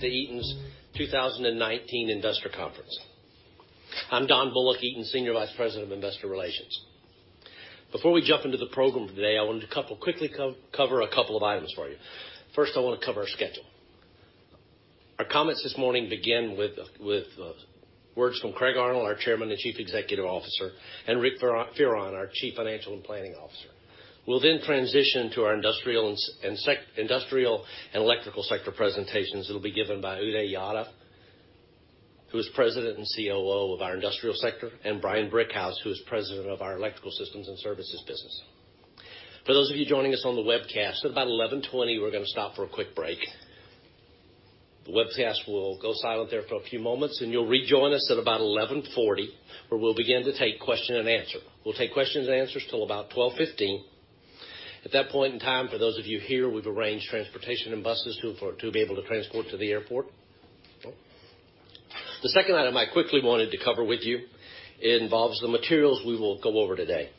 To Eaton's 2019 Investor Conference. I'm Don Bullock, Eaton Senior Vice President of Investor Relations. Before we jump into the program today, I want to quickly cover a couple of items for you. First, I want to cover our schedule. Our comments this morning begin with words from Craig Arnold, our Chairman and Chief Executive Officer, and Rick Fearon, our Chief Financial and Planning Officer. We'll then transition to our industrial and electrical sector presentations that will be given by Uday Yadav, who is President and COO of our industrial sector, and Brian Brickhouse, who is President of our Electrical Systems and Services business. For those of you joining us on the webcast, at about 11:20 A.M., we're going to stop for a quick break. The webcast will go silent there for a few moments, and you'll rejoin us at about 11:40 A.M., where we'll begin to take question and answer. We'll take questions and answers till about 12:15 P.M. At that point in time, for those of you here, we've arranged transportation and buses to be able to transport to the airport. The second item I quickly wanted to cover with you, it involves the materials we will go over today.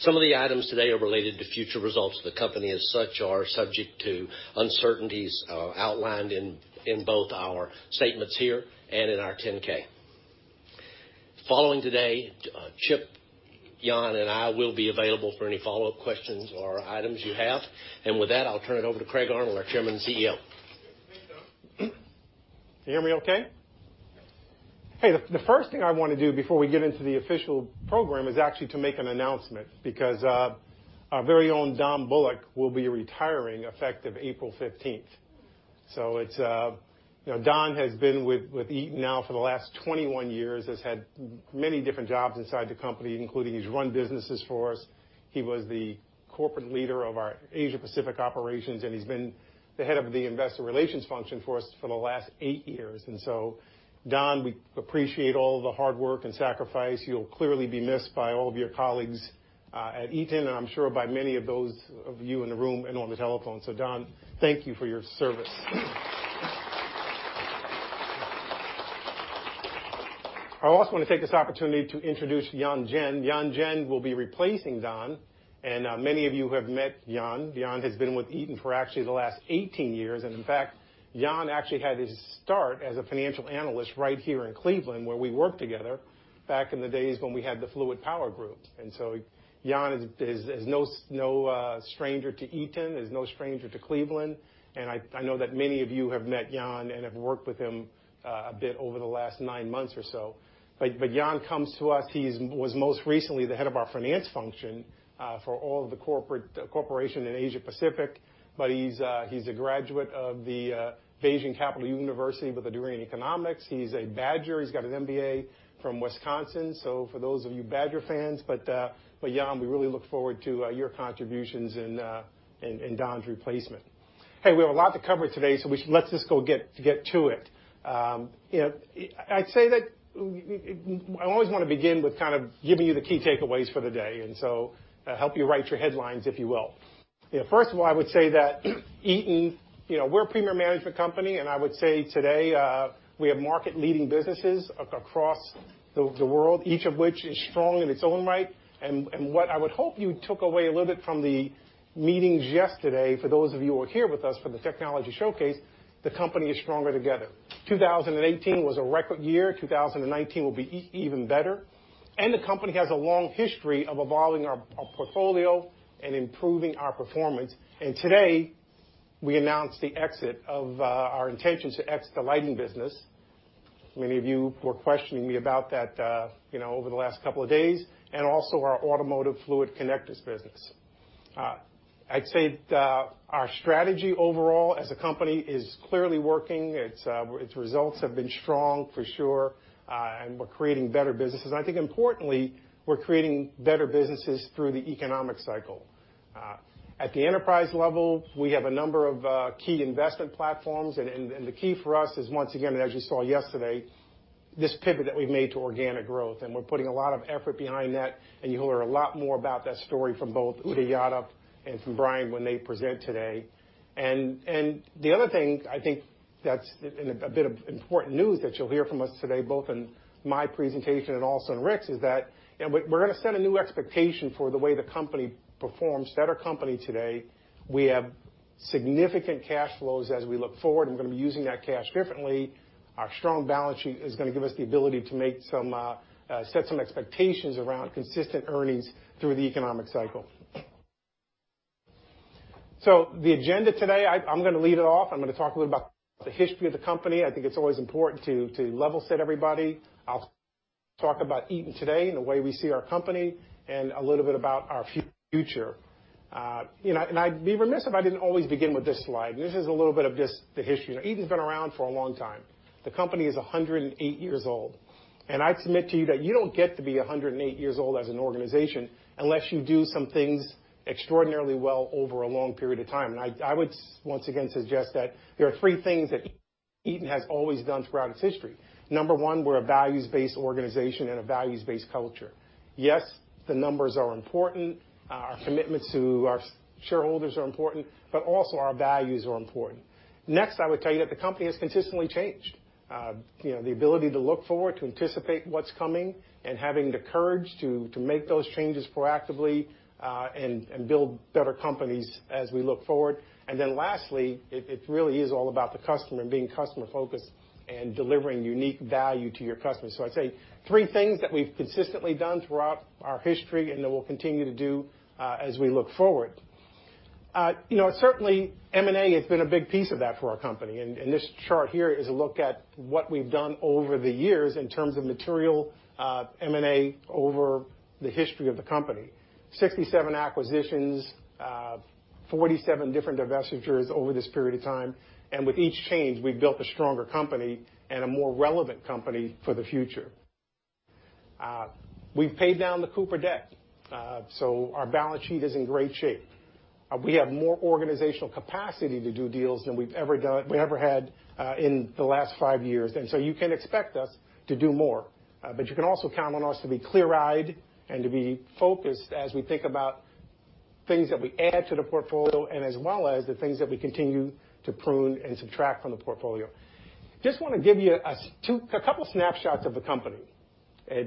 Some of the items today are related to future results of the company, as such, are subject to uncertainties outlined in both our statements here and in our 10-K. Following today, Chip, Yan, and I will be available for any follow-up questions or items you have. With that, I'll turn it over to Craig Arnold, our Chairman and CEO. Can you hear me okay? The first thing I want to do before we get into the official program is actually to make an announcement because our very own Don Bullock will be retiring effective April 15th. Don has been with Eaton now for the last 21 years, has had many different jobs inside the company, including he's run businesses for us. He was the corporate leader of our Asia Pacific operations, and he's been the head of the investor relations function for us for the last 8 years. So Don, we appreciate all the hard work and sacrifice. You'll clearly be missed by all of your colleagues, at Eaton, and I'm sure by many of those of you in the room and on the telephone. Don, thank you for your service. I also want to take this opportunity to introduce Yan Jin. Yan Jin will be replacing Don. Many of you have met Yan. Yan has been with Eaton for actually the last 18 years. In fact, Yan actually had his start as a financial analyst right here in Cleveland, where we worked together back in the days when we had the Fluid Power Group. So Yan is no stranger to Eaton, is no stranger to Cleveland, and I know that many of you have met Yan and have worked with him a bit over the last 9 months or so. Yan comes to us, he was most recently the head of our finance function, for all of the corporation in Asia Pacific. He's a graduate of the Beijing Capital University with a degree in economics. He's a Badger. He's got an MBA from Wisconsin. For those of you Badger fans. Yan, we really look forward to your contributions in Don's replacement. We have a lot to cover today, so let's just go get to it. I always want to begin with kind of giving you the key takeaways for the day to help you write your headlines, if you will. First of all, I would say that Eaton, we're a premier management company, and I would say today, we have market-leading businesses across the world, each of which is strong in its own right. What I would hope you took away a little bit from the meetings yesterday, for those of you who were here with us for the technology showcase, the company is stronger together. 2018 was a record year. 2019 will be even better. The company has a long history of evolving our portfolio and improving our performance. Today, we announced our intentions to exit the lighting business. Many of you were questioning me about that over the last couple of days, and also our automotive fluid connectors business. I'd say our strategy overall as a company is clearly working. Its results have been strong for sure. We're creating better businesses. I think importantly, we're creating better businesses through the economic cycle. At the enterprise level, we have a number of key investment platforms, and the key for us is once again, as you saw yesterday, this pivot that we've made to organic growth, and we're putting a lot of effort behind that, and you'll hear a lot more about that story from both Uday Yadav and from Brian when they present today. The other thing, I think that's a bit of important news that you'll hear from us today, both in my presentation and also in Rick's, is that we're going to set a new expectation for the way the company performs, set our company today. We have significant cash flows as we look forward, and we're going to be using that cash differently. Our strong balance sheet is going to give us the ability to set some expectations around consistent earnings through the economic cycle. The agenda today, I'm going to lead it off. I'm going to talk a little about the history of the company. I think it's always important to level set everybody. I'll talk about Eaton today and the way we see our company and a little bit about our future. I'd be remiss if I didn't always begin with this slide, and this is a little bit of just the history. Eaton's been around for a long time. The company is 108 years old. I'd submit to you that you don't get to be 108 years old as an organization unless you do some things extraordinarily well over a long period of time. I would once again suggest that there are three things that Eaton has always done throughout its history. Number one, we're a values-based organization and a values-based culture. Yes, the numbers are important. Our commitments to our shareholders are important, our values are important. Next, I would tell you that the company has consistently changed. The ability to look forward, to anticipate what's coming, and having the courage to make those changes proactively, and build better companies as we look forward. Lastly, it really is all about the customer, and being customer-focused and delivering unique value to your customers. I'd say three things that we've consistently done throughout our history and that we'll continue to do as we look forward. Certainly, M&A has been a big piece of that for our company, and this chart here is a look at what we've done over the years in terms of material M&A over the history of the company. 67 acquisitions, 47 different divestitures over this period of time, and with each change, we've built a stronger company and a more relevant company for the future. We've paid down the Cooper debt, so our balance sheet is in great shape. We have more organizational capacity to do deals than we've ever had in the last five years. You can expect us to do more, but you can also count on us to be clear-eyed and to be focused as we think about things that we add to the portfolio as well as the things that we continue to prune and subtract from the portfolio. Just want to give you a couple snapshots of the company,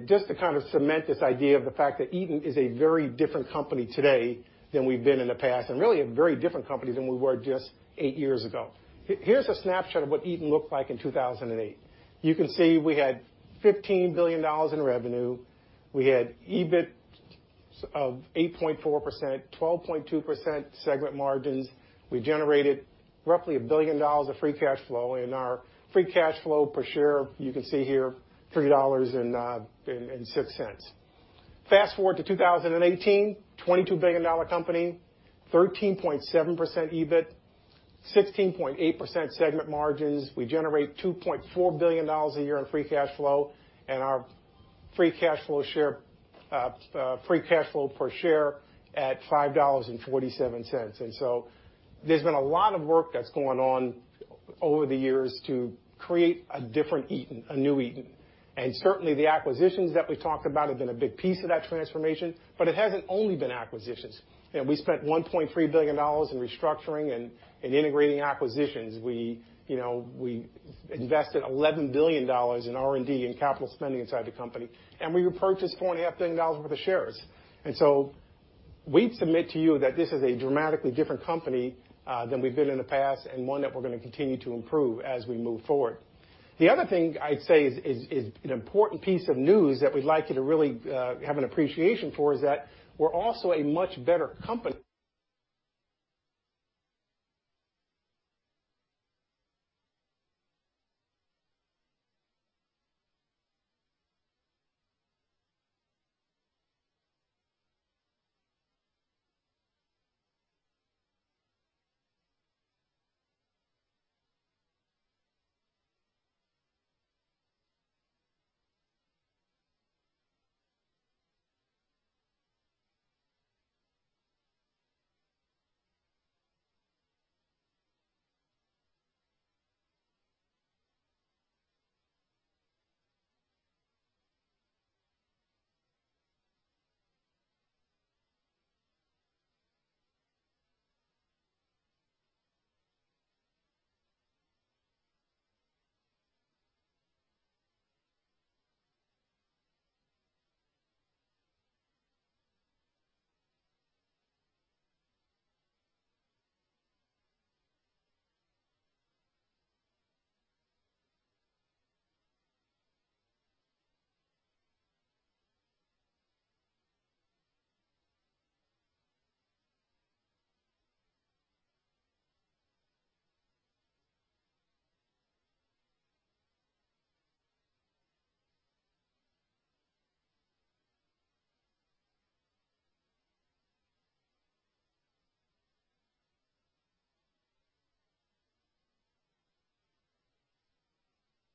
just to cement this idea of the fact that Eaton is a very different company today than we've been in the past, and really a very different company than we were just eight years ago. Here's a snapshot of what Eaton looked like in 2008. You can see we had $15 billion in revenue. We had EBIT of 8.4%, 12.2% segment margins. We generated roughly $1 billion of free cash flow, and our free cash flow per share, you can see here, $3.06. Fast-forward to 2018, $22 billion company, 13.7% EBIT, 16.8% segment margins. We generate $2.4 billion a year in free cash flow, and our free cash flow per share at $5.47. There's been a lot of work that's gone on over the years to create a different Eaton, a new Eaton. Certainly, the acquisitions that we've talked about have been a big piece of that transformation, but it hasn't only been acquisitions. We spent $1.3 billion in restructuring and integrating acquisitions. We invested $11 billion in R&D and capital spending inside the company, and we repurchased $4.5 billion worth of shares. We'd submit to you that this is a dramatically different company than we've been in the past, and one that we're going to continue to improve as we move forward. The other thing I'd say is an important piece of news that we'd like you to really have an appreciation for, is that we're also a much better company.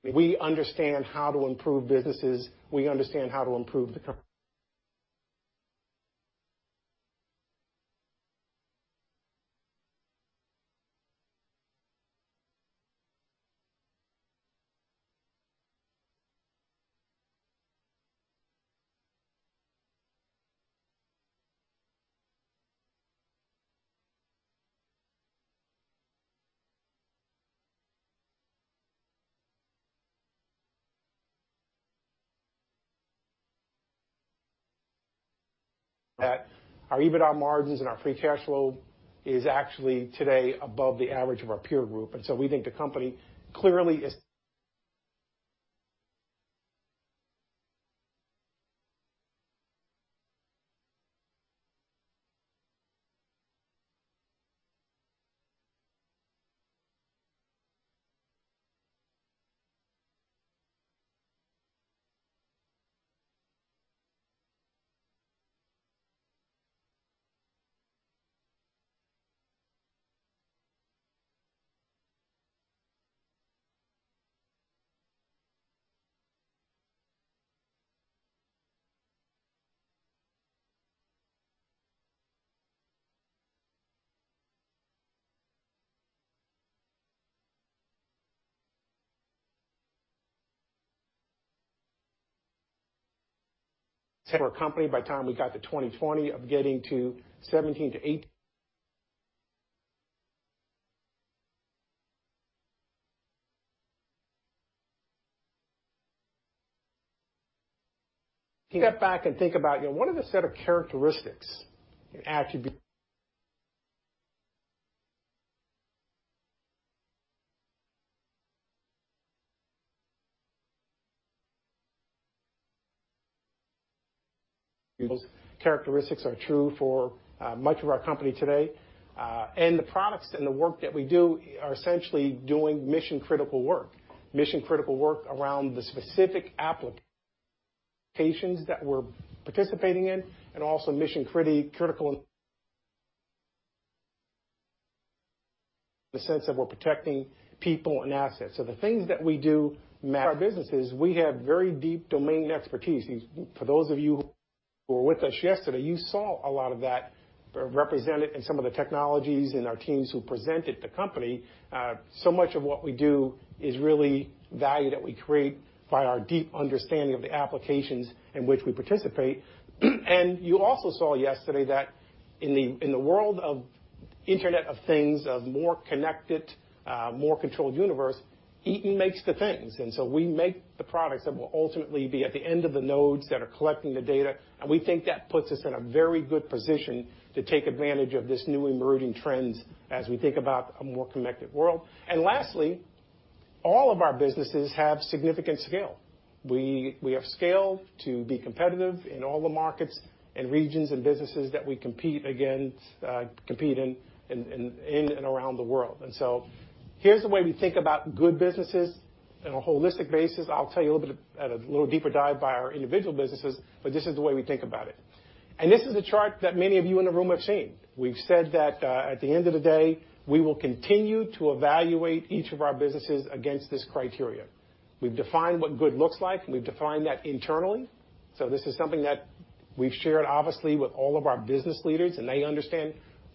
We understand how to improve businesses. We understand how to improve Our EBITDA margins and our free cash flow is actually today above the average of our peer group. We think the company clearly is. For a company by the time we got to 2020 of getting to $17-$18. Step back and think about, what are the set of characteristics and attributes. Those characteristics are true for much of our company today. The products and the work that we do are essentially doing mission-critical work. Mission-critical work around the specific applications that we're participating in, and also mission-critical in the sense that we're protecting people and assets. The things that we do matter. Our businesses, we have very deep domain expertise. For those of you who were with us yesterday, you saw a lot of that represented in some of the technologies and our teams who presented the company. Much of what we do is really value that we create by our deep understanding of the applications in which we participate. You also saw yesterday that in the world of Internet of Things, of more connected, more controlled universe, Eaton makes the things. We make the products that will ultimately be at the end of the nodes that are collecting the data, and we think that puts us in a very good position to take advantage of this new emerging trends as we think about a more connected world. Lastly, all of our businesses have significant scale. We have scale to be competitive in all the markets and regions and businesses that we compete in and around the world. Here's the way we think about good businesses on a holistic basis. I'll tell you a little bit, at a little deeper dive by our individual businesses, but this is the way we think about it. This is a chart that many of you in the room have seen. We've said that, at the end of the day, we will continue to evaluate each of our businesses against this criteria. We've defined what good looks like, and we've defined that internally. This is something that we've shared, obviously, with all of our business leaders, and they understand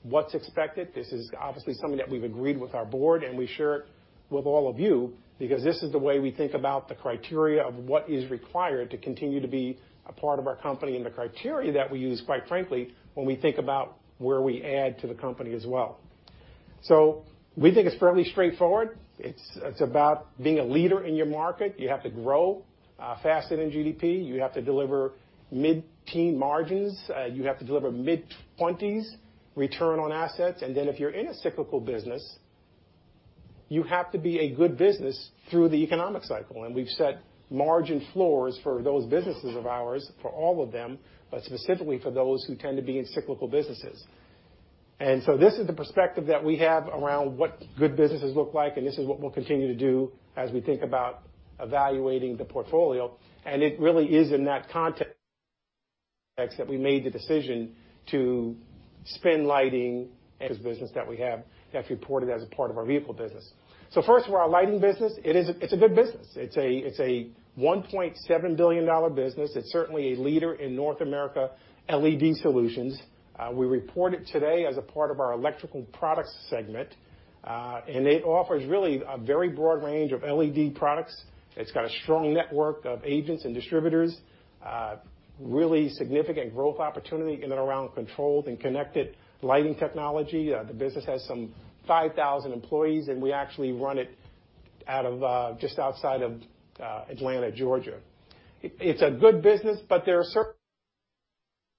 what's expected. This is obviously something that we've agreed with our board, and we share it with all of you because this is the way we think about the criteria of what is required to continue to be a part of our company and the criteria that we use, quite frankly, when we think about where we add to the company as well. We think it's fairly straightforward. It's about being a leader in your market. You have to grow faster than GDP. You have to deliver mid-teen margins. You have to deliver mid-twenties return on assets. If you're in a cyclical business, you have to be a good business through the economic cycle. We've set margin floors for those businesses of ours, for all of them, but specifically for those who tend to be in cyclical businesses. This is the perspective that we have around what good businesses look like, and this is what we'll continue to do as we think about evaluating the portfolio. It really is in that context that we made the decision to spin lighting as business that we have that's reported as a part of our vehicle business. First of all, our lighting business, it's a good business. It's a $1.7 billion business. It's certainly a leader in North America LED solutions. We report it today as a part of our Electrical Products segment. It offers really a very broad range of LED products. It's got a strong network of agents and distributors, really significant growth opportunity in and around controlled and connected lighting technology. The business has some 5,000 employees, and we actually run it just outside of Atlanta, Georgia. It's a good business, but there are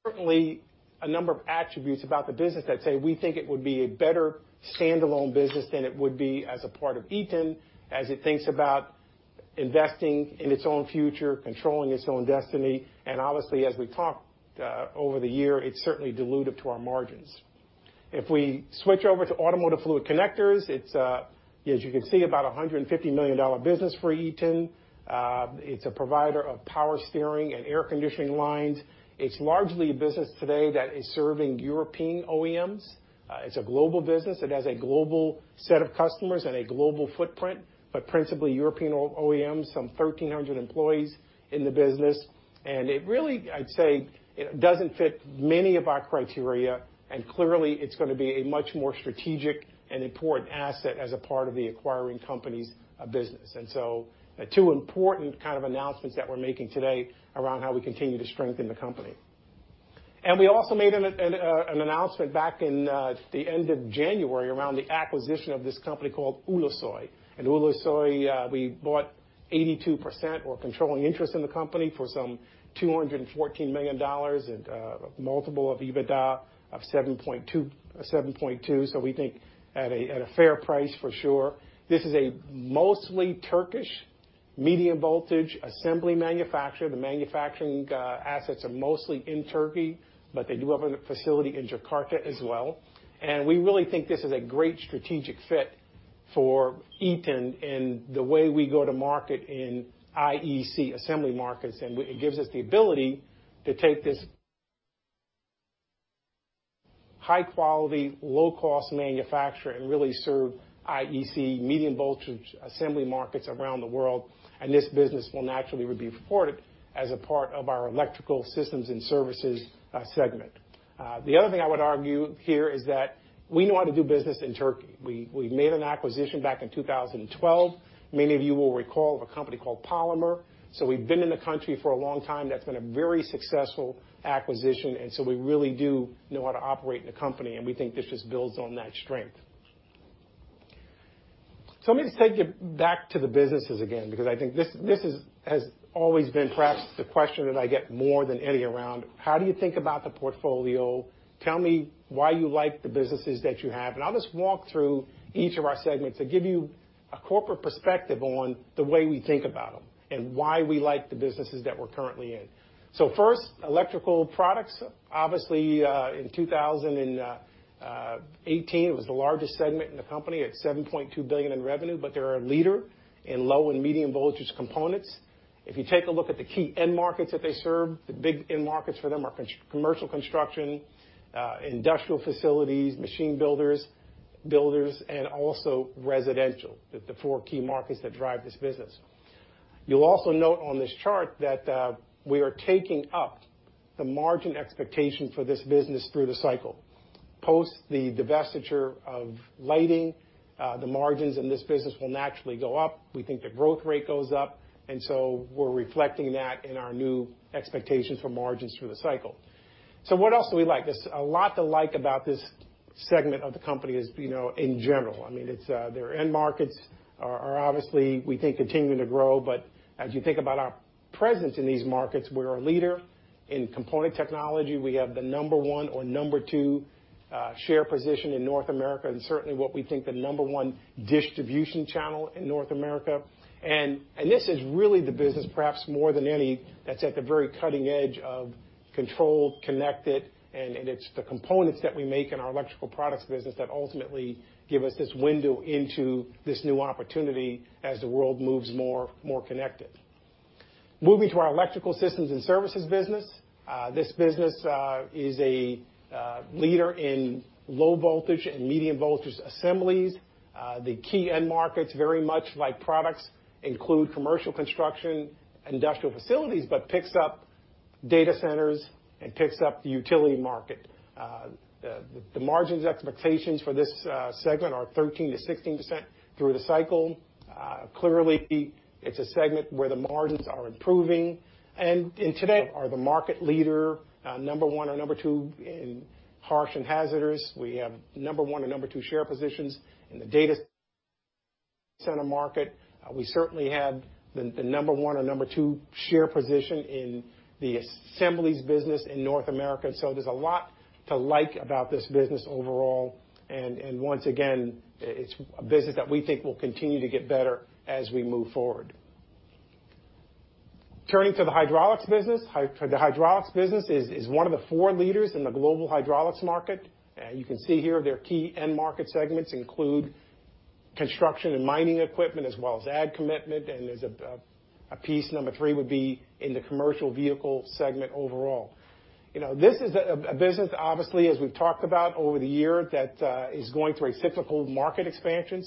certainly a number of attributes about the business that say, we think it would be a better standalone business than it would be as a part of Eaton as it thinks about investing in its own future, controlling its own destiny. Obviously, as we've talked over the year, it's certainly dilutive to our margins. If we switch over to automotive fluid connectors, it's, as you can see, about $150 million business for Eaton. It's a provider of power steering and air conditioning lines. It's largely a business today that is serving European OEMs. It's a global business. It has a global set of customers and a global footprint, but principally European OEMs, some 1,300 employees in the business. It really, I'd say, doesn't fit many of our criteria, and clearly, it's going to be a much more strategic and important asset as a part of the acquiring company's business. Two important kind of announcements that we're making today around how we continue to strengthen the company. We also made an announcement back in the end of January around the acquisition of this company called Ulusoy. Ulusoy, we bought 82% or controlling interest in the company for some $214 million at a multiple of EBITDA of 7.2, so we think at a fair price for sure. This is a mostly Turkish medium voltage assembly manufacturer. The manufacturing assets are mostly in Turkey, but they do have a facility in Jakarta as well. We really think this is a great strategic fit for Eaton and the way we go to market in IEC assembly markets. It gives us the ability to take this high quality, low cost manufacturer and really serve IEC medium voltage assembly markets around the world. This business will naturally be reported as a part of our Electrical Systems and Services segment. The other thing I would argue here is that we know how to do business in Turkey. We made an acquisition back in 2012. Many of you will recall a company called Polimer. We've been in the country for a long time. That's been a very successful acquisition, and we really do know how to operate in the company, and we think this just builds on that strength. Let me just take it back to the businesses again, because I think this has always been perhaps the question that I get more than any around: how do you think about the portfolio? Tell me why you like the businesses that you have. I'll just walk through each of our segments to give you a corporate perspective on the way we think about them, and why we like the businesses that we're currently in. First, Electrical Products. Obviously, in 2018, it was the largest segment in the company at $7.2 billion in revenue, they're a leader in low and medium voltage components. If you take a look at the key end markets that they serve, the big end markets for them are commercial construction, industrial facilities, machine builders, and also residential. The four key markets that drive this business. You'll also note on this chart that we are taking up the margin expectation for this business through the cycle. Post the divestiture of lighting, the margins in this business will naturally go up. We think the growth rate goes up, and we're reflecting that in our new expectations for margins through the cycle. What else do we like? There's a lot to like about this segment of the company in general. I mean, their end markets are obviously, we think, continuing to grow, but as you think about our presence in these markets, we're a leader in component technology. We have the number 1 or number 2 share position in North America, and certainly what we think the number 1 distribution channel in North America. This is really the business, perhaps more than any, that's at the very cutting edge of controlled, connected, and it's the components that we make in our Electrical Products business that ultimately give us this window into this new opportunity as the world moves more connected. Moving to our Electrical Systems and Services business. This business is a leader in low voltage and medium voltage assemblies. The key end markets, very much like products, include commercial construction, industrial facilities, but picks up data centers and picks up the utility market. The margins expectations for this segment are 13%-16% through the cycle. Clearly, it's a segment where the margins are improving and today are the market leader, number 1 or number 2 in harsh and hazardous. We have number 1 or number 2 share positions in the data center market. We certainly have the number 1 or number 2 share position in the assemblies business in North America. There's a lot to like about this business overall. Once again, it's a business that we think will continue to get better as we move forward. Turning to the hydraulics business. The hydraulics business is one of the four leaders in the global hydraulics market. You can see here their key end market segments include construction and mining equipment, as well as ag commitment, and there's a piece, number 3, would be in the commercial vehicle segment overall. This is a business, obviously, as we've talked about over the year, that is going through a cyclical market expansion.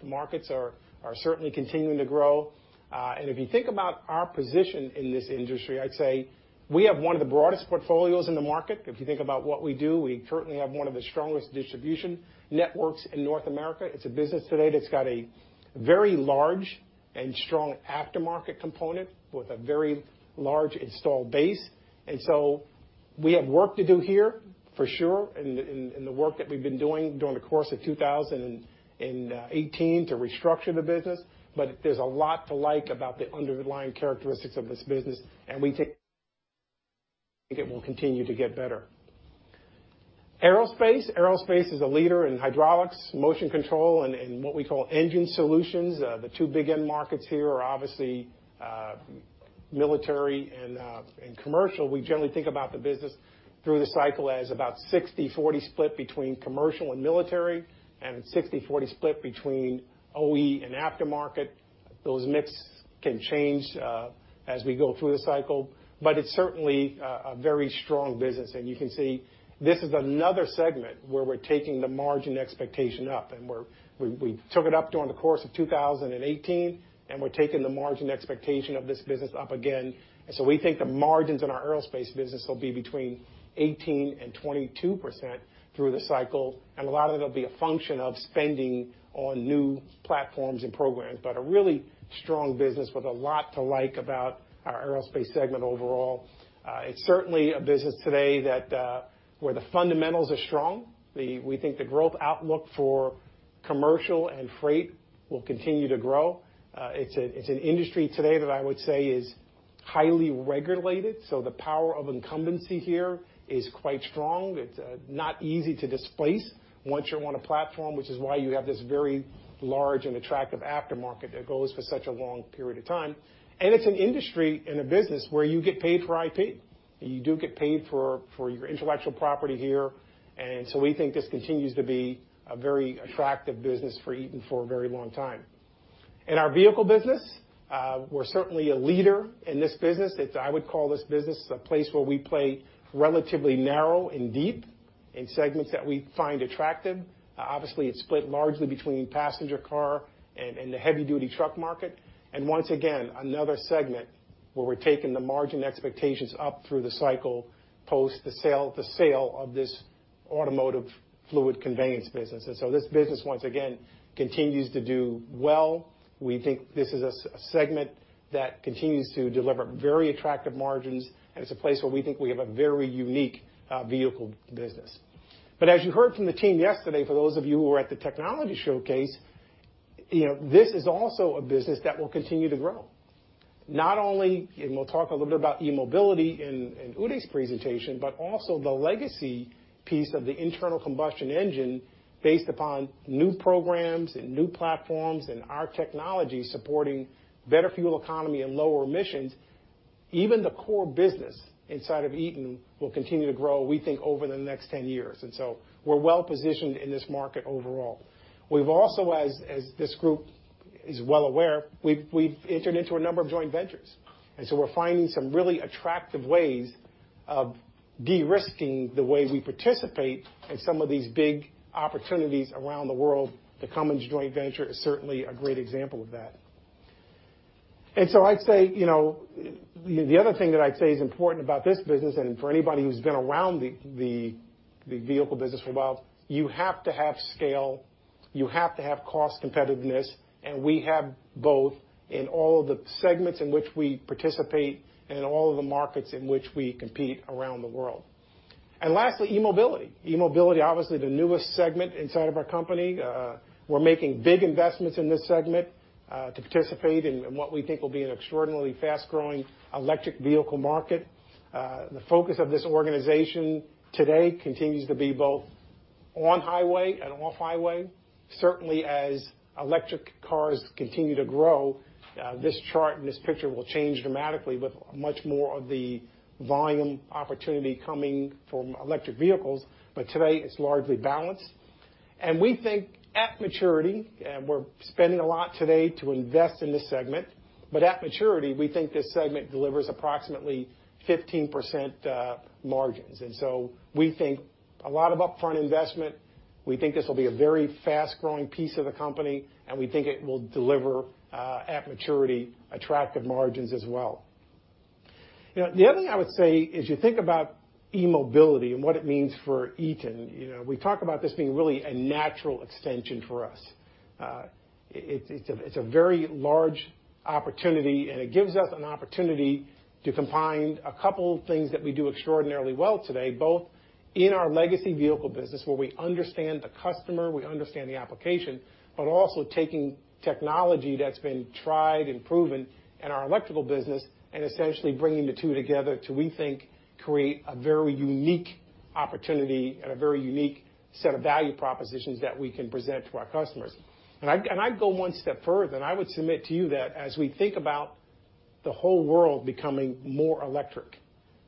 The markets are certainly continuing to grow. If you think about our position in this industry, I'd say we have one of the broadest portfolios in the market. If you think about what we do, we currently have one of the strongest distribution networks in North America. It's a business today that's got a very large and strong aftermarket component with a very large install base. We have work to do here for sure and the work that we've been doing during the course of 2018 to restructure the business. There's a lot to like about the underlying characteristics of this business, and we think it will continue to get better. Aerospace. Aerospace is a leader in hydraulics, motion control, and what we call engine solutions. The two big end markets here are obviously military and commercial. We generally think about the business through the cycle as about 60/40 split between commercial and military, and a 60/40 split between OE and aftermarket. Those mix can change as we go through the cycle, but it's certainly a very strong business. You can see this is another segment where we're taking the margin expectation up. We took it up during the course of 2018, and we're taking the margin expectation of this business up again. We think the margins in our aerospace business will be between 18%-22% through the cycle. A lot of it will be a function of spending on new platforms and programs. A really strong business with a lot to like about our aerospace segment overall. It's certainly a business today where the fundamentals are strong. We think the growth outlook for commercial and freight will continue to grow. It's an industry today that I would say is highly regulated, so the power of incumbency here is quite strong. It's not easy to displace once you're on a platform, which is why you have this very large and attractive aftermarket that goes for such a long period of time. It's an industry and a business where you get paid for IP. You do get paid for your intellectual property here. We think this continues to be a very attractive business for Eaton for a very long time. In our vehicle business, we're certainly a leader in this business. I would call this business a place where we play relatively narrow and deep. In segments that we find attractive. Obviously, it's split largely between passenger car and the heavy-duty truck market. Once again, another segment where we're taking the margin expectations up through the cycle, post the sale of this automotive fluid conveyance business. This business, once again, continues to do well. We think this is a segment that continues to deliver very attractive margins. It's a place where we think we have a very unique vehicle business. As you heard from the team yesterday, for those of you who were at the technology showcase, this is also a business that will continue to grow. Not only, we'll talk a little bit about eMobility in Uday's presentation, but also the legacy piece of the internal combustion engine based upon new programs and new platforms and our technology supporting better fuel economy and lower emissions. Even the core business inside of Eaton will continue to grow, we think, over the next 10 years. We're well-positioned in this market overall. We've also, as this group is well aware, we've entered into a number of joint ventures. We're finding some really attractive ways of de-risking the way we participate in some of these big opportunities around the world. The Cummins joint venture is certainly a great example of that. The other thing that I'd say is important about this business, for anybody who's been around the vehicle business for a while, you have to have scale, you have to have cost competitiveness. We have both in all of the segments in which we participate and in all of the markets in which we compete around the world. Lastly, eMobility. eMobility, obviously the newest segment inside of our company. We're making big investments in this segment, to participate in what we think will be an extraordinarily fast-growing electric vehicle market. The focus of this organization today continues to be both on-highway and off-highway. Certainly as electric cars continue to grow, this chart and this picture will change dramatically with much more of the volume opportunity coming from electric vehicles. Today, it's largely balanced. We think at maturity, and we're spending a lot today to invest in this segment, but at maturity, we think this segment delivers approximately 15% margins. We think a lot of upfront investment, we think this will be a very fast-growing piece of the company, and we think it will deliver, at maturity, attractive margins as well. The other thing I would say is you think about eMobility and what it means for Eaton. We talk about this being really a natural extension for us. It's a very large opportunity, it gives us an opportunity to combine a couple of things that we do extraordinarily well today, both in our legacy vehicle business, where we understand the customer, we understand the application, but also taking technology that's been tried and proven in our electrical business and essentially bringing the two together to, we think, create a very unique opportunity and a very unique set of value propositions that we can present to our customers. I'd go one step further, I would submit to you that as we think about the whole world becoming more electric,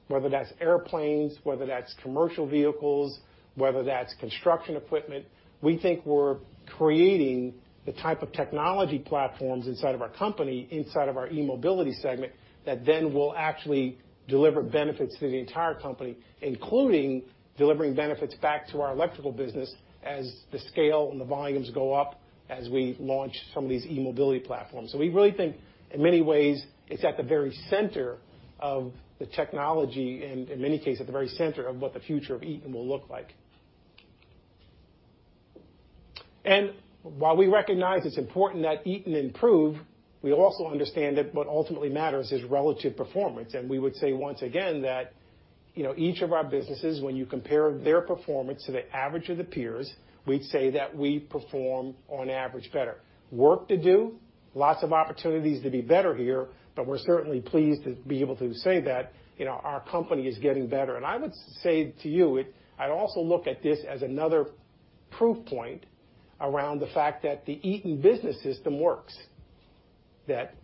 whether that's airplanes, whether that's commercial vehicles, whether that's construction equipment, we think we're creating the type of technology platforms inside of our company, inside of our eMobility segment, that then will actually deliver benefits to the entire company, including delivering benefits back to our electrical business as the scale and the volumes go up, as we launch some of these eMobility platforms. We really think, in many ways, it's at the very center of the technology and, in many cases, at the very center of what the future of Eaton will look like. While we recognize it's important that Eaton improve, we also understand that what ultimately matters is relative performance. We would say, once again, that each of our businesses, when you compare their performance to the average of the peers, we'd say that we perform on average better. Work to do, lots of opportunities to be better here, but we're certainly pleased to be able to say that our company is getting better. I would say to you, I'd also look at this as another proof point around the fact that the Eaton Business System works. That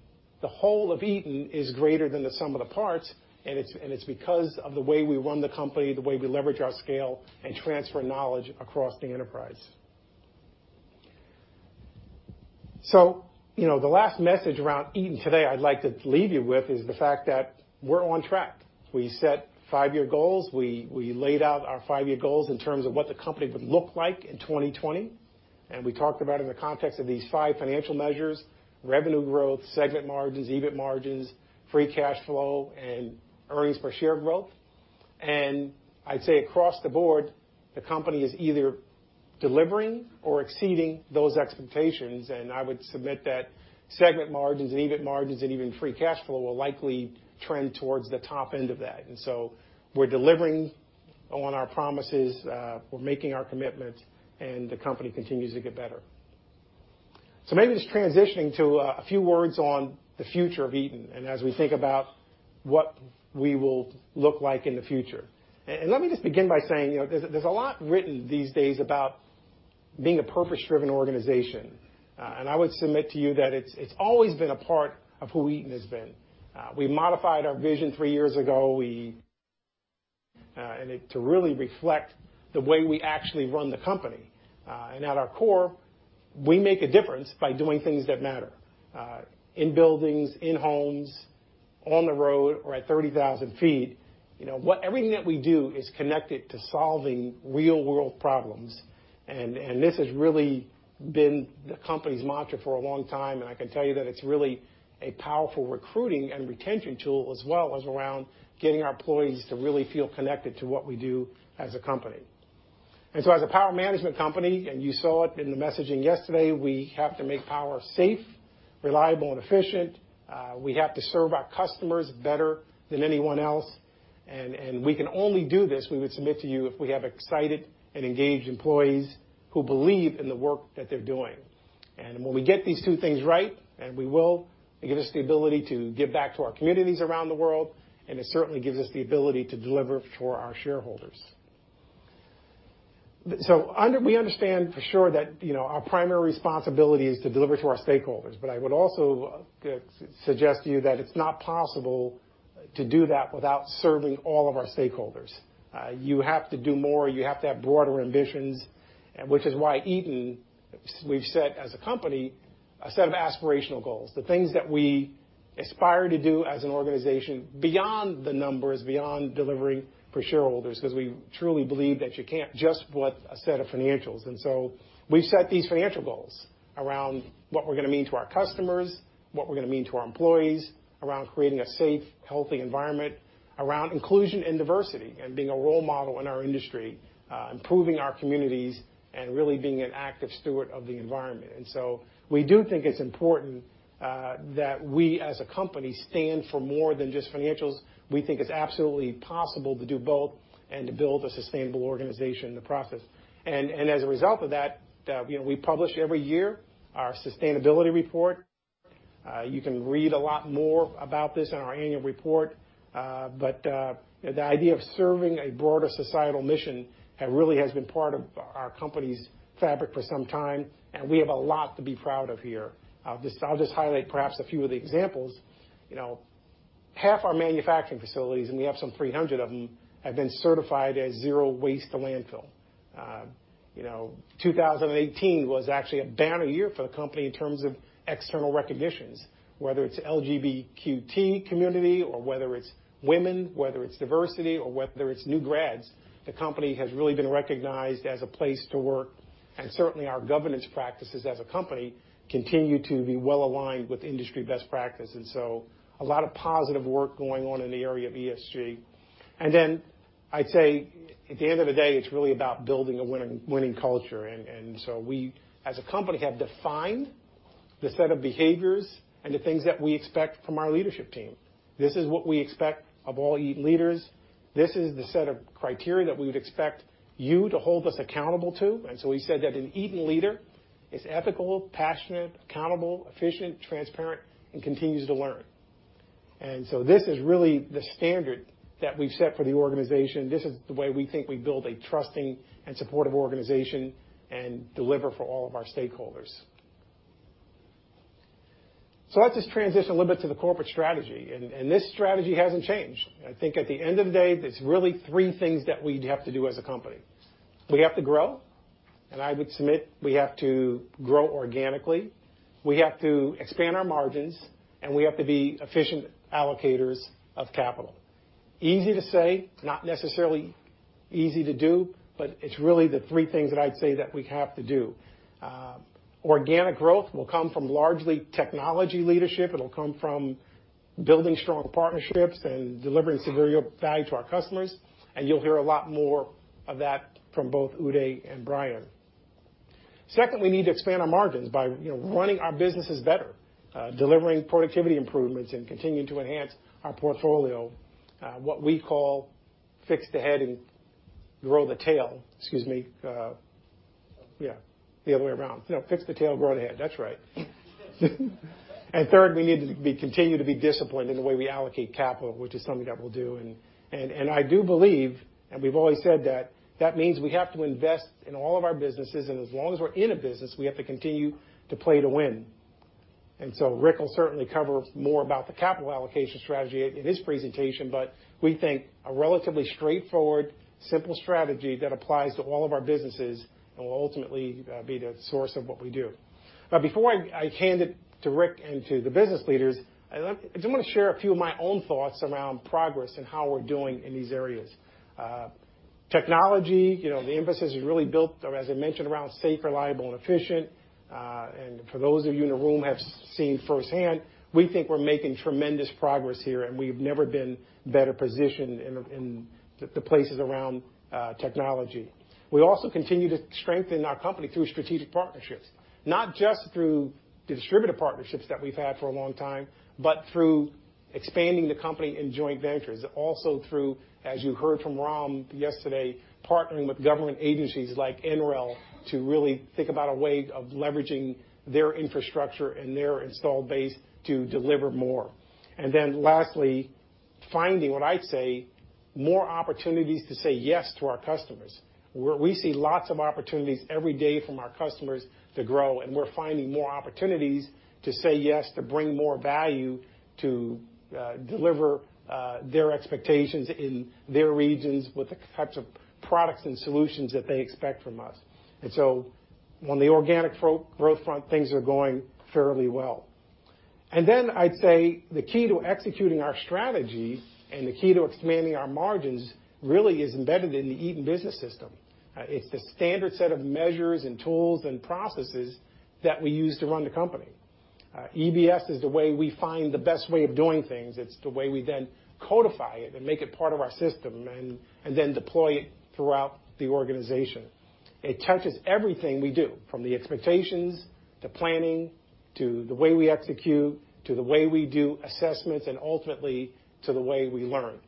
the whole of Eaton is greater than the sum of the parts, it's because of the way we run the company, the way we leverage our scale and transfer knowledge across the enterprise. The last message around Eaton today I'd like to leave you with is the fact that we're on track. We set five-year goals. We laid out our five-year goals in terms of what the company would look like in 2020, we talked about in the context of these five financial measures, revenue growth, segment margins, EBIT margins, free cash flow, and earnings per share growth. I'd say across the board, the company is either delivering or exceeding those expectations. I would submit that segment margins and EBIT margins and even free cash flow will likely trend towards the top end of that. We're delivering on our promises. We're making our commitments, and the company continues to get better. Maybe just transitioning to a few words on the future of Eaton and as we think about what we will look like in the future. Let me just begin by saying there's a lot written these days about being a purpose-driven organization. I would submit to you that it's always been a part of who Eaton has been. We modified our vision three years ago to really reflect the way we actually run the company. At our core, we make a difference by doing things that matter, in buildings, in homes. On the road or at 30,000 feet, everything that we do is connected to solving real-world problems. This has really been the company's mantra for a long time, and I can tell you that it's really a powerful recruiting and retention tool as well as around getting our employees to really feel connected to what we do as a company. As a power management company, and you saw it in the messaging yesterday, we have to make power safe, reliable, and efficient. We have to serve our customers better than anyone else. We can only do this, we would submit to you, if we have excited and engaged employees who believe in the work that they're doing. When we get these two things right, and we will, it gives us the ability to give back to our communities around the world, and it certainly gives us the ability to deliver for our shareholders. We understand for sure that our primary responsibility is to deliver to our stakeholders, I would also suggest to you that it's not possible to do that without serving all of our stakeholders. You have to do more, you have to have broader ambitions, which is why Eaton, we've set as a company, a set of aspirational goals, the things that we aspire to do as an organization beyond the numbers, beyond delivering for shareholders, because we truly believe that you can't just want a set of financials. We've set these financial goals around what we're going to mean to our customers, what we're going to mean to our employees, around creating a safe, healthy environment, around inclusion and diversity and being a role model in our industry, improving our communities, and really being an active steward of the environment. We do think it's important that we, as a company, stand for more than just financials. We think it's absolutely possible to do both and to build a sustainable organization in the process. As a result of that, we publish every year our sustainability report. You can read a lot more about this in our annual report. The idea of serving a broader societal mission really has been part of our company's fabric for some time, and we have a lot to be proud of here. I will just highlight perhaps a few of the examples. Half our manufacturing facilities, and we have some 300 of them, have been certified as zero waste to landfill. 2018 was actually a banner year for the company in terms of external recognitions, whether it is LGBTQ community or whether it is women, whether it is diversity or whether it is new grads, the company has really been recognized as a place to work, and certainly our governance practices as a company continue to be well aligned with industry best practices. A lot of positive work going on in the area of ESG. I would say at the end of the day, it is really about building a winning culture. We, as a company, have defined the set of behaviors and the things that we expect from our leadership team. This is what we expect of all Eaton leaders. This is the set of criteria that we would expect you to hold us accountable to. We said that an Eaton leader is ethical, passionate, accountable, efficient, transparent, and continues to learn. This is really the standard that we have set for the organization. This is the way we think we build a trusting and supportive organization and deliver for all of our stakeholders. Let us transition a little bit to the corporate strategy. This strategy has not changed. I think at the end of the day, there is really three things that we have to do as a company. We have to grow, and I would submit we have to grow organically. We have to expand our margins, and we have to be efficient allocators of capital. Easy to say, not necessarily easy to do, but it is really the three things that I would say that we have to do. Organic growth will come from largely technology leadership. It will come from building strong partnerships and delivering superior value to our customers. You will hear a lot more of that from both Uday and Brian. Second, we need to expand our margins by running our businesses better, delivering productivity improvements, and continuing to enhance our portfolio, what we call fix the head and grow the tail. Excuse me. Yeah, the other way around. No, fix the tail, grow the head. That is right. Third, we need to continue to be disciplined in the way we allocate capital, which is something that we will do. I do believe, and we have always said that means we have to invest in all of our businesses, and as long as we are in a business, we have to continue to play to win. Rick will certainly cover more about the capital allocation strategy in his presentation, but we think a relatively straightforward, simple strategy that applies to all of our businesses will ultimately be the source of what we do. Now, before I hand it to Rick and to the business leaders, I want to share a few of my own thoughts around progress and how we are doing in these areas. Technology, the emphasis is really built, as I mentioned, around safe, reliable, and efficient. For those of you in the room have seen firsthand, we think we're making tremendous progress here, and we've never been better positioned in the places around technology. We also continue to strengthen our company through strategic partnerships, not just through the distributor partnerships that we've had for a long time, but through expanding the company in joint ventures. Also through, as you heard from Ram yesterday, partnering with government agencies like NREL to really think about a way of leveraging their infrastructure and their installed base to deliver more. Lastly, finding what I'd say, more opportunities to say yes to our customers, where we see lots of opportunities every day from our customers to grow, we're finding more opportunities to say yes to bring more value to deliver their expectations in their regions with the types of products and solutions that they expect from us. On the organic growth front, things are going fairly well. I'd say the key to executing our strategy and the key to expanding our margins really is embedded in the Eaton Business System. It's the standard set of measures and tools and processes that we use to run the company. EBS is the way we find the best way of doing things. It's the way we then codify it and make it part of our system, then deploy it throughout the organization. It touches everything we do, from the expectations, to planning, to the way we execute, to the way we do assessments, and ultimately, to the way we learn.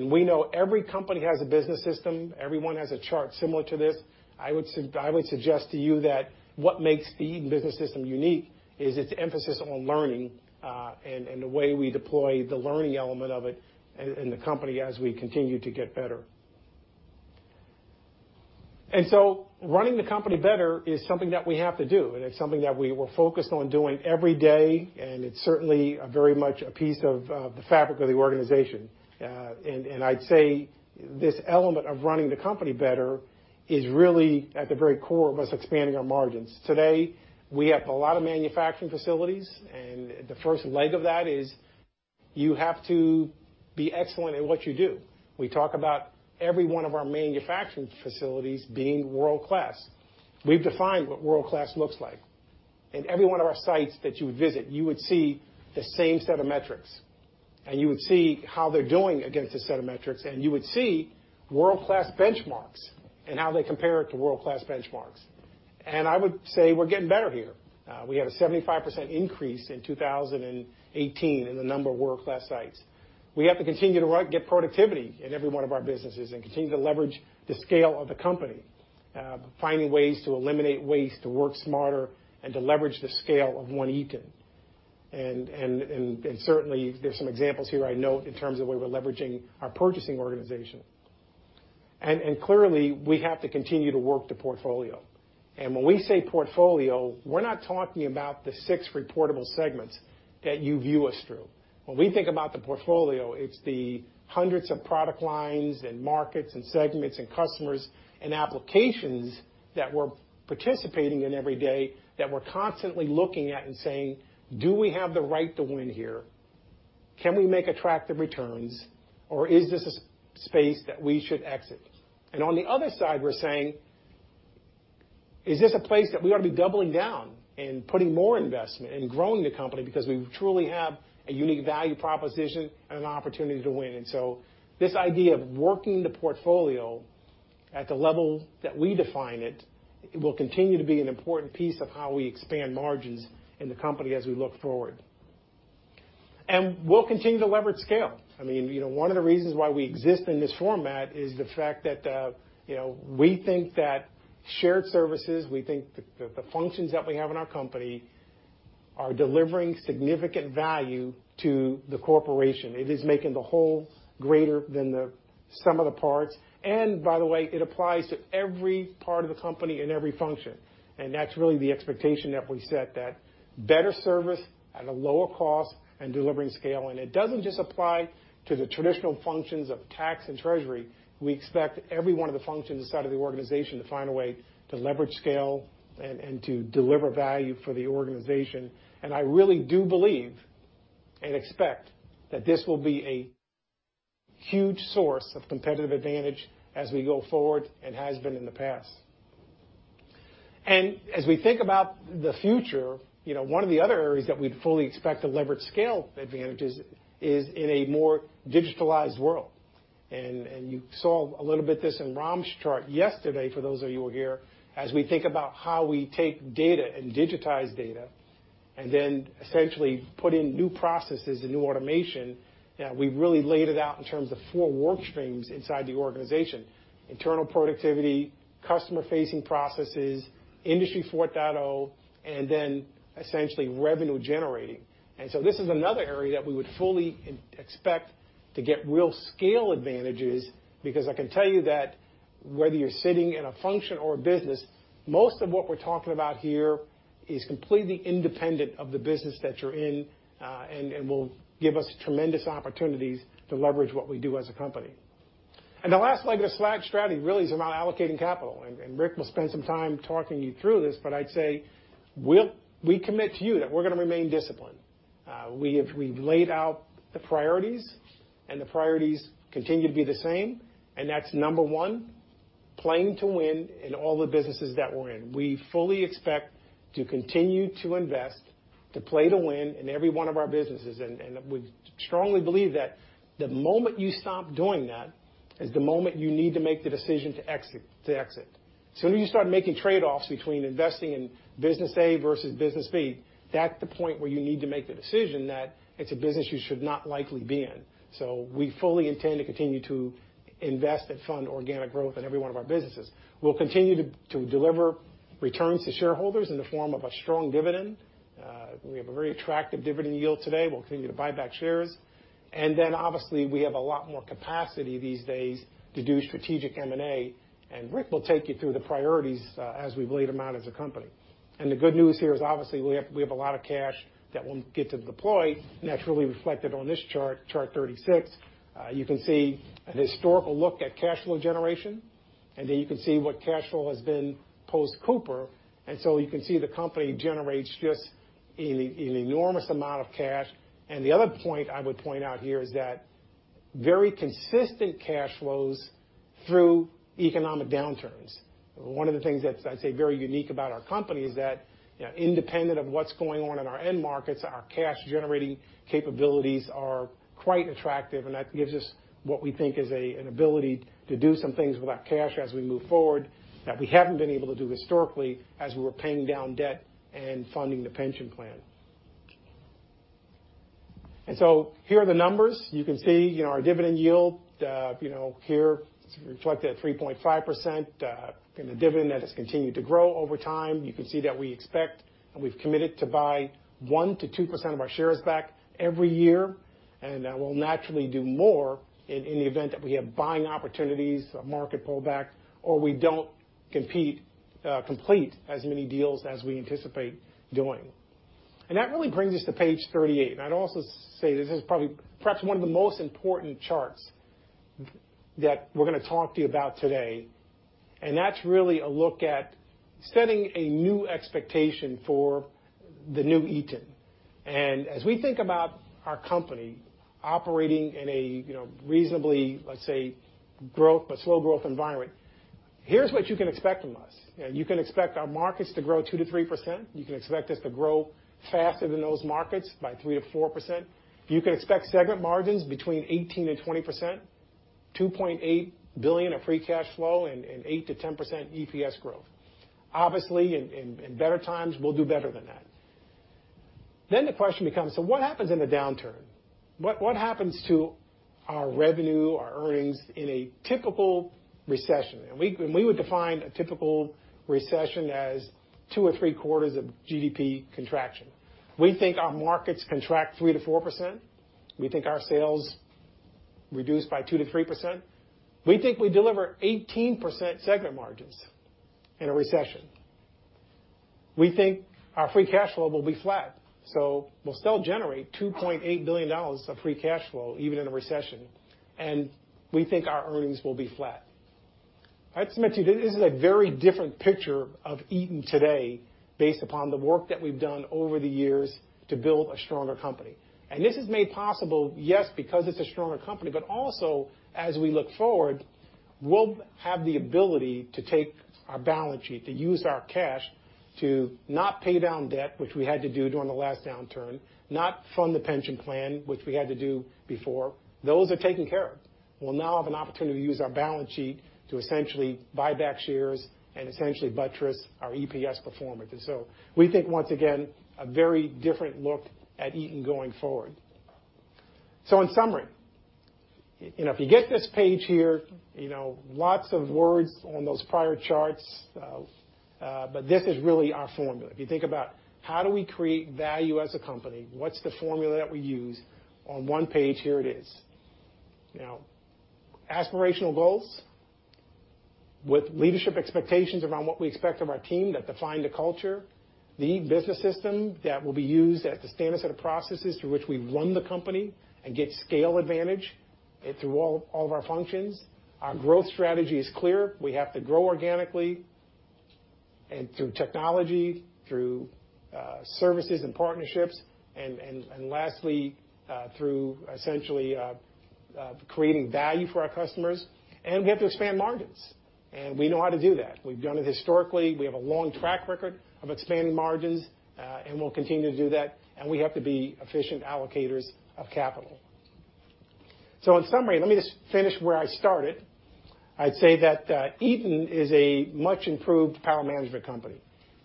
We know every company has a business system. Everyone has a chart similar to this. I would suggest to you that what makes the Eaton Business System unique is its emphasis on learning, and the way we deploy the learning element of it in the company as we continue to get better. Running the company better is something that we have to do, and it's something that we're focused on doing every day. It's certainly very much a piece of the fabric of the organization. I'd say this element of running the company better is really at the very core of us expanding our margins. Today, we have a lot of manufacturing facilities, the first leg of that is you have to be excellent at what you do. We talk about every one of our manufacturing facilities being world-class. We've defined what world-class looks like. In every one of our sites that you would visit, you would see the same set of metrics, and you would see how they're doing against the set of metrics, and you would see world-class benchmarks and how they compare to world-class benchmarks. I would say we're getting better here. We had a 75% increase in 2018 in the number of world-class sites. We have to continue to get productivity in every one of our businesses and continue to leverage the scale of the company, finding ways to eliminate waste, to work smarter, and to leverage the scale of One Eaton. Certainly, there's some examples here I note in terms of where we're leveraging our purchasing organization. Clearly, we have to continue to work the portfolio. When we say portfolio, we're not talking about the six reportable segments that you view us through. When we think about the portfolio, it's the hundreds of product lines and markets and segments and customers and applications that we're participating in every day that we're constantly looking at and saying, "Do we have the right to win here? Can we make attractive returns, or is this a space that we should exit?" On the other side, we're saying, "Is this a place that we ought to be doubling down and putting more investment and growing the company because we truly have a unique value proposition and an opportunity to win?" This idea of working the portfolio at the level that we define it will continue to be an important piece of how we expand margins in the company as we look forward. We'll continue to leverage scale. One of the reasons why we exist in this format is the fact that we think that shared services, we think that the functions that we have in our company are delivering significant value to the corporation. It is making the whole greater than the sum of the parts. By the way, it applies to every part of the company and every function. That's really the expectation that we set, that better service at a lower cost and delivering scale. It doesn't just apply to the traditional functions of tax and treasury. We expect every one of the functions inside of the organization to find a way to leverage scale and to deliver value for the organization. I really do believe and expect that this will be a huge source of competitive advantage as we go forward and has been in the past. As we think about the future, one of the other areas that we'd fully expect to leverage scale advantages is in a more digitalized world. You saw a little bit this in Ram's chart yesterday, for those of you who were here, as we think about how we take data and digitize data, then essentially put in new processes and new automation, we've really laid it out in terms of four work streams inside the organization: internal productivity, customer-facing processes, Industry 4.0, then essentially revenue generating. This is another area that we would fully expect to get real scale advantages, because I can tell you that whether you're sitting in a function or a business, most of what we're talking about here is completely independent of the business that you're in, and will give us tremendous opportunities to leverage what we do as a company. The last leg of the SLAG strategy really is around allocating capital, and Rick will spend some time talking you through this, but I'd say we commit to you that we're going to remain disciplined. We've laid out the priorities, and the priorities continue to be the same, and that's number one, playing to win in all the businesses that we're in. We fully expect to continue to invest, to play to win in every one of our businesses. We strongly believe that the moment you stop doing that is the moment you need to make the decision to exit. Soon as you start making trade-offs between investing in business A versus business B, that's the point where you need to make the decision that it's a business you should not likely be in. We fully intend to continue to invest and fund organic growth in every one of our businesses. We'll continue to deliver returns to shareholders in the form of a strong dividend. We have a very attractive dividend yield today. We'll continue to buy back shares. Obviously, we have a lot more capacity these days to do strategic M&A, and Rick will take you through the priorities as we've laid them out as a company. The good news here is obviously we have a lot of cash that we'll get to deploy, naturally reflected on this chart, Chart 36. You can see an historical look at cash flow generation. Then you can see what cash flow has been post-Cooper. You can see the company generates just an enormous amount of cash. The other point I would point out here is that very consistent cash flows through economic downturns. One of the things that I'd say very unique about our company is that independent of what's going on in our end markets, our cash generating capabilities are quite attractive, and that gives us what we think is an ability to do some things with that cash as we move forward that we haven't been able to do historically as we're paying down debt and funding the pension plan. Here are the numbers. You can see our dividend yield here, it's reflected at 3.5%, and the dividend has continued to grow over time. You can see that we expect, and we've committed to buy 1%-2% of our shares back every year, and that we'll naturally do more in the event that we have buying opportunities, a market pullback, or we don't complete as many deals as we anticipate doing. That really brings us to page 38. I'd also say this is perhaps one of the most important charts that we're going to talk to you about today, and that's really a look at setting a new expectation for the new Eaton. As we think about our company operating in a reasonably, let's say, slow growth environment, here's what you can expect from us. You can expect our markets to grow 2%-3%. You can expect us to grow faster than those markets by 3%-4%. You can expect segment margins between 18%-20%, $2.8 billion of free cash flow, and 8%-10% EPS growth. Obviously, in better times, we'll do better than that. The question becomes, what happens in a downturn? What happens to our revenue, our earnings in a typical recession? We would define a typical recession as two or three quarters of GDP contraction. We think our markets contract 3%-4%. We think our sales reduce by 2%-3%. We think we deliver 18% segment margins in a recession. We think our free cash flow will be flat. We'll still generate $2.8 billion of free cash flow even in a recession. We think our earnings will be flat. I have to admit to you, this is a very different picture of Eaton today based upon the work that we've done over the years to build a stronger company. This is made possible, yes, because it's a stronger company, but also as we look forward, we'll have the ability to take our balance sheet, to use our cash to not pay down debt, which we had to do during the last downturn, not fund the pension plan, which we had to do before. Those are taken care of. We'll now have an opportunity to use our balance sheet to essentially buy back shares and essentially buttress our EPS performance. We think, once again, a very different look at Eaton going forward. In summary, if you get this page here, lots of words on those prior charts, but this is really our formula. If you think about how do we create value as a company, what's the formula that we use, on one page, here it is. Aspirational goals with leadership expectations around what we expect of our team that define the culture, the Business System that will be used as the standard set of processes through which we run the company and get scale advantage through all of our functions. Our growth strategy is clear. We have to grow organically and through technology, through services and partnerships, and lastly, through essentially creating value for our customers. We have to expand margins. We know how to do that. We've done it historically. We have a long track record of expanding margins, and we'll continue to do that. We have to be efficient allocators of capital. In summary, let me just finish where I started. I'd say that Eaton is a much improved power management company.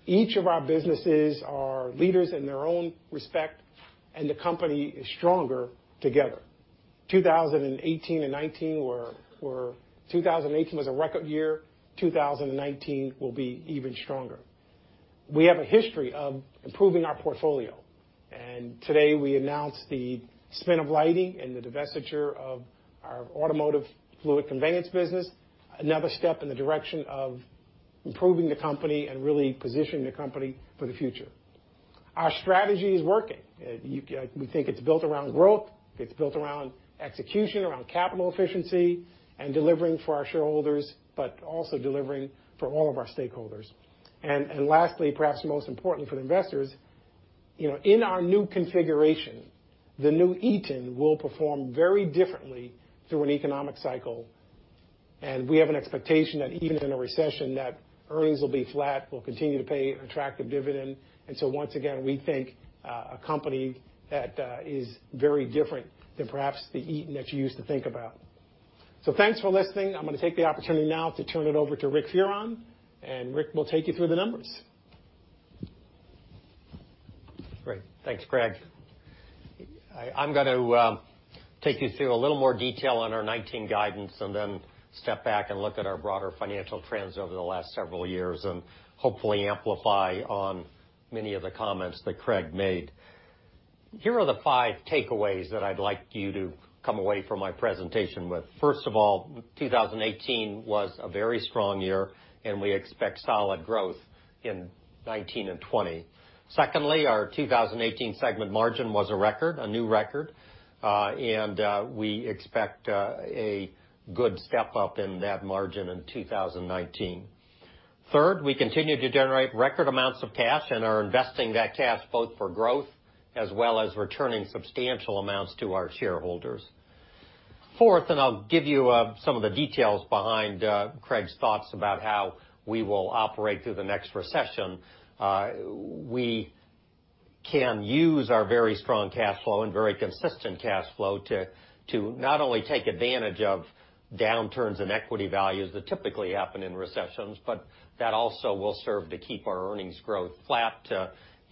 Each of our businesses are leaders in their own respect, and the company is stronger together. 2018 was a record year. 2019 will be even stronger. We have a history of improving our portfolio. Today, we announced the spin of lighting and the divestiture of our automotive fluid conveyance business, another step in the direction of improving the company and really positioning the company for the future. Our strategy is working. We think it's built around growth, it's built around execution, around capital efficiency, and delivering for our shareholders, but also delivering for all of our stakeholders. Lastly, perhaps most importantly for the investors, in our new configuration, the new Eaton will perform very differently through an economic cycle, and we have an expectation that even in a recession, that earnings will be flat. We'll continue to pay an attractive dividend. Once again, we think a company that is very different than perhaps the Eaton that you used to think about. Thanks for listening. I'm going to take the opportunity now to turn it over to Rick Fearon, and Rick will take you through the numbers. Great. Thanks, Craig. I'm going to take you through a little more detail on our 2019 guidance and then step back and look at our broader financial trends over the last several years and hopefully amplify on many of the comments that Craig made. Here are the five takeaways that I'd like you to come away from my presentation with. First of all, 2018 was a very strong year, and we expect solid growth in 2019 and 2020. Secondly, our 2018 segment margin was a new record, and we expect a good step up in that margin in 2019. Third, we continue to generate record amounts of cash and are investing that cash both for growth as well as returning substantial amounts to our shareholders. Fourth, and I'll give you some of the details behind Craig's thoughts about how we will operate through the next recession. We can use our very strong cash flow and very consistent cash flow to not only take advantage of downturns in equity values that typically happen in recessions, but that also will serve to keep our earnings growth flat.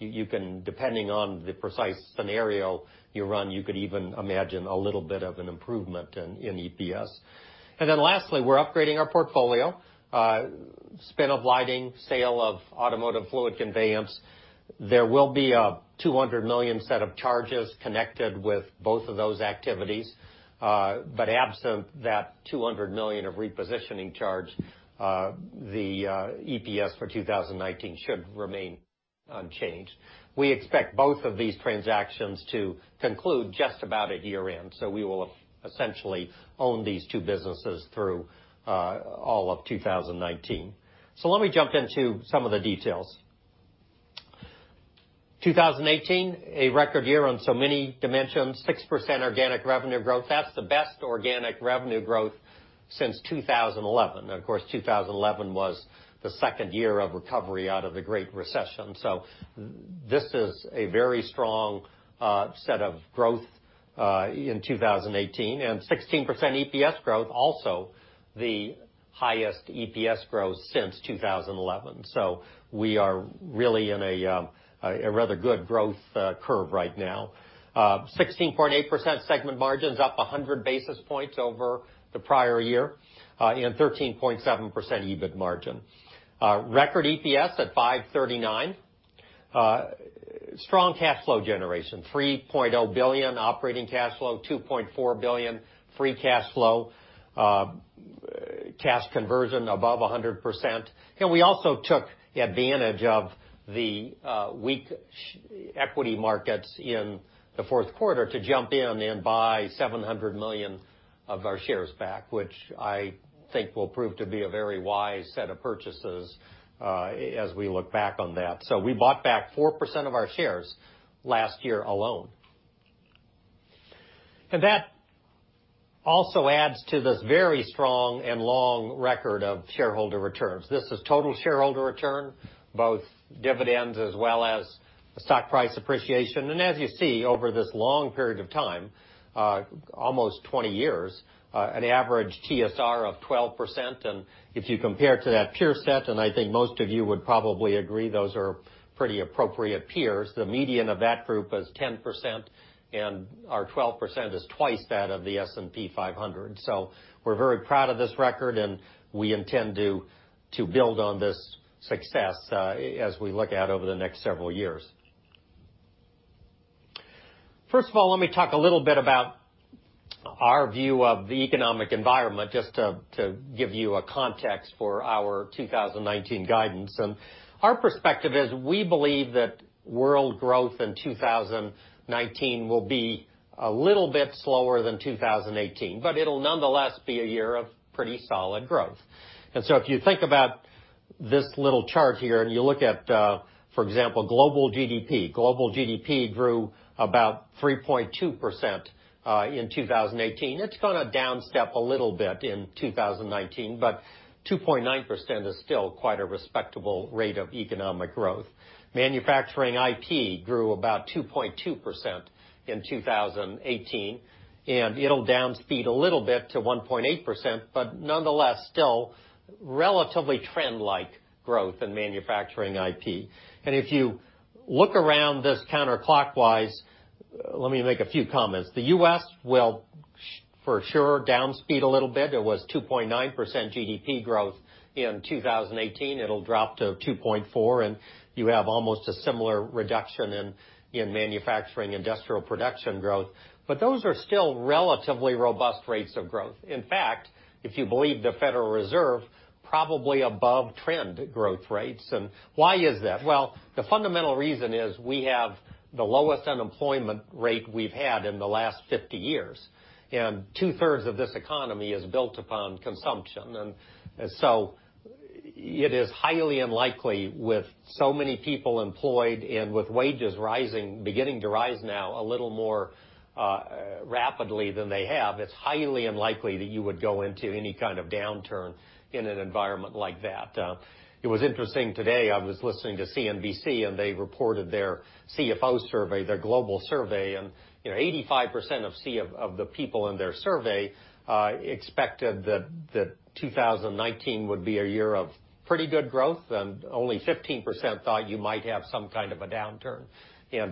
Depending on the precise scenario you run, you could even imagine a little bit of an improvement in EPS. Lastly, we're upgrading our portfolio, spin of lighting, sale of automotive fluid conveyance. There will be a $200 million set of charges connected with both of those activities. Absent that $200 million of repositioning charge, the EPS for 2019 should remain unchanged. We expect both of these transactions to conclude just about at year-end, so we will essentially own these two businesses through all of 2019. Let me jump into some of the details. 2018, a record year on so many dimensions, 6% organic revenue growth. That's the best organic revenue growth since 2011. Of course, 2011 was the second year of recovery out of the Great Recession. This is a very strong set of growth in 2018, and 16% EPS growth, also the highest EPS growth since 2011. We are really in a rather good growth curve right now. 16.8% segment margins, up 100 basis points over the prior year, and 13.7% EBIT margin. Record EPS at $5.39. Strong cash flow generation, $3.0 billion operating cash flow, $2.4 billion free cash flow. Cash conversion above 100%. We also took advantage of the weak equity markets in the fourth quarter to jump in and buy $700 million of our shares back, which I think will prove to be a very wise set of purchases, as we look back on that. We bought back 4% of our shares last year alone. That also adds to this very strong and long record of shareholder returns. This is total shareholder return, both dividends as well as stock price appreciation. As you see, over this long period of time, almost 20 years, an average TSR of 12%. If you compare to that peer set, and I think most of you would probably agree those are pretty appropriate peers. The median of that group was 10%, and our 12% is twice that of the S&P 500. We're very proud of this record, and we intend to build on this success as we look out over the next several years. First of all, let me talk a little bit about our view of the economic environment, just to give you a context for our 2019 guidance. Our perspective is we believe that world growth in 2019 will be a little bit slower than 2018, but it'll nonetheless be a year of pretty solid growth. If you think about this little chart here, and you look at, for example, global GDP. Global GDP grew about 3.2% in 2018. It's going to downstep a little bit in 2019, but 2.9% is still quite a respectable rate of economic growth. Manufacturing IP grew about 2.2% in 2018, it'll downspeed a little bit to 1.8%, but nonetheless, still relatively trend-like growth in manufacturing IP. If you look around this counterclockwise, let me make a few comments. The U.S. will for sure downspeed a little bit. It was 2.9% GDP growth in 2018. It'll drop to 2.4%, and you have almost a similar reduction in manufacturing industrial production growth. Those are still relatively robust rates of growth. In fact, if you believe the Federal Reserve, probably above-trend growth rates. Why is that? The fundamental reason is we have the lowest unemployment rate we've had in the last 50 years, and two-thirds of this economy is built upon consumption. It is highly unlikely with so many people employed and with wages beginning to rise now a little more rapidly than they have, it's highly unlikely that you would go into any kind of downturn in an environment like that. It was interesting today, I was listening to CNBC, and they reported their CFO survey, their global survey, and 85% of the people in their survey expected that 2019 would be a year of pretty good growth, and only 15% thought you might have some kind of a downturn.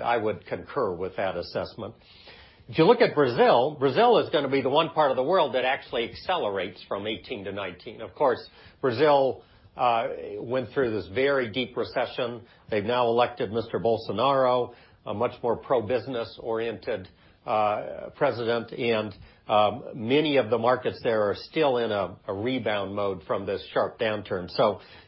I would concur with that assessment. If you look at Brazil is going to be the one part of the world that actually accelerates from 2018 to 2019. Of course, Brazil went through this very deep recession. They've now elected Mr. Bolsonaro, a much more pro-business-oriented president, and many of the markets there are still in a rebound mode from this sharp downturn.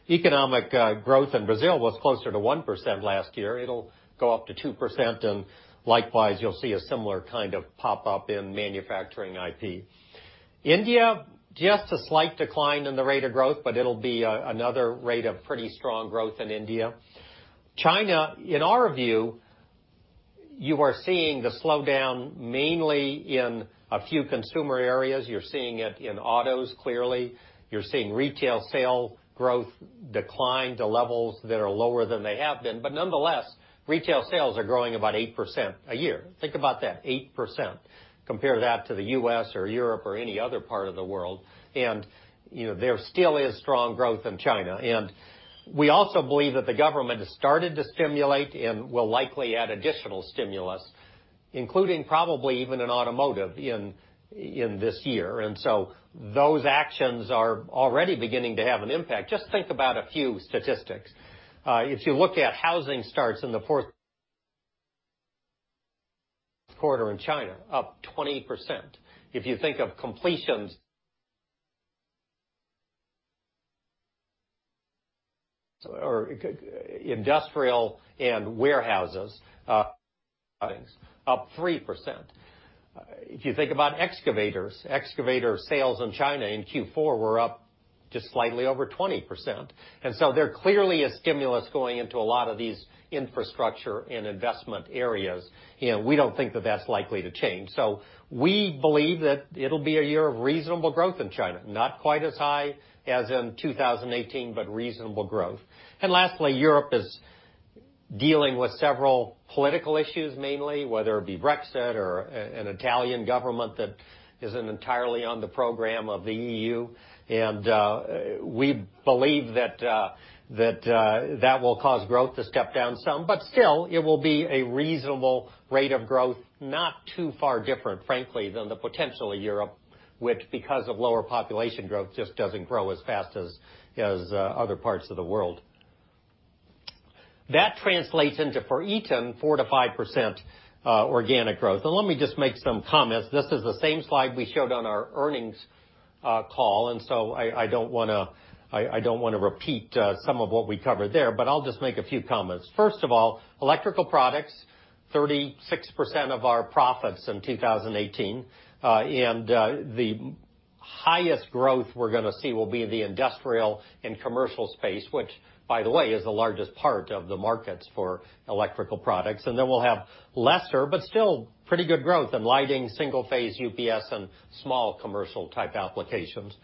Economic growth in Brazil was closer to 1% last year. It'll go up to 2%, and likewise, you'll see a similar kind of pop up in manufacturing IP. India, just a slight decline in the rate of growth, but it'll be another rate of pretty strong growth in India. China, in our view, you are seeing the slowdown mainly in a few consumer areas. You're seeing it in autos, clearly. You're seeing retail sale growth decline to levels that are lower than they have been. Nonetheless, retail sales are growing about 8% a year. Think about that, 8%. Compare that to the U.S. or Europe or any other part of the world, there still is strong growth in China. We also believe that the government has started to stimulate and will likely add additional stimulus, including probably even in automotive, in this year. Those actions are already beginning to have an impact. Just think about a few statistics. If you look at housing starts in the fourth quarter in China, up 20%. If you think of completions or industrial and warehouses, up 3%. If you think about excavators, excavator sales in China in Q4 were up just slightly over 20%. There clearly is stimulus going into a lot of these infrastructure and investment areas, and we don't think that that's likely to change. We believe that it'll be a year of reasonable growth in China, not quite as high as in 2018, but reasonable growth. Lastly, Europe is dealing with several political issues, mainly, whether it be Brexit or an Italian government that isn't entirely on the program of the EU. We believe that will cause growth to step down some, but still, it will be a reasonable rate of growth, not too far different, frankly, than the potential of Europe, which, because of lower population growth, just doesn't grow as fast as other parts of the world. That translates into, for Eaton, 4%-5% organic growth. Let me just make some comments. This is the same slide we showed on our earnings call, so I don't want to repeat some of what we covered there, but I'll just make a few comments. First of all, Electrical Products, 36% of our profits in 2018. The highest growth we're going to see will be in the industrial and commercial space, which, by the way, is the largest part of the markets for Electrical Products. Then we'll have lesser, but still pretty good growth in lighting, single-phase UPS, and small commercial type applications.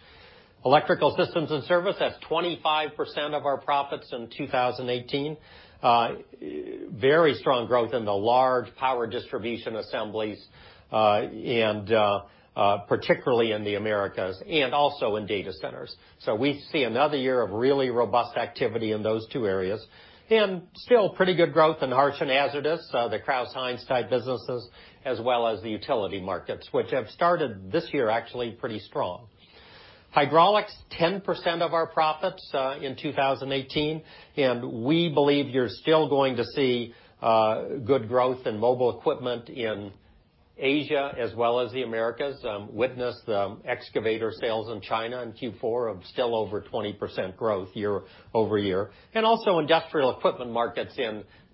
Electrical Systems and Services, that's 25% of our profits in 2018. Very strong growth in the large power distribution assemblies, particularly in the Americas and also in data centers. We see another year of really robust activity in those two areas. Still pretty good growth in harsh and hazardous, the Crouse-Hinds type businesses, as well as the utility markets, which have started this year actually pretty strong. Hydraulics, 10% of our profits in 2018, we believe you're still going to see good growth in mobile equipment in Asia as well as the Americas. Witness the excavator sales in China in Q4 of still over 20% growth year-over-year. Also industrial equipment markets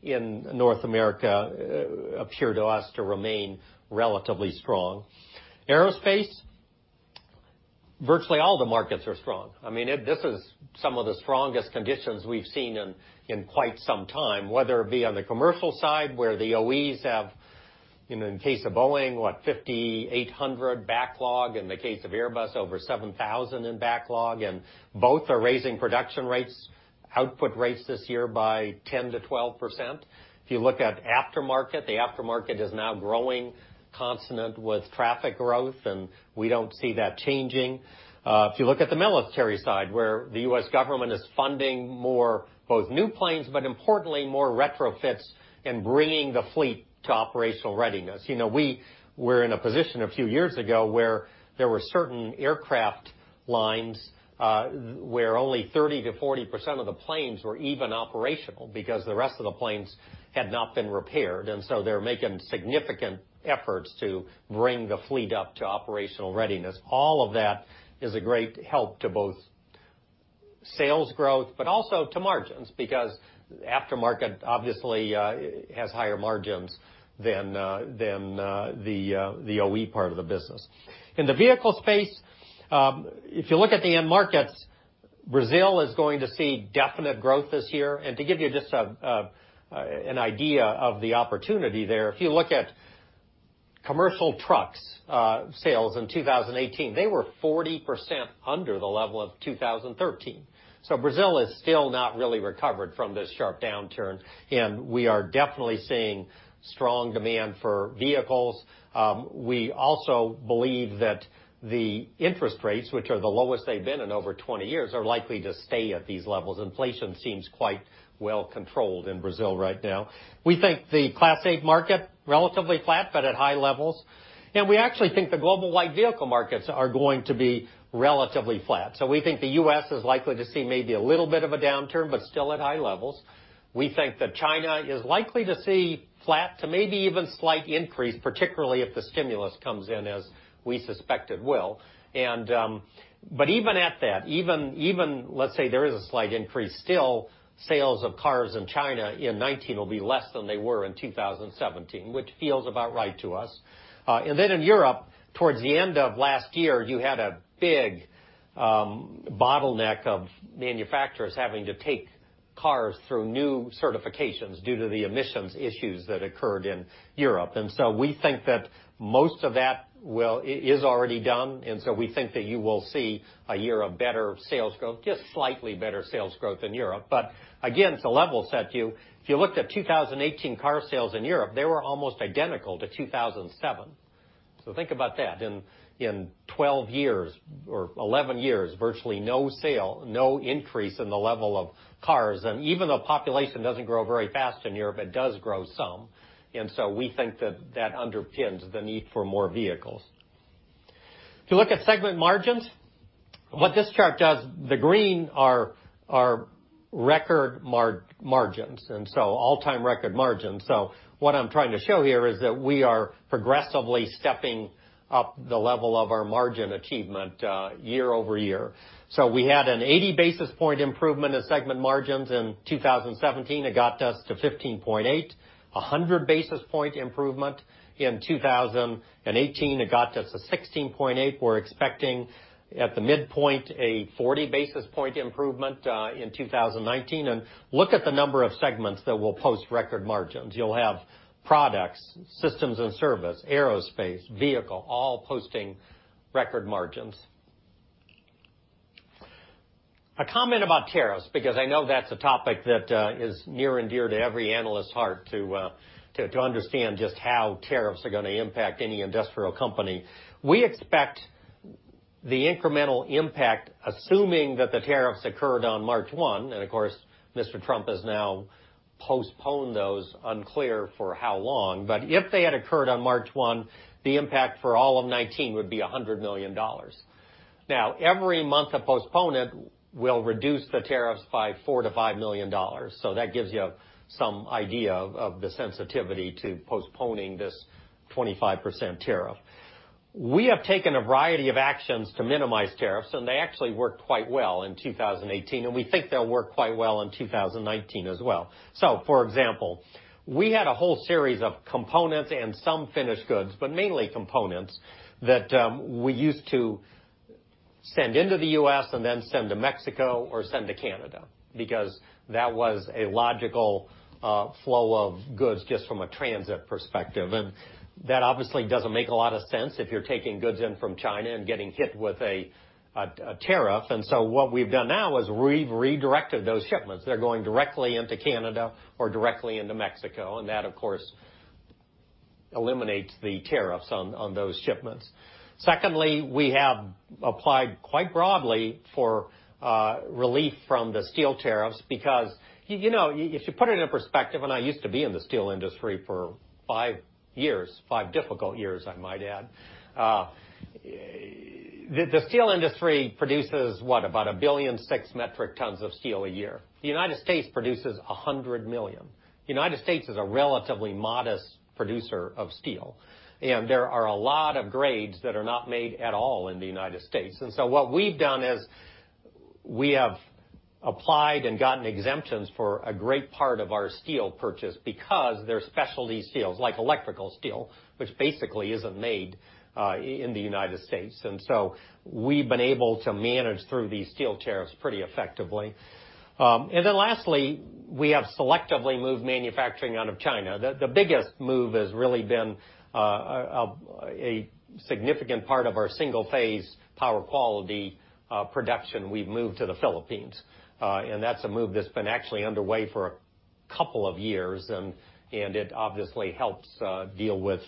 in North America appear to us to remain relatively strong. Aerospace, virtually all the markets are strong. This is some of the strongest conditions we've seen in quite some time, whether it be on the commercial side, where the OEs have, in the case of Boeing, what, 5,800 backlog, in the case of Airbus, over 7,000 in backlog. Both are raising production rates, output rates this year by 10%-12%. If you look at aftermarket, the aftermarket is now growing consonant with traffic growth, and we don't see that changing. If you look at the military side, where the U.S. government is funding more both new planes, but importantly more retrofits and bringing the fleet to operational readiness. We were in a position a few years ago where there were certain aircraft lines, where only 30%-40% of the planes were even operational because the rest of the planes had not been repaired. They're making significant efforts to bring the fleet up to operational readiness. All of that is a great help to both sales growth, but also to margins, because aftermarket obviously has higher margins than the OE part of the business. In the vehicle space, if you look at the end markets, Brazil is going to see definite growth this year. To give you just an idea of the opportunity there, if you look at commercial trucks sales in 2018, they were 40% under the level of 2013. Brazil has still not really recovered from this sharp downturn, and we are definitely seeing strong demand for vehicles. We also believe that the interest rates, which are the lowest they've been in over 20 years, are likely to stay at these levels. Inflation seems quite well controlled in Brazil right now. We think the Class 8 market, relatively flat but at high levels. We actually think the global light vehicle markets are going to be relatively flat. We think the U.S. is likely to see maybe a little bit of a downturn, but still at high levels. We think that China is likely to see flat to maybe even slight increase, particularly if the stimulus comes in as we suspect it will. Even at that, even let's say there is a slight increase, still, sales of cars in China in 2019 will be less than they were in 2017, which feels about right to us. In Europe, towards the end of last year, you had a big bottleneck of manufacturers having to take cars through new certifications due to the emissions issues that occurred in Europe. We think that most of that is already done, we think that you will see a year of better sales growth, just slightly better sales growth in Europe. Again, to level set you, if you looked at 2018 car sales in Europe, they were almost identical to 2007. Think about that. In 12 years or 11 years, virtually no increase in the level of cars. Even though population doesn't grow very fast in Europe, it does grow some. We think that that underpins the need for more vehicles. If you look at segment margins, what this chart does, the green are record margins, all-time record margins. What I'm trying to show here is that we are progressively stepping up the level of our margin achievement year-over-year. We had an 80-basis-point improvement in segment margins in 2017. It got us to 15.8. 100-basis-point improvement in 2018. It got us to 16.8. We're expecting, at the midpoint, a 40-basis-point improvement in 2019. Look at the number of segments that will post record margins. You'll have Products, Systems and Service, Aerospace, Vehicle, all posting record margins. A comment about tariffs, because I know that's a topic that is near and dear to every analyst's heart, to understand just how tariffs are going to impact any industrial company. We expect the incremental impact, assuming that the tariffs occurred on March 1, and of course, Mr. Trump has now postponed those, unclear for how long, but if they had occurred on March 1, the impact for all of 2019 would be $100 million. That gives you some idea of the sensitivity to postponing this 25% tariff. We have taken a variety of actions to minimize tariffs, and they actually worked quite well in 2018, and we think they'll work quite well in 2019 as well. For example, we had a whole series of components and some finished goods, but mainly components, that we used to send into the U.S. and then send to Mexico or send to Canada, because that was a logical flow of goods, just from a transit perspective. That obviously doesn't make a lot of sense if you're taking goods in from China and getting hit with a tariff. What we've done now is we've redirected those shipments. They're going directly into Canada or directly into Mexico, and that, of course, eliminates the tariffs on those shipments. Secondly, we have applied quite broadly for relief from the steel tariffs because if you put it in perspective, and I used to be in the steel industry for five years, five difficult years, I might add. The steel industry produces, what, about 1.6 billion metric tons of steel a year. The U.S. produces 100 million. U.S. is a relatively modest producer of steel, and there are a lot of grades that are not made at all in the U.S. What we've done is we have applied and gotten exemptions for a great part of our steel purchase because they're specialty steels, like electrical steel, which basically isn't made in the U.S. We've been able to manage through these steel tariffs pretty effectively. Lastly, we have selectively moved manufacturing out of China. The biggest move has really been a significant part of our single-phase power quality production we've moved to the Philippines. That's a move that's been actually underway for a couple of years, and it obviously helps deal with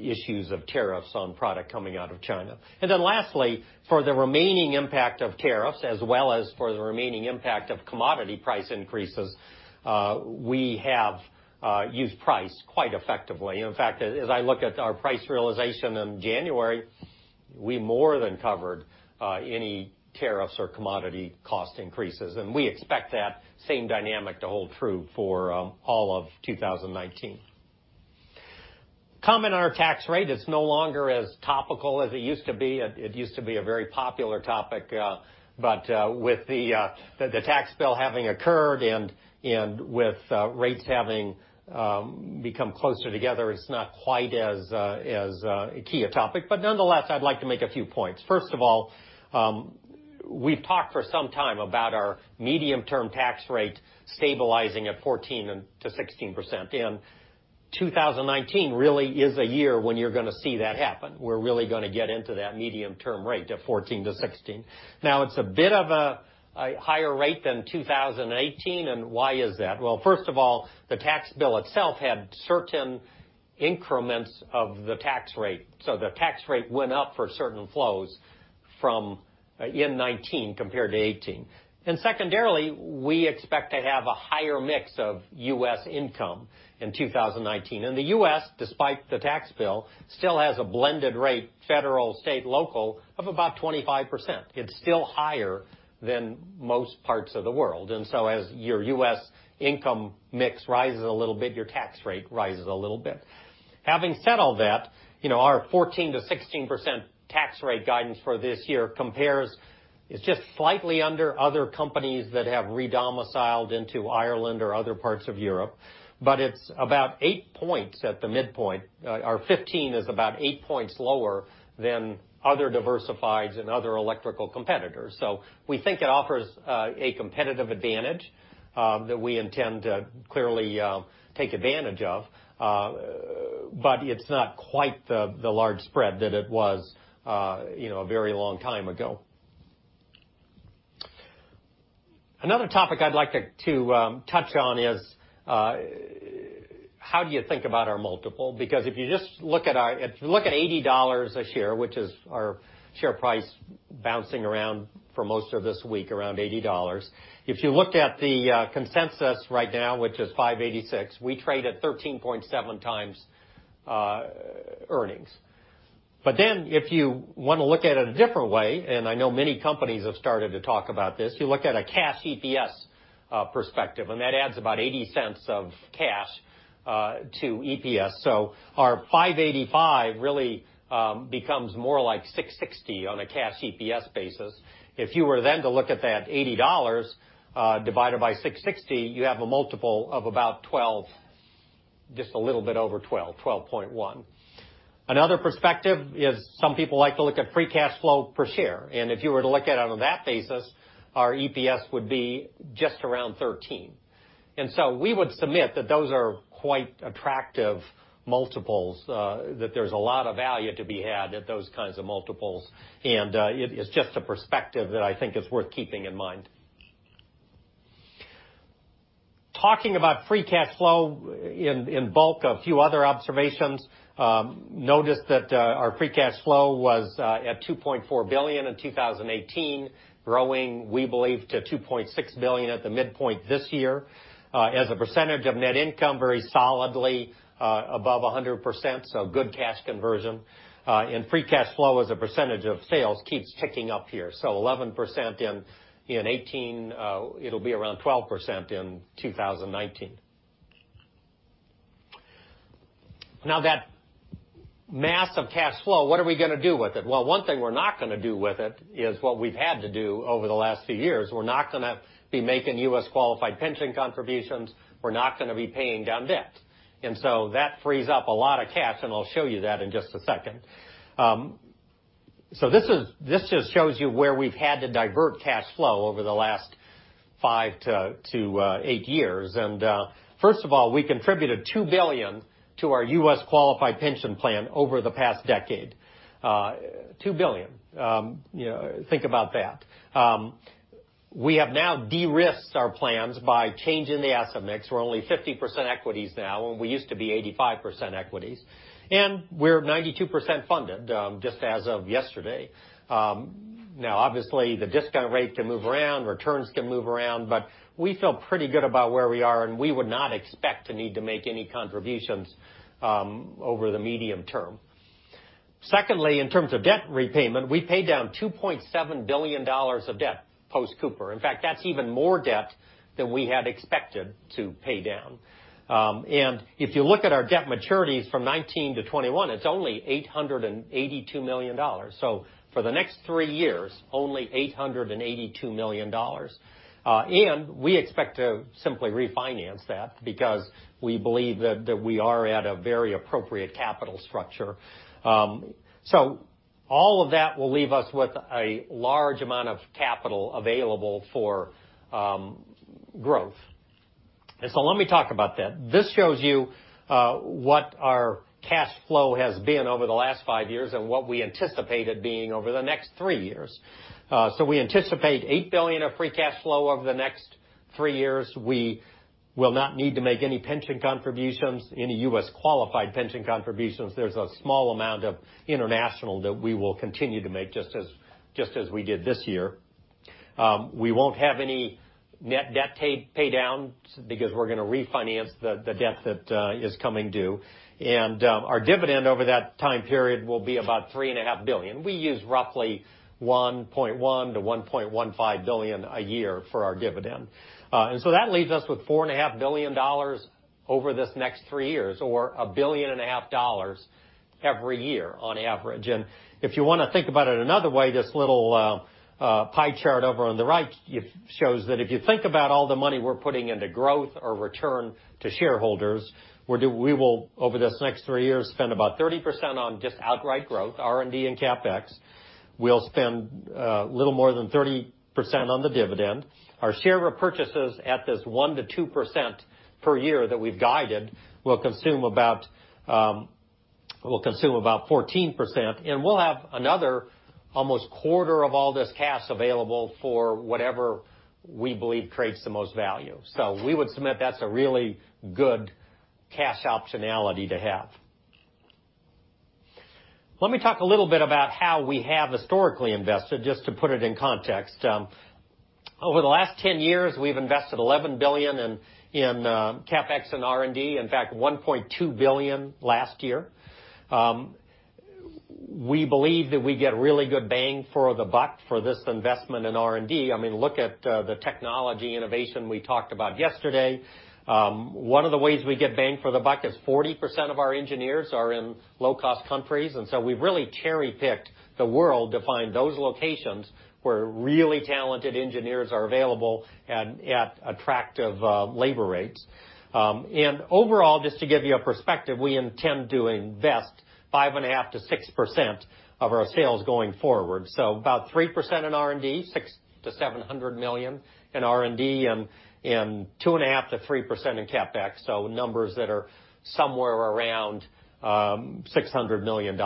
issues of tariffs on product coming out of China. Lastly, for the remaining impact of tariffs as well as for the remaining impact of commodity price increases, we have used price quite effectively. In fact, as I look at our price realization in January, we more than covered any tariffs or commodity cost increases, and we expect that same dynamic to hold true for all of 2019. Comment on our tax rate. It's no longer as topical as it used to be. It used to be a very popular topic, but with the tax bill having occurred and with rates having become closer together, it's not quite as key a topic. Nonetheless, I'd like to make a few points. First of all, we've talked for some time about our medium-term tax rate stabilizing at 14%-16%, and 2019 really is a year when you're going to see that happen. We're really going to get into that medium-term rate of 14%-16%. Now, it's a bit of a higher rate than 2018, why is that? Well, first of all, the tax bill itself had certain increments of the tax rate. The tax rate went up for certain flows in 2019 compared to 2018. Secondarily, we expect to have a higher mix of U.S. income in 2019. The U.S., despite the tax bill, still has a blended rate, federal, state, local, of about 25%. It's still higher than most parts of the world. As your U.S. income mix rises a little bit, your tax rate rises a little bit. Having said all that, our 14%-16% tax rate guidance for this year compares, is just slightly under other companies that have re-domiciled into Ireland or other parts of Europe. It's about eight points at the midpoint. Our 15 is about eight points lower than other diversifieds and other electrical competitors. We think it offers a competitive advantage, that we intend to clearly take advantage of. It's not quite the large spread that it was a very long time ago. Another topic I'd like to touch on, how do you think about our multiple? If you just look at $80 a share, which is our share price bouncing around for most of this week, around $80. If you looked at the consensus right now, which is 586, we trade at 13.7x earnings. If you want to look at it a different way, and I know many companies have started to talk about this, you look at a cash EPS perspective, and that adds about $0.80 of cash, to EPS. Our 585 really becomes more like 660 on a cash EPS basis. If you were to look at that $80 divided by 660, you have a multiple of about 12, just a little bit over 12.1. Another perspective is some people like to look at free cash flow per share. If you were to look at it on that basis, our EPS would be just around 13. We would submit that those are quite attractive multiples, that there's a lot of value to be had at those kinds of multiples. It's just a perspective that I think is worth keeping in mind. Talking about free cash flow in bulk, a few other observations. Notice that our free cash flow was at $2.4 billion in 2018, growing, we believe, to $2.6 billion at the midpoint this year. As a percentage of net income, very solidly above 100%, so good cash conversion. Free cash flow as a percentage of sales keeps ticking up here. 11% in 2018, it'll be around 12% in 2019. Now that mass of cash flow, what are we going to do with it? Well, one thing we're not going to do with it is what we've had to do over the last few years. We're not going to be making U.S.-qualified pension contributions. We're not going to be paying down debt. That frees up a lot of cash, and I'll show you that in just a second. This just shows you where we've had to divert cash flow over the last 5-8 years. First of all, we contributed $2 billion to our U.S.-qualified pension plan over the past decade. $2 billion. Think about that. We have now de-risked our plans by changing the asset mix. We're only 50% equities now, and we used to be 85% equities. We're 92% funded, just as of yesterday. Now obviously the discount rate can move around, returns can move around. We feel pretty good about where we are. We would not expect to need to make any contributions over the medium term. Secondly, in terms of debt repayment, we paid down $2.7 billion of debt post-Cooper. In fact, that's even more debt than we had expected to pay down. If you look at our debt maturities from 2019 to 2021, it's only $882 million. For the next three years, only $882 million. We expect to simply refinance that because we believe that we are at a very appropriate capital structure. All of that will leave us with a large amount of capital available for growth. Let me talk about that. This shows you what our cash flow has been over the last five years and what we anticipate it being over the next three years. We anticipate $8 billion of free cash flow over the next three years. We will not need to make any pension contributions, any U.S.-qualified pension contributions. There's a small amount of international that we will continue to make just as we did this year. We won't have any net debt paydowns because we're going to refinance the debt that is coming due. Our dividend over that time period will be about $3.5 billion. We use roughly $1.1 billion-$1.15 billion a year for our dividend. That leaves us with $4.5 billion over this next three years or a billion and a half dollars every year on average. If you want to think about it another way, this little pie chart over on the right shows that if you think about all the money we're putting into growth or return to shareholders, we will, over this next three years, spend about 30% on just outright growth, R&D, and CapEx. We'll spend a little more than 30% on the dividend. Our share repurchases at this 1%-2% per year that we've guided will consume about 14%, and we'll have another almost quarter of all this cash available for whatever we believe creates the most value. We would submit that's a really good cash optionality to have. Let me talk a little bit about how we have historically invested, just to put it in context. Over the last 10 years, we've invested $11 billion in CapEx and R&D. In fact, $1.2 billion last year. We believe that we get really good bang for the buck for this investment in R&D. Look at the technology innovation we talked about yesterday. One of the ways we get bang for the buck is 40% of our engineers are in low-cost countries. We've really cherry-picked the world to find those locations where really talented engineers are available and at attractive labor rates. Overall, just to give you a perspective, we intend to invest 5.5%-6% of our sales going forward. About 3% in R&D, $600 million-$700 million in R&D, and 2.5%-3% in CapEx. Numbers that are somewhere around $600 million.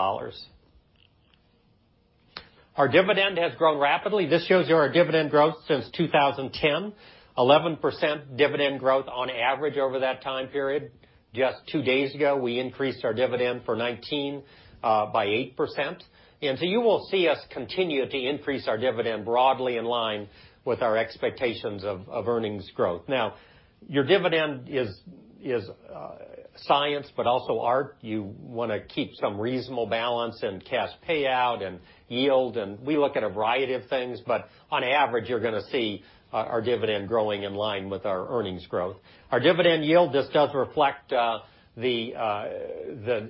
Our dividend has grown rapidly. This shows you our dividend growth since 2010, 11% dividend growth on average over that time period. Just two days ago, we increased our dividend for 2019 by 8%. You will see us continue to increase our dividend broadly in line with our expectations of earnings growth. Your dividend is science, but also art. You want to keep some reasonable balance in cash payout and yield, and we look at a variety of things. On average, you're going to see our dividend growing in line with our earnings growth. Our dividend yield, this does reflect the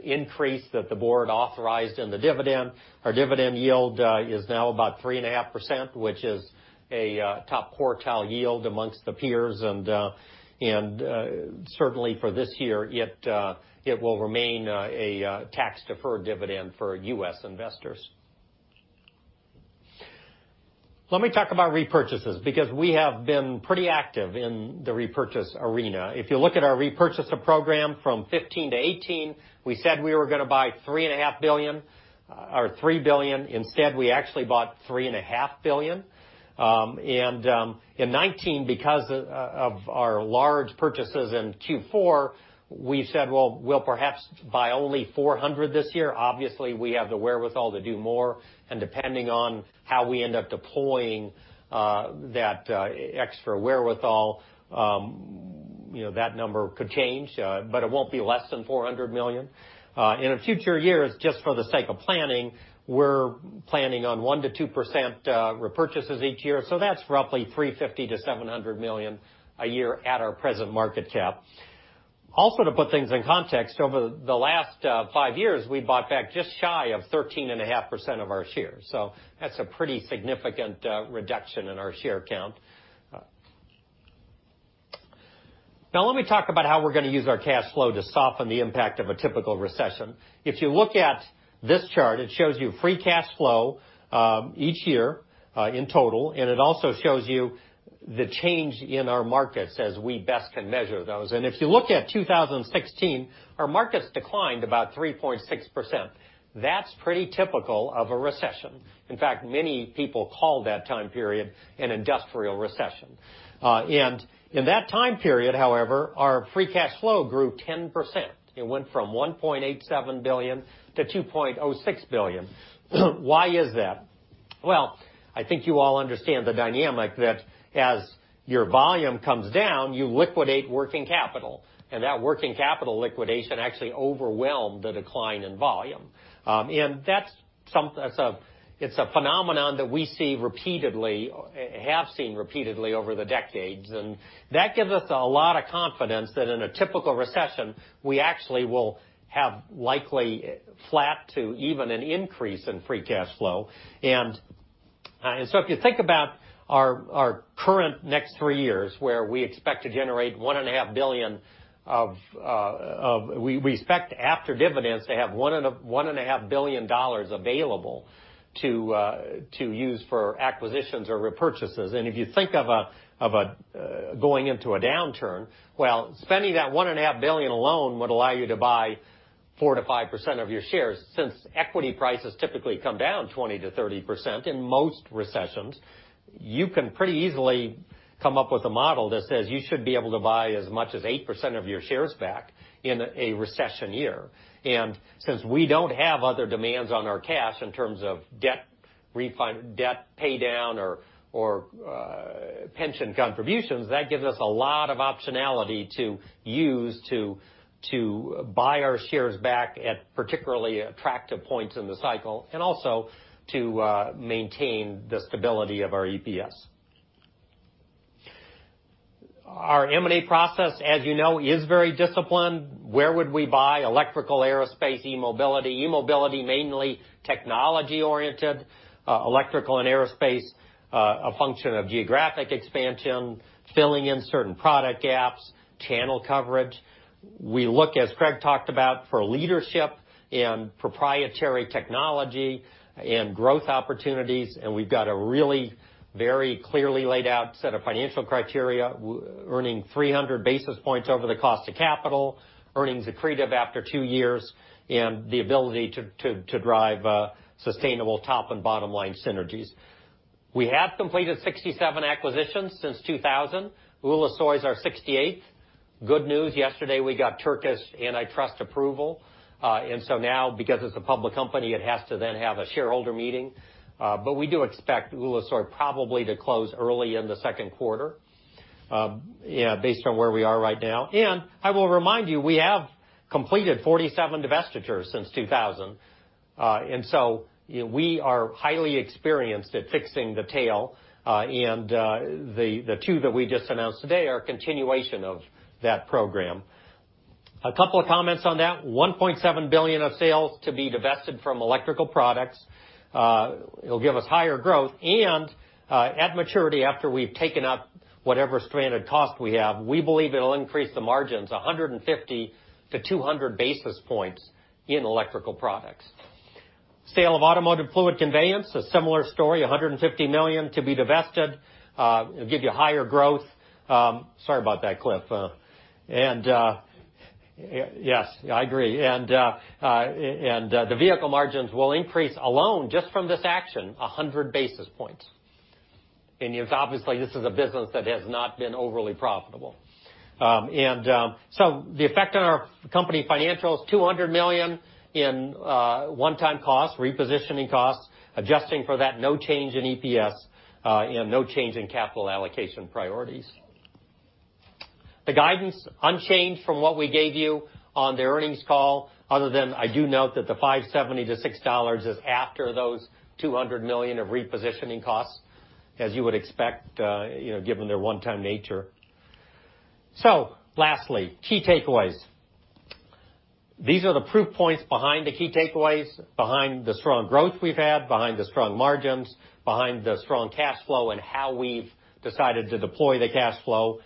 increase that the board authorized in the dividend. Our dividend yield is now about 3.5%, which is a top quartile yield amongst the peers, and certainly for this year, it will remain a tax-deferred dividend for U.S. investors. Let me talk about repurchases, because we have been pretty active in the repurchase arena. If you look at our repurchase program from 2015 to 2018, we said we were going to buy $3 billion. Instead, we actually bought $3.5 billion. In 2019, because of our large purchases in Q4, we said, well, we'll perhaps buy only $400 million this year. Obviously, we have the wherewithal to do more, and depending on how we end up deploying that extra wherewithal that number could change, but it won't be less than $400 million. In a future year, just for the sake of planning, we're planning on 1%-2% repurchases each year. That's roughly $350 million-$700 million a year at our present market cap. Also, to put things in context, over the last 5 years, we bought back just shy of 13.5% of our shares. That's a pretty significant reduction in our share count. Let me talk about how we're going to use our cash flow to soften the impact of a typical recession. If you look at this chart, it shows you free cash flow each year in total, and it also shows you the change in our markets as we best can measure those. If you look at 2016, our markets declined about 3.6%. That's pretty typical of a recession. In fact, many people call that time period an industrial recession. In that time period, however, our free cash flow grew 10%. It went from $1.87 billion to $2.06 billion. Why is that? Well, I think you all understand the dynamic that as your volume comes down, you liquidate working capital, and that working capital liquidation actually overwhelmed the decline in volume. That's a phenomenon that we have seen repeatedly over the decades, and that gives us a lot of confidence that in a typical recession, we actually will have likely flat to even an increase in free cash flow. If you think about our current next 3 years, where we expect to generate $1.5 billion of-- we expect after dividends to have $1.5 billion available to use for acquisitions or repurchases. If you think of going into a downturn, well, spending that $1.5 billion alone would allow you to buy 4%-5% of your shares. Since equity prices typically come down 20%-30% in most recessions, you can pretty easily come up with a model that says you should be able to buy as much as 8% of your shares back in a recession year. Since we don't have other demands on our cash in terms of debt paydown or pension contributions, that gives us a lot of optionality to use to buy our shares back at particularly attractive points in the cycle, and also to maintain the stability of our EPS. Our M&A process, as you know, is very disciplined. Where would we buy Electrical, Aerospace, eMobility? eMobility, mainly technology-oriented. Electrical and Aerospace, a function of geographic expansion, filling in certain product gaps, channel coverage. We look, as Craig talked about, for leadership in proprietary technology and growth opportunities, and we've got a really very clearly laid out set of financial criteria, earning 300 basis points over the cost of capital, earnings accretive after 2 years, and the ability to drive sustainable top and bottom-line synergies. We have completed 67 acquisitions since 2000. Ulusoy is our 68th. Good news, yesterday, we got Turkish antitrust approval. Now, because it's a public company, it has to then have a shareholder meeting. We do expect Ulusoy probably to close early in the second quarter. Based on where we are right now. I will remind you, we have completed 47 divestitures since 2000. We are highly experienced at fixing the tail, and the two that we just announced today are a continuation of that program. A couple of comments on that. $1.7 billion of sales to be divested from Electrical Products. It'll give us higher growth, and at maturity, after we've taken up whatever stranded cost we have, we believe it'll increase the margins 150 to 200 basis points in Electrical Products. Sale of automotive fluid conveyance, a similar story, $150 million to be divested, it'll give you higher growth. Sorry about that, Cliff. Yes, I agree. The vehicle margins will increase alone, just from this action, 100 basis points. Obviously, this is a business that has not been overly profitable. The effect on our company financials, $200 million in one-time costs, repositioning costs, adjusting for that, no change in EPS, and no change in capital allocation priorities. The guidance, unchanged from what we gave you on the earnings call, other than I do note that the $5.70 to $6 is after those $200 million of repositioning costs, as you would expect, given their one-time nature. Lastly, key takeaways. These are the proof points behind the key takeaways, behind the strong growth we've had, behind the strong margins, behind the strong cash flow and how we've decided to deploy the cash flow.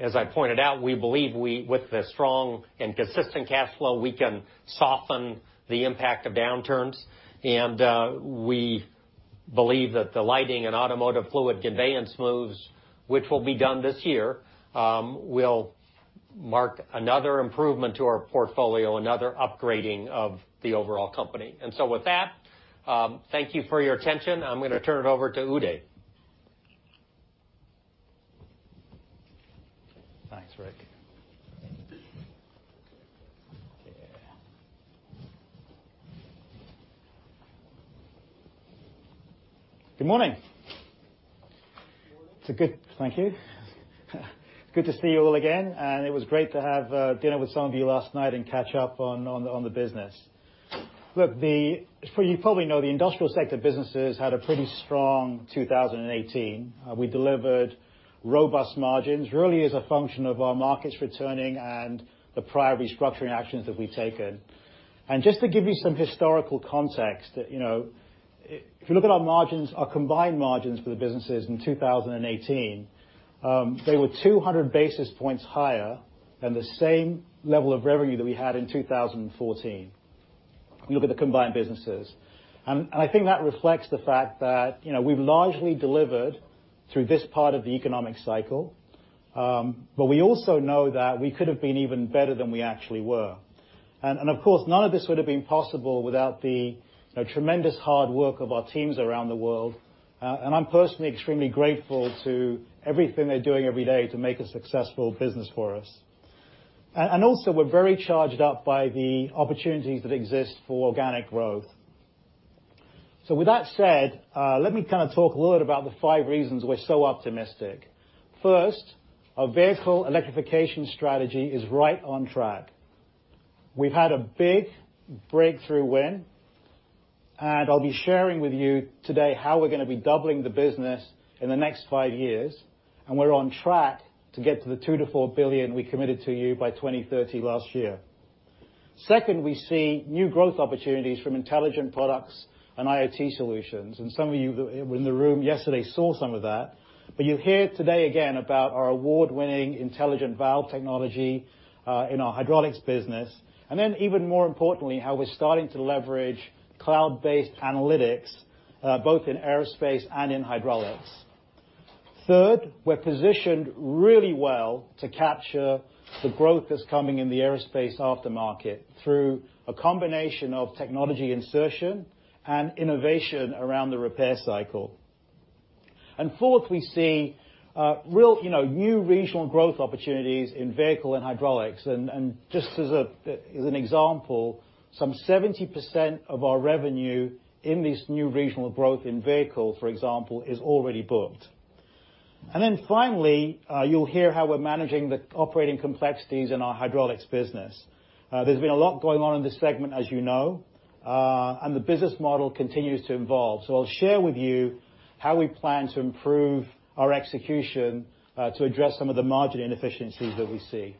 As I pointed out, we believe with the strong and consistent cash flow, we can soften the impact of downturns. We believe that the lighting and automotive fluid conveyance moves, which will be done this year, will mark another improvement to our portfolio, another upgrading of the overall company. With that, thank you for your attention. I'm going to turn it over to Uday. Thanks, Rick. Good morning. Good morning. Thank you. Good to see you all again, and it was great to have dinner with some of you last night and catch up on the business. You probably know, the industrial sector businesses had a pretty strong 2018. We delivered robust margins, really as a function of our markets returning and the prior restructuring actions that we've taken. Just to give you some historical context, if you look at our margins, our combined margins for the businesses in 2018, they were 200 basis points higher than the same level of revenue that we had in 2014. You look at the combined businesses. I think that reflects the fact that we've largely delivered through this part of the economic cycle. We also know that we could have been even better than we actually were. Of course, none of this would have been possible without the tremendous hard work of our teams around the world. I'm personally extremely grateful to everything they're doing every day to make a successful business for us. Also, we're very charged up by the opportunities that exist for organic growth. With that said, let me kind of talk a little bit about the five reasons we're so optimistic. First, our vehicle electrification strategy is right on track. We've had a big breakthrough win, and I'll be sharing with you today how we're going to be doubling the business in the next five years, and we're on track to get to the $2 billion-$4 billion we committed to you by 2030 last year. Second, we see new growth opportunities from intelligent products and IoT solutions. Some of you in the room yesterday saw some of that, but you'll hear today again about our award-winning intelligent valve technology in our hydraulics business. Even more importantly, how we're starting to leverage cloud-based analytics both in aerospace and in hydraulics. Third, we're positioned really well to capture the growth that's coming in the aerospace aftermarket through a combination of technology insertion and innovation around the repair cycle. Fourth, we see new regional growth opportunities in vehicle and hydraulics. Just as an example, some 70% of our revenue in this new regional growth in vehicle, for example, is already booked. Finally, you'll hear how we're managing the operating complexities in our hydraulics business. There's been a lot going on in this segment, as you know, and the business model continues to evolve. I'll share with you how we plan to improve our execution to address some of the margin inefficiencies that we see.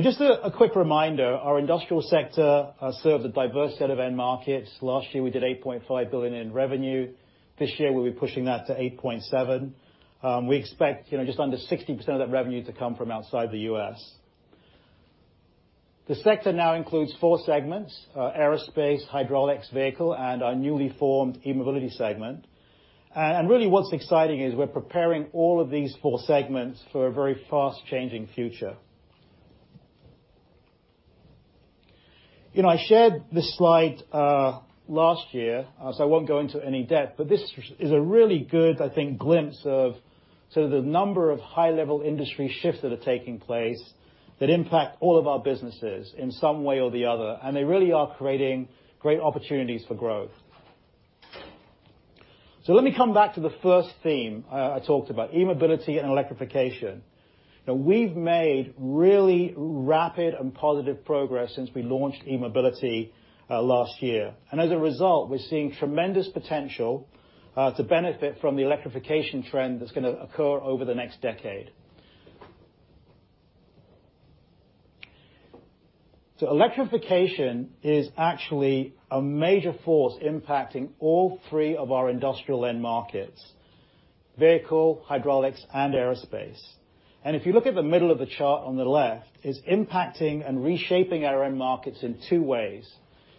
Just a quick reminder, our industrial sector serves a diverse set of end markets. Last year, we did $8.5 billion in revenue. This year, we'll be pushing that to $8.7 billion. We expect just under 60% of that revenue to come from outside the U.S. The sector now includes four segments, aerospace, hydraulics, vehicle, and our newly formed eMobility segment. Really what's exciting is we're preparing all of these four segments for a very fast-changing future. I shared this slide last year, so I won't go into any depth, but this is a really good, I think, glimpse of the number of high-level industry shifts that are taking place that impact all of our businesses in some way or the other, and they really are creating great opportunities for growth. Let me come back to the first theme I talked about, eMobility and electrification. We've made really rapid and positive progress since we launched eMobility last year. As a result, we're seeing tremendous potential to benefit from the electrification trend that's going to occur over the next decade. Electrification is actually a major force impacting all three of our industrial end markets: vehicle, hydraulics, and aerospace. If you look at the middle of the chart on the left, it's impacting and reshaping our end markets in two ways.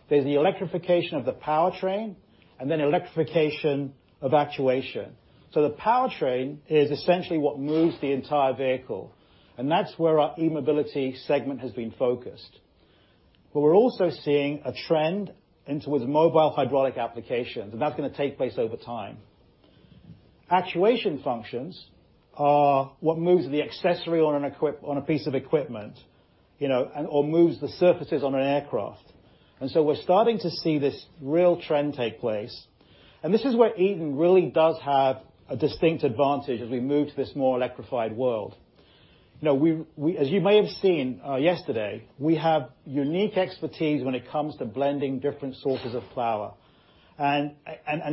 There's the electrification of the powertrain, and then electrification of actuation. The powertrain is essentially what moves the entire vehicle, and that's where our eMobility segment has been focused. We're also seeing a trend towards mobile hydraulic applications, and that's going to take place over time. Actuation functions are what moves the accessory on a piece of equipment, or moves the surfaces on an aircraft. We're starting to see this real trend take place. This is where Eaton really does have a distinct advantage as we move to this more electrified world. As you may have seen yesterday, we have unique expertise when it comes to blending different sources of power and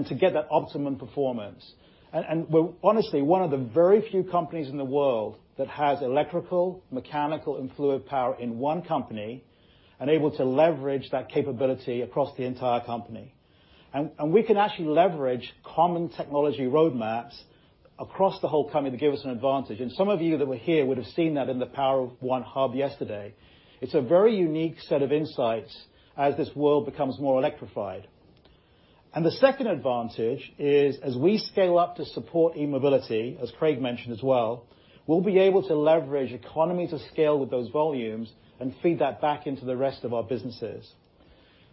to get that optimum performance. We're honestly one of the very few companies in the world that has electrical, mechanical, and fluid power in one company, and able to leverage that capability across the entire company. We can actually leverage common technology roadmaps across the whole company to give us an advantage. Some of you that were here would have seen that in the Power of One hub yesterday. It's a very unique set of insights as this world becomes more electrified. The second advantage is, as we scale up to support eMobility, as Craig mentioned as well, we'll be able to leverage economies of scale with those volumes and feed that back into the rest of our businesses.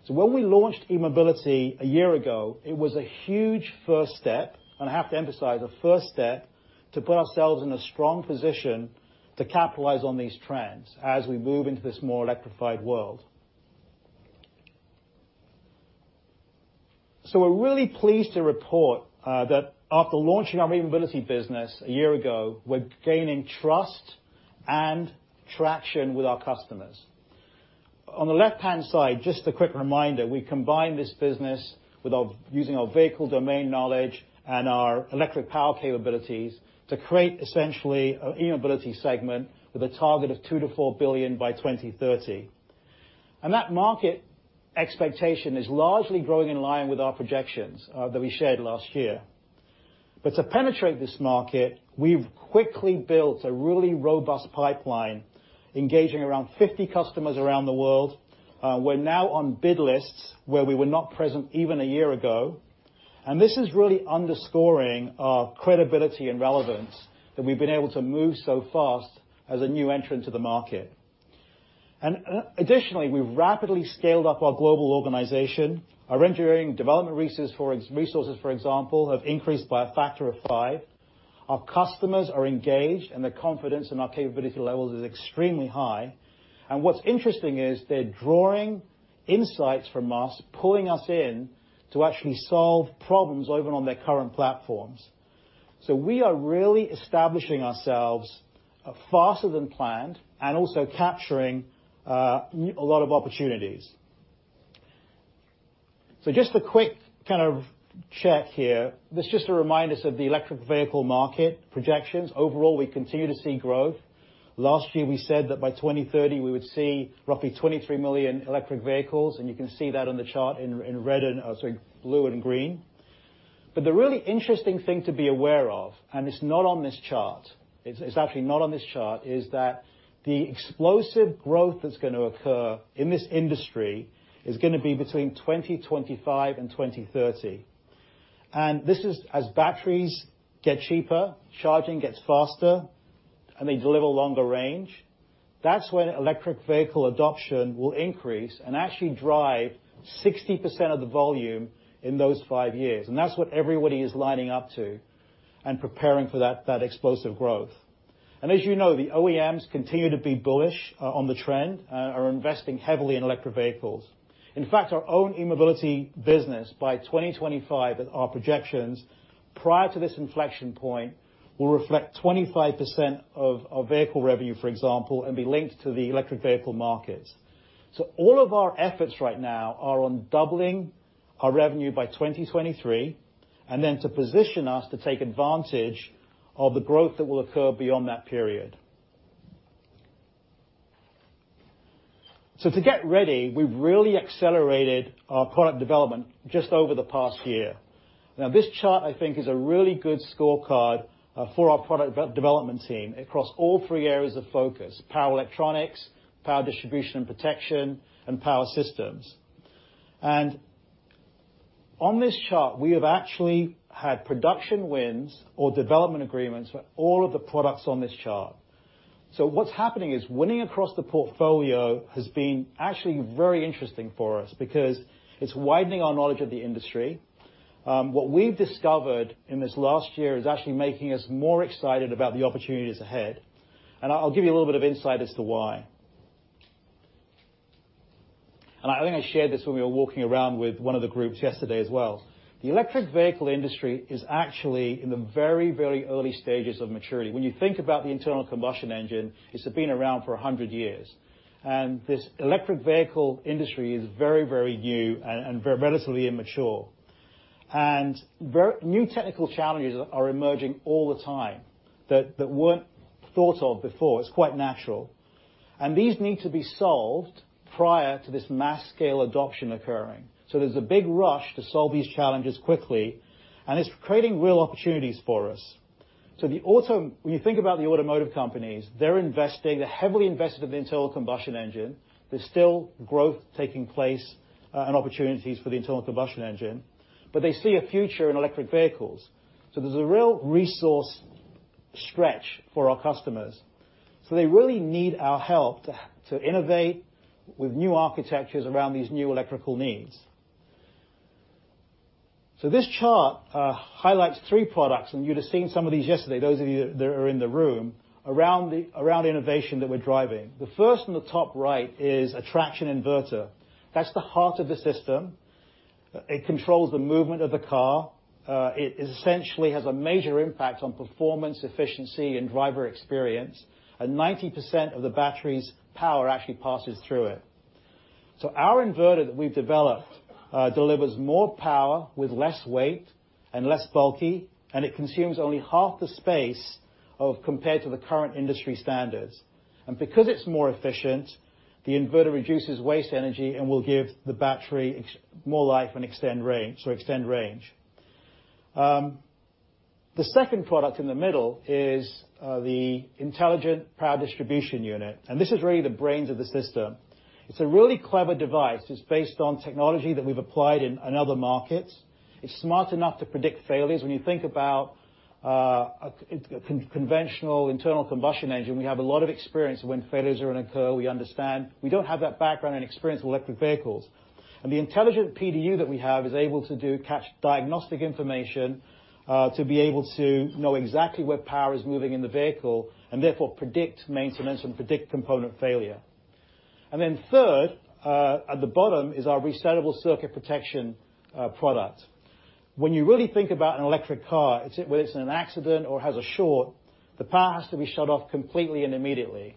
When we launched eMobility a year ago, it was a huge first step, and I have to emphasize, a first step, to put ourselves in a strong position to capitalize on these trends as we move into this more electrified world. We're really pleased to report that after launching our eMobility business a year ago, we're gaining trust and traction with our customers. On the left-hand side, just a quick reminder, we combined this business using our vehicle domain knowledge and our electric power capabilities to create essentially an eMobility segment with a target of $2 billion-$4 billion by 2030. That market expectation is largely growing in line with our projections that we shared last year. To penetrate this market, we've quickly built a really robust pipeline, engaging around 50 customers around the world. We're now on bid lists where we were not present even a year ago. This is really underscoring our credibility and relevance that we've been able to move so fast as a new entrant to the market. Additionally, we've rapidly scaled up our global organization. Our engineering development resources, for example, have increased by a factor of five. Our customers are engaged, and their confidence in our capability levels is extremely high. What's interesting is they're drawing insights from us, pulling us in to actually solve problems even on their current platforms. We are really establishing ourselves faster than planned and also capturing a lot of opportunities. Just a quick check here. This is just a reminder of the electric vehicle market projections. Overall, we continue to see growth. Last year, we said that by 2030, we would see roughly 23 million electric vehicles, and you can see that on the chart in blue and green. The really interesting thing to be aware of, and it's not on this chart, is that the explosive growth that's going to occur in this industry is going to be between 2025 and 2030. As batteries get cheaper, charging gets faster, and they deliver longer range, that's when electric vehicle adoption will increase and actually drive 60% of the volume in those five years. That's what everybody is lining up to and preparing for that explosive growth. As you know, the OEMs continue to be bullish on the trend, are investing heavily in electric vehicles. In fact, our own eMobility business by 2025, our projections prior to this inflection point will reflect 25% of our vehicle revenue, for example, and be linked to the electric vehicle markets. All of our efforts right now are on doubling our revenue by 2023, and then to position us to take advantage of the growth that will occur beyond that period. To get ready, we've really accelerated our product development just over the past year. Now, this chart, I think, is a really good scorecard for our product development team across all three areas of focus, power electronics, power distribution and protection, and power systems. On this chart, we have actually had production wins or development agreements for all of the products on this chart. What's happening is winning across the portfolio has been actually very interesting for us because it's widening our knowledge of the industry. What we've discovered in this last year is actually making us more excited about the opportunities ahead, and I'll give you a little bit of insight as to why. I think I shared this when we were walking around with one of the groups yesterday as well. The electric vehicle industry is actually in the very, very early stages of maturity. When you think about the internal combustion engine, it's been around for 100 years. This electric vehicle industry is very, very new and relatively immature. New technical challenges are emerging all the time that weren't thought of before. It's quite natural. These need to be solved prior to this mass scale adoption occurring. There's a big rush to solve these challenges quickly, and it's creating real opportunities for us. When you think about the automotive companies, they're heavily invested in the internal combustion engine. There's still growth taking place, and opportunities for the internal combustion engine, but they see a future in electric vehicles. There's a real resource stretch for our customers. They really need our help to innovate with new architectures around these new electrical needs. This chart highlights three products, and you'd have seen some of these yesterday, those of you that are in the room, around the innovation that we're driving. The first in the top right is a traction inverter. That's the heart of the system. It controls the movement of the car. It essentially has a major impact on performance, efficiency, and driver experience, 90% of the battery's power actually passes through it. Our inverter that we've developed delivers more power with less weight and less bulky, and it consumes only half the space compared to the current industry standards. Because it's more efficient, the inverter reduces waste energy and will give the battery more life and extend range. The second product in the middle is the intelligent power distribution unit, and this is really the brains of the system. It's a really clever device. It's based on technology that we've applied in other markets. It's smart enough to predict failures. When you think about a conventional internal combustion engine, we have a lot of experience when failures occur. We understand. We don't have that background and experience with electric vehicles. The intelligent PDU that we have is able to do catch diagnostic information, to be able to know exactly where power is moving in the vehicle, and therefore predict maintenance and predict component failure. Third, at the bottom, is our resettable circuit protection product. When you really think about an electric car, whether it's in an accident or has a short, the power has to be shut off completely and immediately.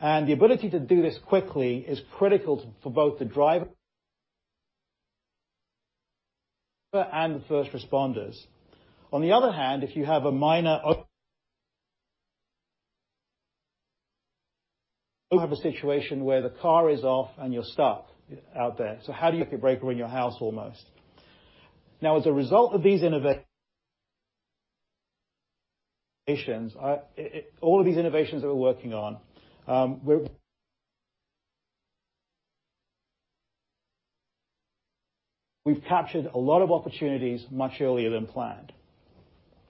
The ability to do this quickly is critical for both the driver and the first responders. On the other hand, if you have a situation where the car is off and you're stuck out there. breaker in your house almost. As a result of these innovations, all of these innovations that we're working on, we've captured a lot of opportunities much earlier than planned.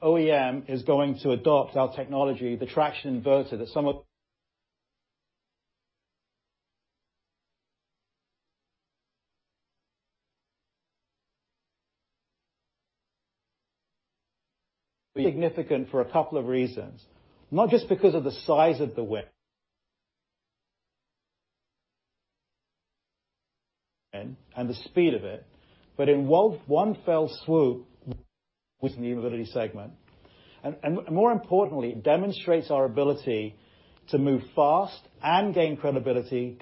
OEM is going to adopt our technology, the traction inverter. Significant for a couple of reasons, not just because of the size of the win and the speed of it, but in one fell swoop with the eMobility segment. More importantly, it demonstrates our ability to move fast and gain credibility.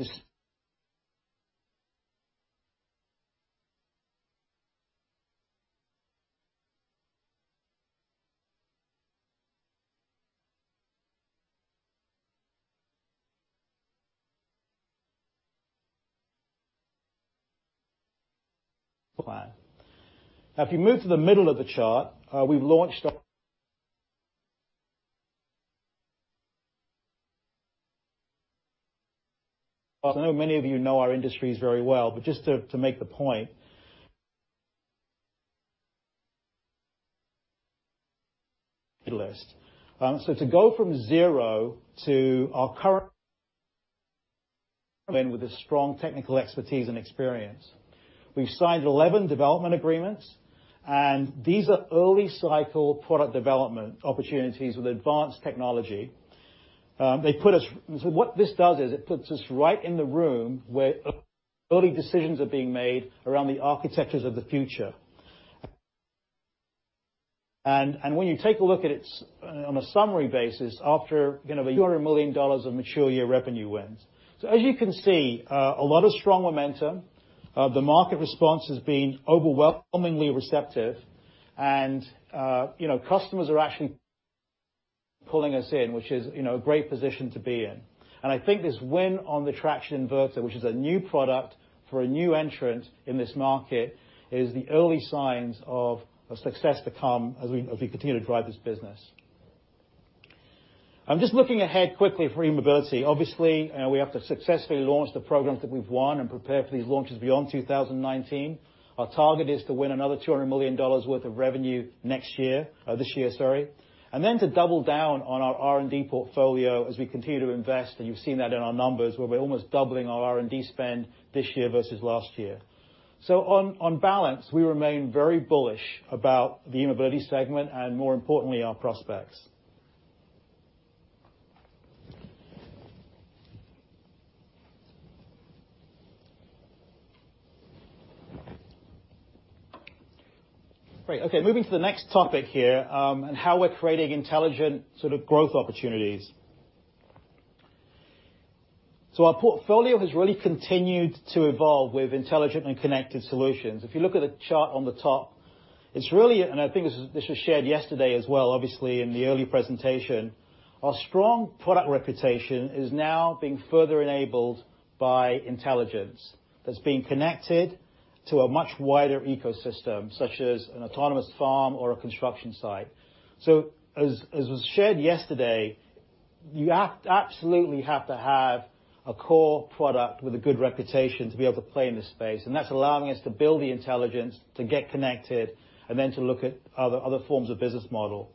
Now, if you move to the middle of the chart, I know many of you know our industries very well, but just to make the point. To go from zero with a strong technical expertise and experience. We've signed 11 development agreements, these are early cycle product development opportunities with advanced technology. What this does is it puts us right in the room where early decisions are being made around the architectures of the future. When you take a look at it on a summary basis, after a year, $200 million of mature year revenue wins. As you can see, a lot of strong momentum. The market response has been overwhelmingly receptive and customers are actually pulling us in, which is a great position to be in. I think this win on the traction inverter, which is a new product for a new entrant in this market, is the early signs of success to come as we continue to drive this business. I'm just looking ahead quickly for eMobility. Obviously, we have to successfully launch the programs that we've won and prepare for these launches beyond 2019. Our target is to win another $200 million worth of revenue this year, then to double down on our R&D portfolio as we continue to invest. You've seen that in our numbers where we're almost doubling our R&D spend this year versus last year. On balance, we remain very bullish about the eMobility segment and, more importantly, our prospects. Great. Okay. Moving to the next topic here, how we're creating intelligent sort of growth opportunities. Our portfolio has really continued to evolve with intelligent and connected solutions. If you look at the chart on the top, and I think this was shared yesterday as well, obviously, in the early presentation, our strong product reputation is now being further enabled by intelligence that's being connected to a much wider ecosystem, such as an autonomous farm or a construction site. As was shared yesterday, you absolutely have to have a core product with a good reputation to be able to play in this space. That's allowing us to build the intelligence to get connected, then to look at other forms of business model.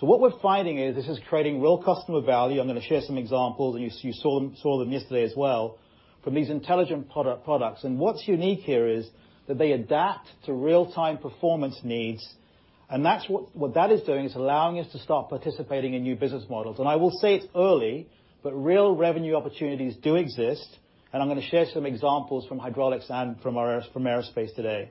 What we're finding is this is creating real customer value. I'm going to share some examples, and you saw them yesterday as well, from these intelligent products. What's unique here is that they adapt to real-time performance needs. What that is doing, is allowing us to start participating in new business models. I will say it's early, but real revenue opportunities do exist, and I'm going to share some examples from hydraulics and from aerospace today.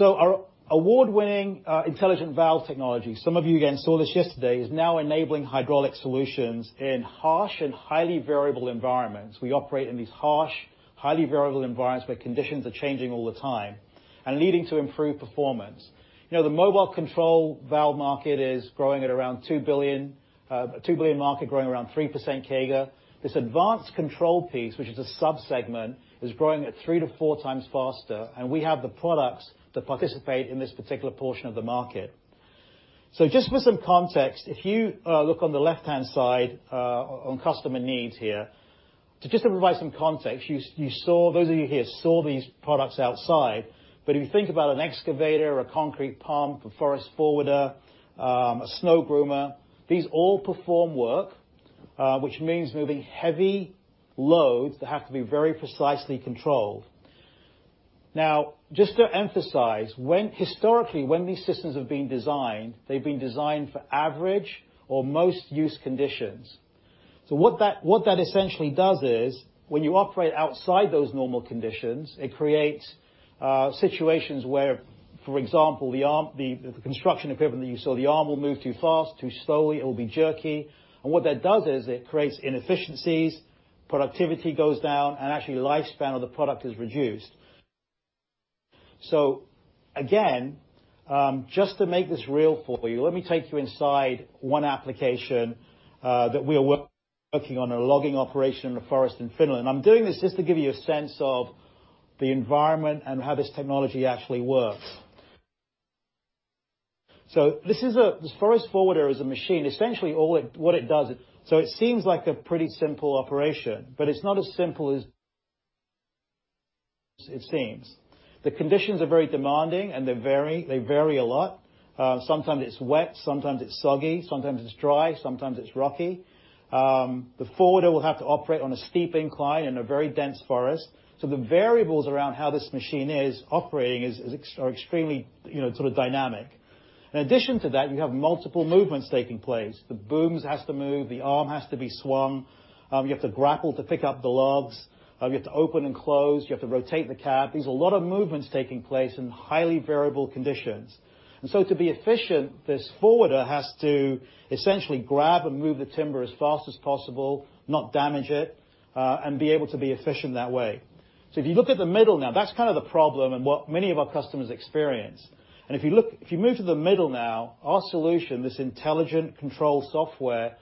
Our award-winning intelligent valve technology, some of you again saw this yesterday, is now enabling hydraulic solutions in harsh and highly variable environments. We operate in these harsh, highly variable environments where conditions are changing all the time and leading to improved performance. The mobile control valve market is a $2 billion market growing around 3% CAGR. This advanced control piece, which is a sub-segment, is growing at three to four times faster, and we have the products that participate in this particular portion of the market. Just for some context, if you look on the left-hand side on customer needs here. Just to provide some context, those of you here saw these products outside, but if you think about an excavator or a concrete pump, a forest forwarder, a snow groomer, these all perform work, which means moving heavy loads that have to be very precisely controlled. Now, just to emphasize, historically, when these systems have been designed, they've been designed for average or most used conditions. What that essentially does is, when you operate outside those normal conditions, it creates situations where, for example, the construction equipment that you saw, the arm will move too fast, too slowly, it will be jerky. And what that does is it creates inefficiencies, productivity goes down, and actually lifespan of the product is reduced. Again, just to make this real for you, let me take you inside one application that we are working on, a logging operation in a forest in Finland. I'm doing this just to give you a sense of the environment and how this technology actually works. This forest forwarder is a machine. Essentially what it does. It seems like a pretty simple operation, but it's not as simple as it seems. The conditions are very demanding and they vary a lot. Sometimes it's wet, sometimes it's soggy, sometimes it's dry, sometimes it's rocky. The forwarder will have to operate on a steep incline in a very dense forest. The variables around how this machine is operating are extremely sort of dynamic. In addition to that, you have multiple movements taking place. The booms has to move, the arm has to be swung, you have to grapple to pick up the logs, you have to open and close, you have to rotate the cab. There's a lot of movements taking place in highly variable conditions. And so to be efficient, this forwarder has to essentially grab and move the timber as fast as possible, not damage it, and be able to be efficient that way. If you look at the middle now, that's kind of the problem and what many of our customers experience. If you move to the middle now, our solution, this intelligent control software,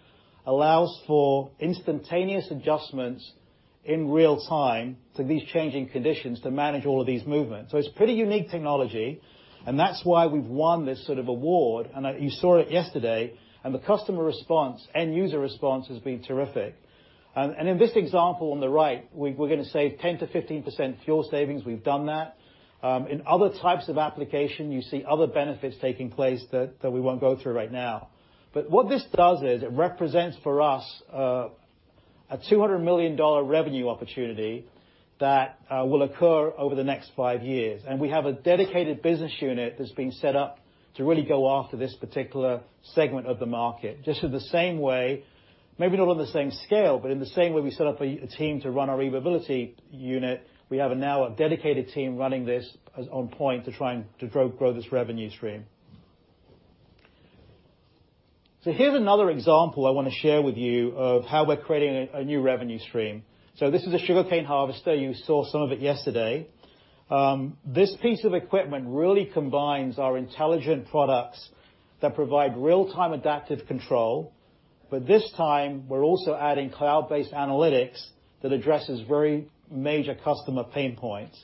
allows for instantaneous adjustments in real-time to these changing conditions to manage all of these movements. It's pretty unique technology, and that's why we've won this sort of award, and you saw it yesterday. And the customer response and user response has been terrific. And in this example on the right, we're going to save 10%-15% fuel savings. We've done that. In other types of application, you see other benefits taking place that we won't go through right now. But what this does is it represents for us a $200 million revenue opportunity that will occur over the next five years. And we have a dedicated business unit that's been set up to really go after this particular segment of the market. Just in the same way, maybe not on the same scale, but in the same way we set up a team to run our eMobility unit, we have now a dedicated team running this on point to try and to grow this revenue stream. Here's another example I want to share with you of how we're creating a new revenue stream. This is a sugarcane harvester. You saw some of it yesterday. This piece of equipment really combines our intelligent products that provide real-time adaptive control. This time, we're also adding cloud-based analytics that addresses very major customer pain points.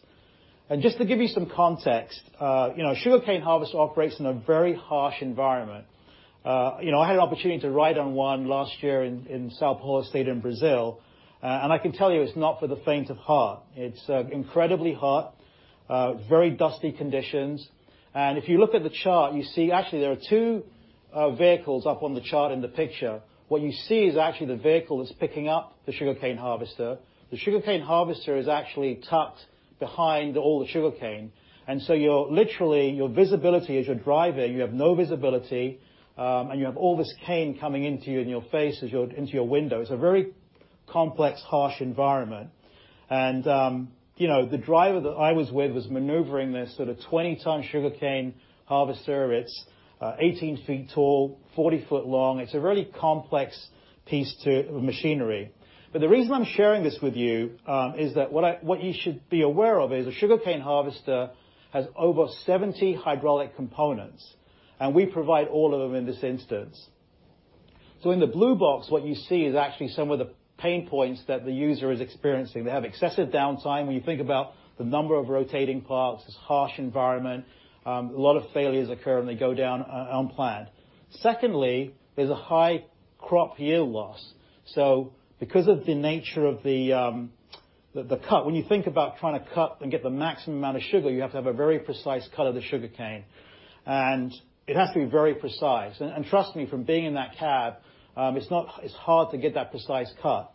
Just to give you some context, sugarcane harvest operates in a very harsh environment. I had an opportunity to ride on one last year in São Paulo state in Brazil, and I can tell you, it's not for the faint of heart. It's incredibly hot, very dusty conditions. If you look at the chart, you see actually there are two vehicles up on the chart in the picture. What you see is actually the vehicle that's picking up the sugarcane harvester. The sugarcane harvester is actually tucked behind all the sugarcane, literally, your visibility as you're driving, you have no visibility, and you have all this cane coming into you in your face, into your window. It's a very complex, harsh environment. The driver that I was with was maneuvering this sort of 20-tonne sugarcane harvester. It's 18 feet tall, 40 foot long. It's a really complex piece of machinery. The reason I'm sharing this with you is that what you should be aware of is a sugarcane harvester has over 70 hydraulic components, and we provide all of them in this instance. In the blue box, what you see is actually some of the pain points that the user is experiencing. They have excessive downtime. When you think about the number of rotating parts, this harsh environment, a lot of failures occur, and they go down unplanned. Secondly, there's a high crop yield loss. Because of the nature of the cut, when you think about trying to cut and get the maximum amount of sugar, you have to have a very precise cut of the sugarcane. It has to be very precise. Trust me, from being in that cab, it's hard to get that precise cut.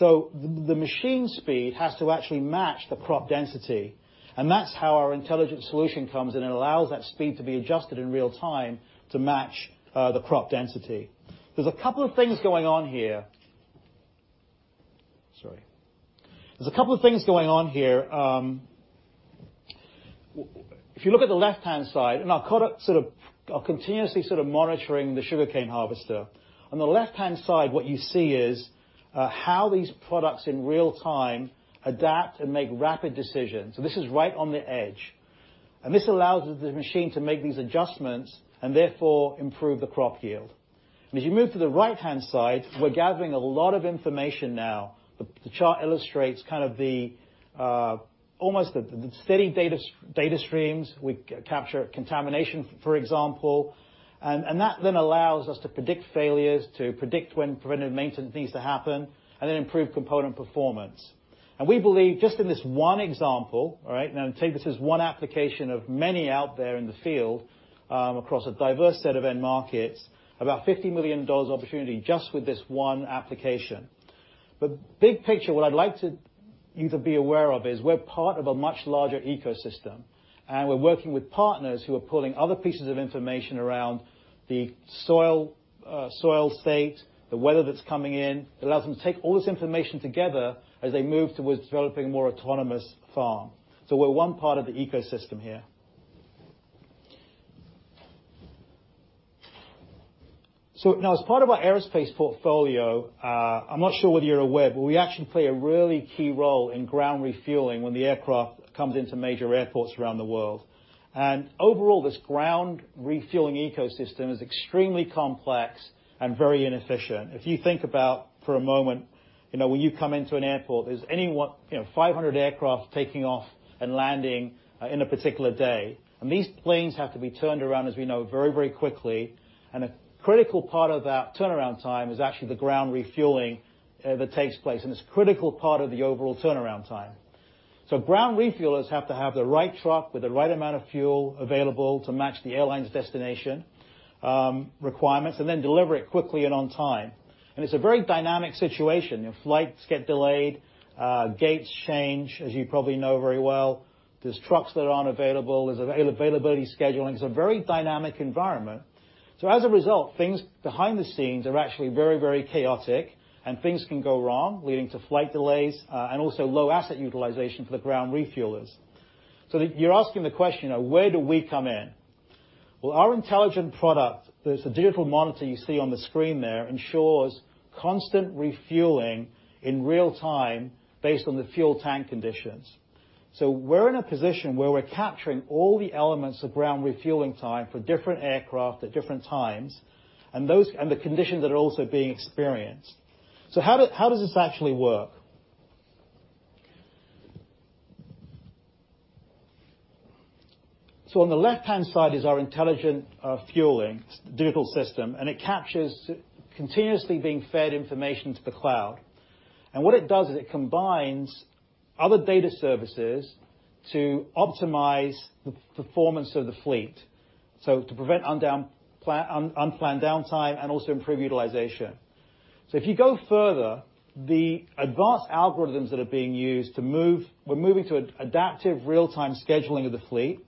The machine speed has to actually match the crop density, and that's how our intelligent solution comes in and allows that speed to be adjusted in real-time to match the crop density. There's a couple of things going on here. Sorry. There's a couple of things going on here. If you look at the left-hand side. On the left-hand side, what you see is how these products in real time adapt and make rapid decisions. This is right on the edge, this allows the machine to make these adjustments and therefore improve the crop yield. As you move to the right-hand side, we're gathering a lot of information now. The chart illustrates kind of the almost the steady data streams. We capture contamination, for example, that then allows us to predict failures, to predict when preventative maintenance needs to happen, and then improve component performance. We believe just in this one example. All right, now take this as one application of many out there in the field, across a diverse set of end markets, about $50 million opportunity just with this one application. Big picture, what I'd like you to be aware of is we're part of a much larger ecosystem, and we're working with partners who are pulling other pieces of information around the soil state, the weather that's coming in. It allows them to take all this information together as they move towards developing a more autonomous farm. We're one part of the ecosystem here. Now as part of our aerospace portfolio, I'm not sure whether you're aware, but we actually play a really key role in ground refueling when the aircraft comes into major airports around the world. Overall, this ground refueling ecosystem is extremely complex and very inefficient. If you think about, for a moment, when you come into an airport, there's 500 aircraft taking off and landing in a particular day. These planes have to be turned around, as we know, very quickly. A critical part of that turnaround time is actually the ground refueling that takes place, and it's a critical part of the overall turnaround time. Ground refuelers have to have the right truck with the right amount of fuel available to match the airline's destination requirements and then deliver it quickly and on time. It's a very dynamic situation. If flights get delayed, gates change, as you probably know very well. There's trucks that aren't available. There's availability scheduling. It's a very dynamic environment. As a result, things behind the scenes are actually very chaotic and things can go wrong, leading to flight delays, and also low asset utilization for the ground refuelers. You're asking the question, where do we come in? Well, our intelligent product, there's a digital monitor you see on the screen there ensures constant refueling in real time based on the fuel tank conditions. We're in a position where we're capturing all the elements of ground refueling time for different aircraft at different times, and the conditions that are also being experienced. How does this actually work? On the left-hand side is our intelligent fueling digital system. It captures continuously being fed information to the cloud. What it does is it combines other data services to optimize the performance of the fleet, to prevent unplanned downtime and also improve utilization. If you go further, the advanced algorithms that are being used, we're moving to adaptive real-time scheduling of the fleet.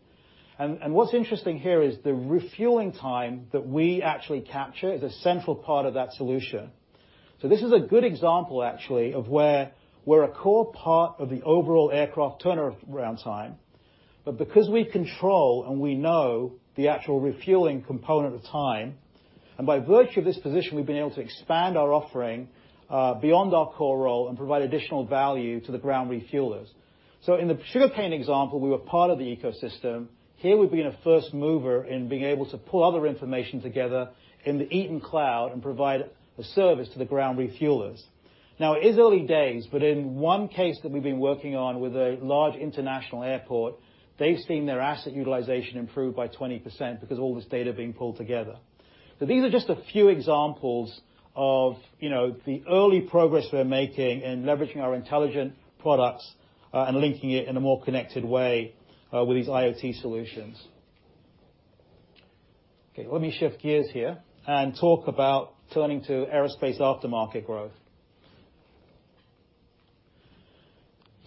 What's interesting here is the refueling time that we actually capture is a central part of that solution. This is a good example, actually, of where we're a core part of the overall aircraft turnaround time. But because we control and we know the actual refueling component of time, and by virtue of this position, we've been able to expand our offering beyond our core role and provide additional value to the ground refuelers. In the Sugar Cane example, we were part of the ecosystem. Here, we've been a first mover in being able to pull other information together in the Eaton cloud and provide a service to the ground refuelers. It is early days, but in one case that we've been working on with a large international airport, they've seen their asset utilization improve by 20% because all this data are being pulled together. These are just a few examples of the early progress we're making in leveraging our intelligent products, and linking it in a more connected way with these IoT solutions. Okay. Let me shift gears here and talk about turning to aerospace aftermarket growth.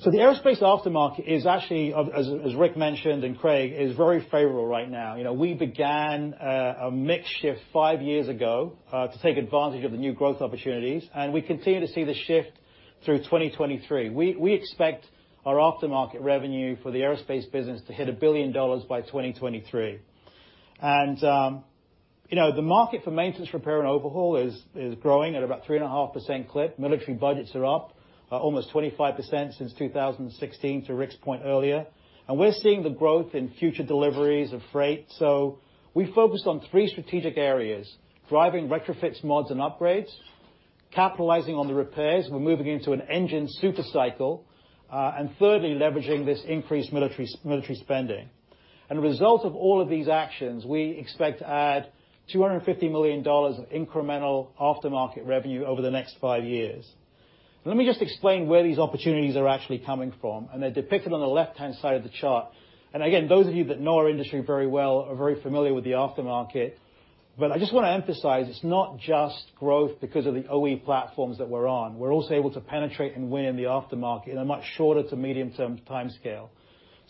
The aerospace aftermarket is actually, as Rick mentioned and Craig, is very favorable right now. We began a mix shift five years ago, to take advantage of the new growth opportunities, and we continue to see the shift through 2023. We expect our aftermarket revenue for the aerospace business to hit $1 billion by 2023. The market for maintenance repair and overhaul is growing at about 3.5% clip. Military budgets are up almost 25% since 2016, to Rick's point earlier. We're seeing the growth in future deliveries of freight. We focused on three strategic areas, driving retrofits, mods, and upgrades, capitalizing on the repairs, we're moving into an engine super cycle, and thirdly, leveraging this increased military spending. As a result of all of these actions, we expect to add $250 million of incremental aftermarket revenue over the next five years. Let me just explain where these opportunities are actually coming from, and they're depicted on the left-hand side of the chart. Again, those of you that know our industry very well are very familiar with the aftermarket. I just want to emphasize, it's not just growth because of the OE platforms that we're on. We're also able to penetrate and win in the aftermarket in a much shorter to medium term timescale.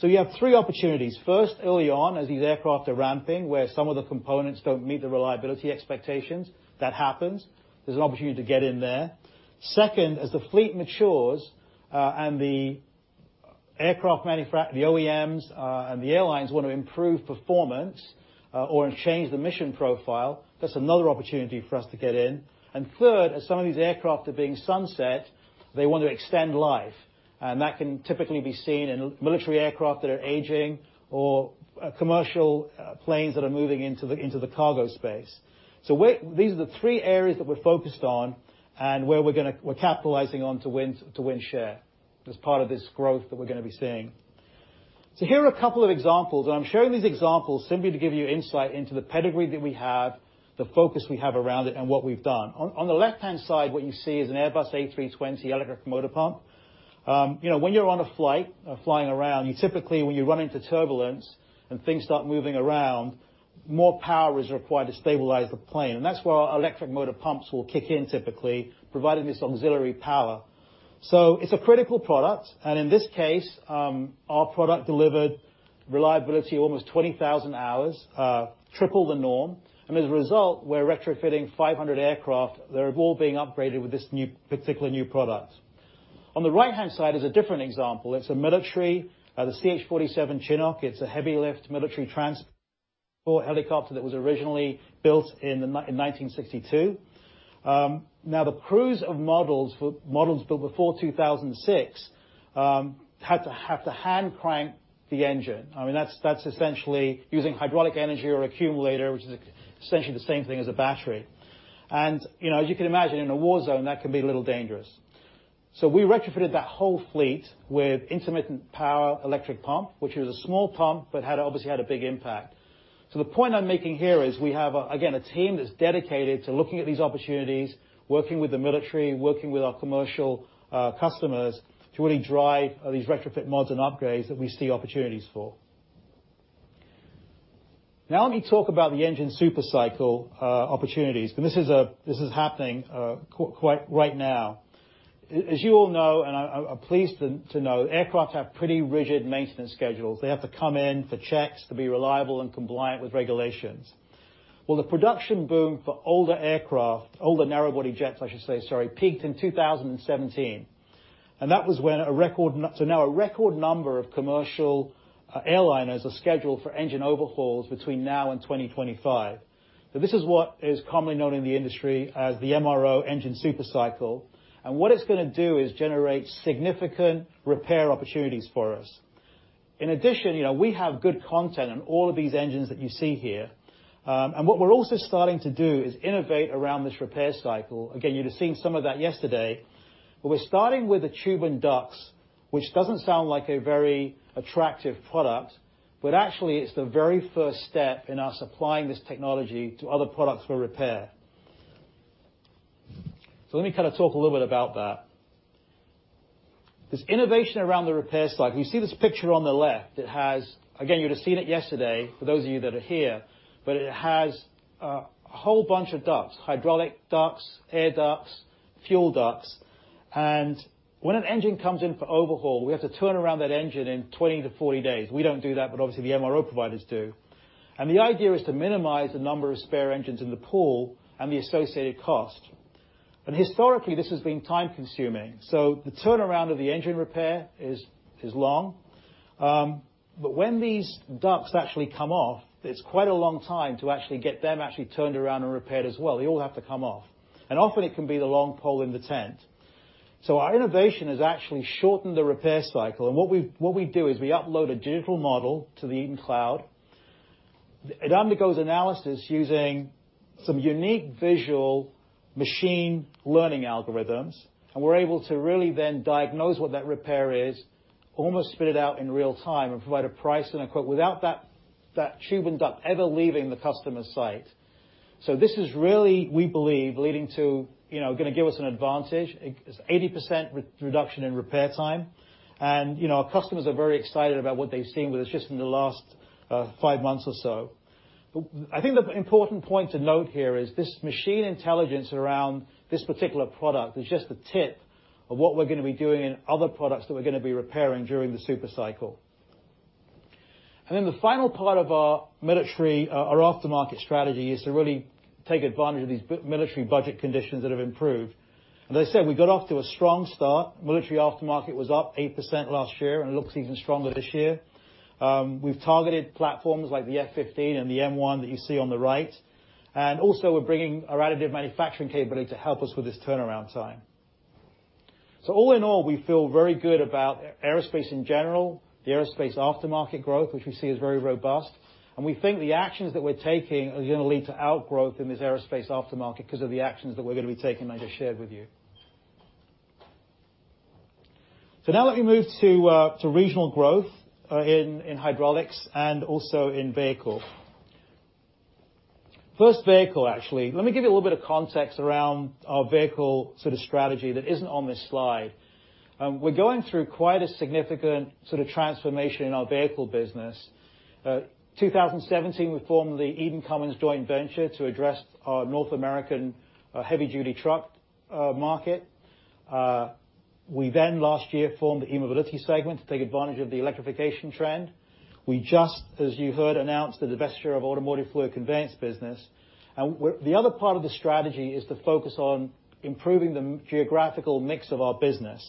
You have three opportunities. First, early on, as these aircraft are ramping, where some of the components don't meet the reliability expectations. That happens. There's an opportunity to get in there. Second, as the fleet matures, and the OEMs, and the airlines want to improve performance or change the mission profile, that's another opportunity for us to get in. Third, as some of these aircraft are being sunset, they want to extend life. That can typically be seen in military aircraft that are aging or commercial planes that are moving into the cargo space. These are the three areas that we're focused on and where we're capitalizing on to win share as part of this growth that we're going to be seeing. Here are a couple of examples, and I'm sharing these examples simply to give you insight into the pedigree that we have, the focus we have around it, and what we've done. On the left-hand side, what you see is an Airbus A320 electric motor pump. When you're on a flight or flying around, you typically, when you run into turbulence and things start moving around, more power is required to stabilize the plane. That's where our electric motor pumps will kick in typically, providing this auxiliary power. It's a critical product, and in this case, our product delivered reliability almost 20,000 hours, triple the norm. As a result, we're retrofitting 500 aircraft that are all being upgraded with this particular new product. On the right-hand side is a different example. It's a military, the CH-47 Chinook. It's a heavy lift military transport helicopter that was originally built in 1962. The crews of models built before 2006 had to hand crank the engine. I mean, that's essentially using hydraulic energy or accumulator, which is essentially the same thing as a battery. As you can imagine, in a war zone, that can be a little dangerous. We retrofitted that whole fleet with intermittent power electric pump, which was a small pump but obviously had a big impact. The point I'm making here is we have, again, a team that's dedicated to looking at these opportunities, working with the military, working with our commercial customers to really drive these retrofit mods and upgrades that we see opportunities for. Let me talk about the engine super cycle opportunities. This is happening right now. As you all know, I'm pleased to know, aircraft have pretty rigid maintenance schedules. They have to come in for checks to be reliable and compliant with regulations. Well, the production boom for older aircraft, older narrow body jets, I should say, sorry, peaked in 2017. That was when a record number of commercial airliners are scheduled for engine overhauls between now and 2025. This is what is commonly known in the industry as the MRO engine super cycle. What it's going to do is generate significant repair opportunities for us. In addition, we have good content on all of these engines that you see here. What we're also starting to do is innovate around this repair cycle. Again, you'd have seen some of that yesterday, we're starting with the tube and ducts, which doesn't sound like a very attractive product, actually it's the very first step in us applying this technology to other products for repair. Let me kind of talk a little bit about that. This innovation around the repair cycle. You see this picture on the left, it has, again, you would've seen it yesterday for those of you that are here, it has a whole bunch of ducts, hydraulic ducts, air ducts, fuel ducts. When an engine comes in for overhaul, we have to turn around that engine in 20 to 40 days. We don't do that, obviously the MRO providers do. The idea is to minimize the number of spare engines in the pool and the associated cost. Historically, this has been time-consuming. The turnaround of the engine repair is long. When these ducts actually come off, it's quite a long time to actually get them turned around and repaired as well. They all have to come off, often it can be the long pole in the tent. Our innovation has actually shortened the repair cycle, what we do is we upload a digital model to the Eaton cloud. It undergoes analysis using some unique visual machine learning algorithms, we're able to really then diagnose what that repair is, almost spit it out in real time, provide a price and a quote without that tube and duct ever leaving the customer site. This is really, we believe, going to give us an advantage. It's 80% reduction in repair time. Our customers are very excited about what they've seen, it's just in the last five months or so. The important point to note here is this machine intelligence around this particular product is just the tip of what we're going to be doing in other products that we're going to be repairing during the super cycle. The final part of our military, our aftermarket strategy, is to really take advantage of these military budget conditions that have improved. As I said, we got off to a strong start. Military aftermarket was up 8% last year and it looks even stronger this year. We've targeted platforms like the F-15 and the M1 that you see on the right. Also we're bringing our additive manufacturing capability to help us with this turnaround time. All in all, we feel very good about aerospace in general, the aerospace aftermarket growth, which we see is very robust. We think the actions that we're taking are going to lead to outgrowth in this aerospace aftermarket because of the actions that we're going to be taking I just shared with you. Now let me move to regional growth in hydraulics and also in vehicle. First, vehicle, actually. Let me give you a little bit of context around our vehicle sort of strategy that isn't on this slide. We're going through quite a significant sort of transformation in our vehicle business. 2017, we formed the Eaton-Cummins joint venture to address our North American heavy duty truck market. We last year formed the eMobility segment to take advantage of the electrification trend. We just, as you heard, announced the divestiture of automotive fluid conveyance business. The other part of the strategy is to focus on improving the geographical mix of our business.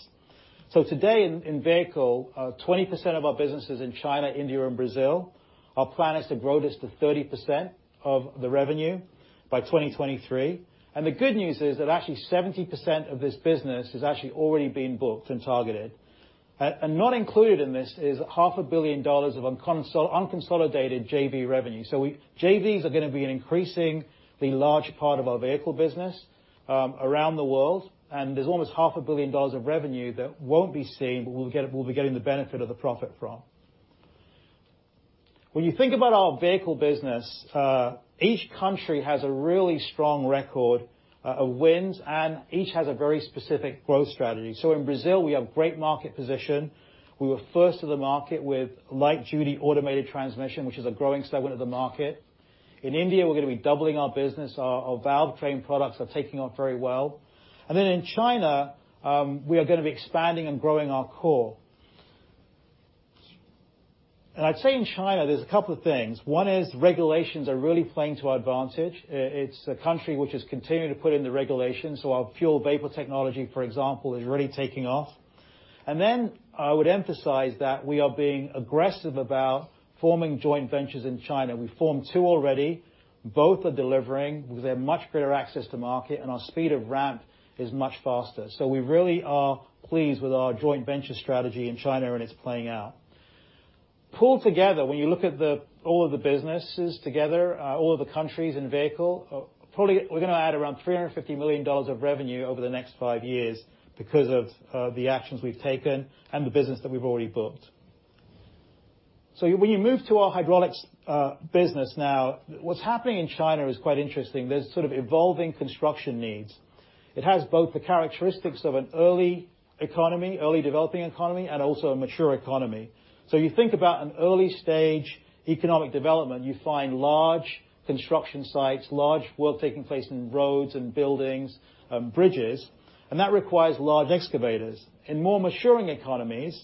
Today in Vehicle, 20% of our business is in China, India and Brazil. Our plan is to grow this to 30% of the revenue by 2023. The good news is that actually 70% of this business has actually already been booked and targeted. Not included in this is half a billion dollars of unconsolidated JV revenue. JVs are going to be an increasing, the large part of our vehicle business around the world, and there's almost half a billion dollars of revenue that won't be seen, but we'll be getting the benefit of the profit from. When you think about our vehicle business, each country has a really strong record of wins, and each has a very specific growth strategy. In Brazil, we have great market position. We were first to the market with light duty automated transmission, which is a growing segment of the market. In India, we're going to be doubling our business. Our valvetrain products are taking off very well. In China, we are going to be expanding and growing our core. I'd say in China, there's a couple of things. One is regulations are really playing to our advantage. It's a country which has continued to put in the regulations. Our fuel vapor technology, for example, is really taking off. I would emphasize that we are being aggressive about forming joint ventures in China. We formed two already. Both are delivering. We've had much better access to market, and our speed of ramp is much faster. We really are pleased with our joint venture strategy in China, and it's playing out. Pulled together, when you look at all of the businesses together, all of the countries in Vehicle, probably we're going to add around $350 million of revenue over the next five years because of the actions we've taken and the business that we've already booked. When you move to our hydraulics business now, what's happening in China is quite interesting. There's sort of evolving construction needs. It has both the characteristics of an early economy, early developing economy, and also a mature economy. You think about an early-stage economic development, you find large construction sites, large work taking place in roads and buildings and bridges, and that requires large excavators. In more maturing economies,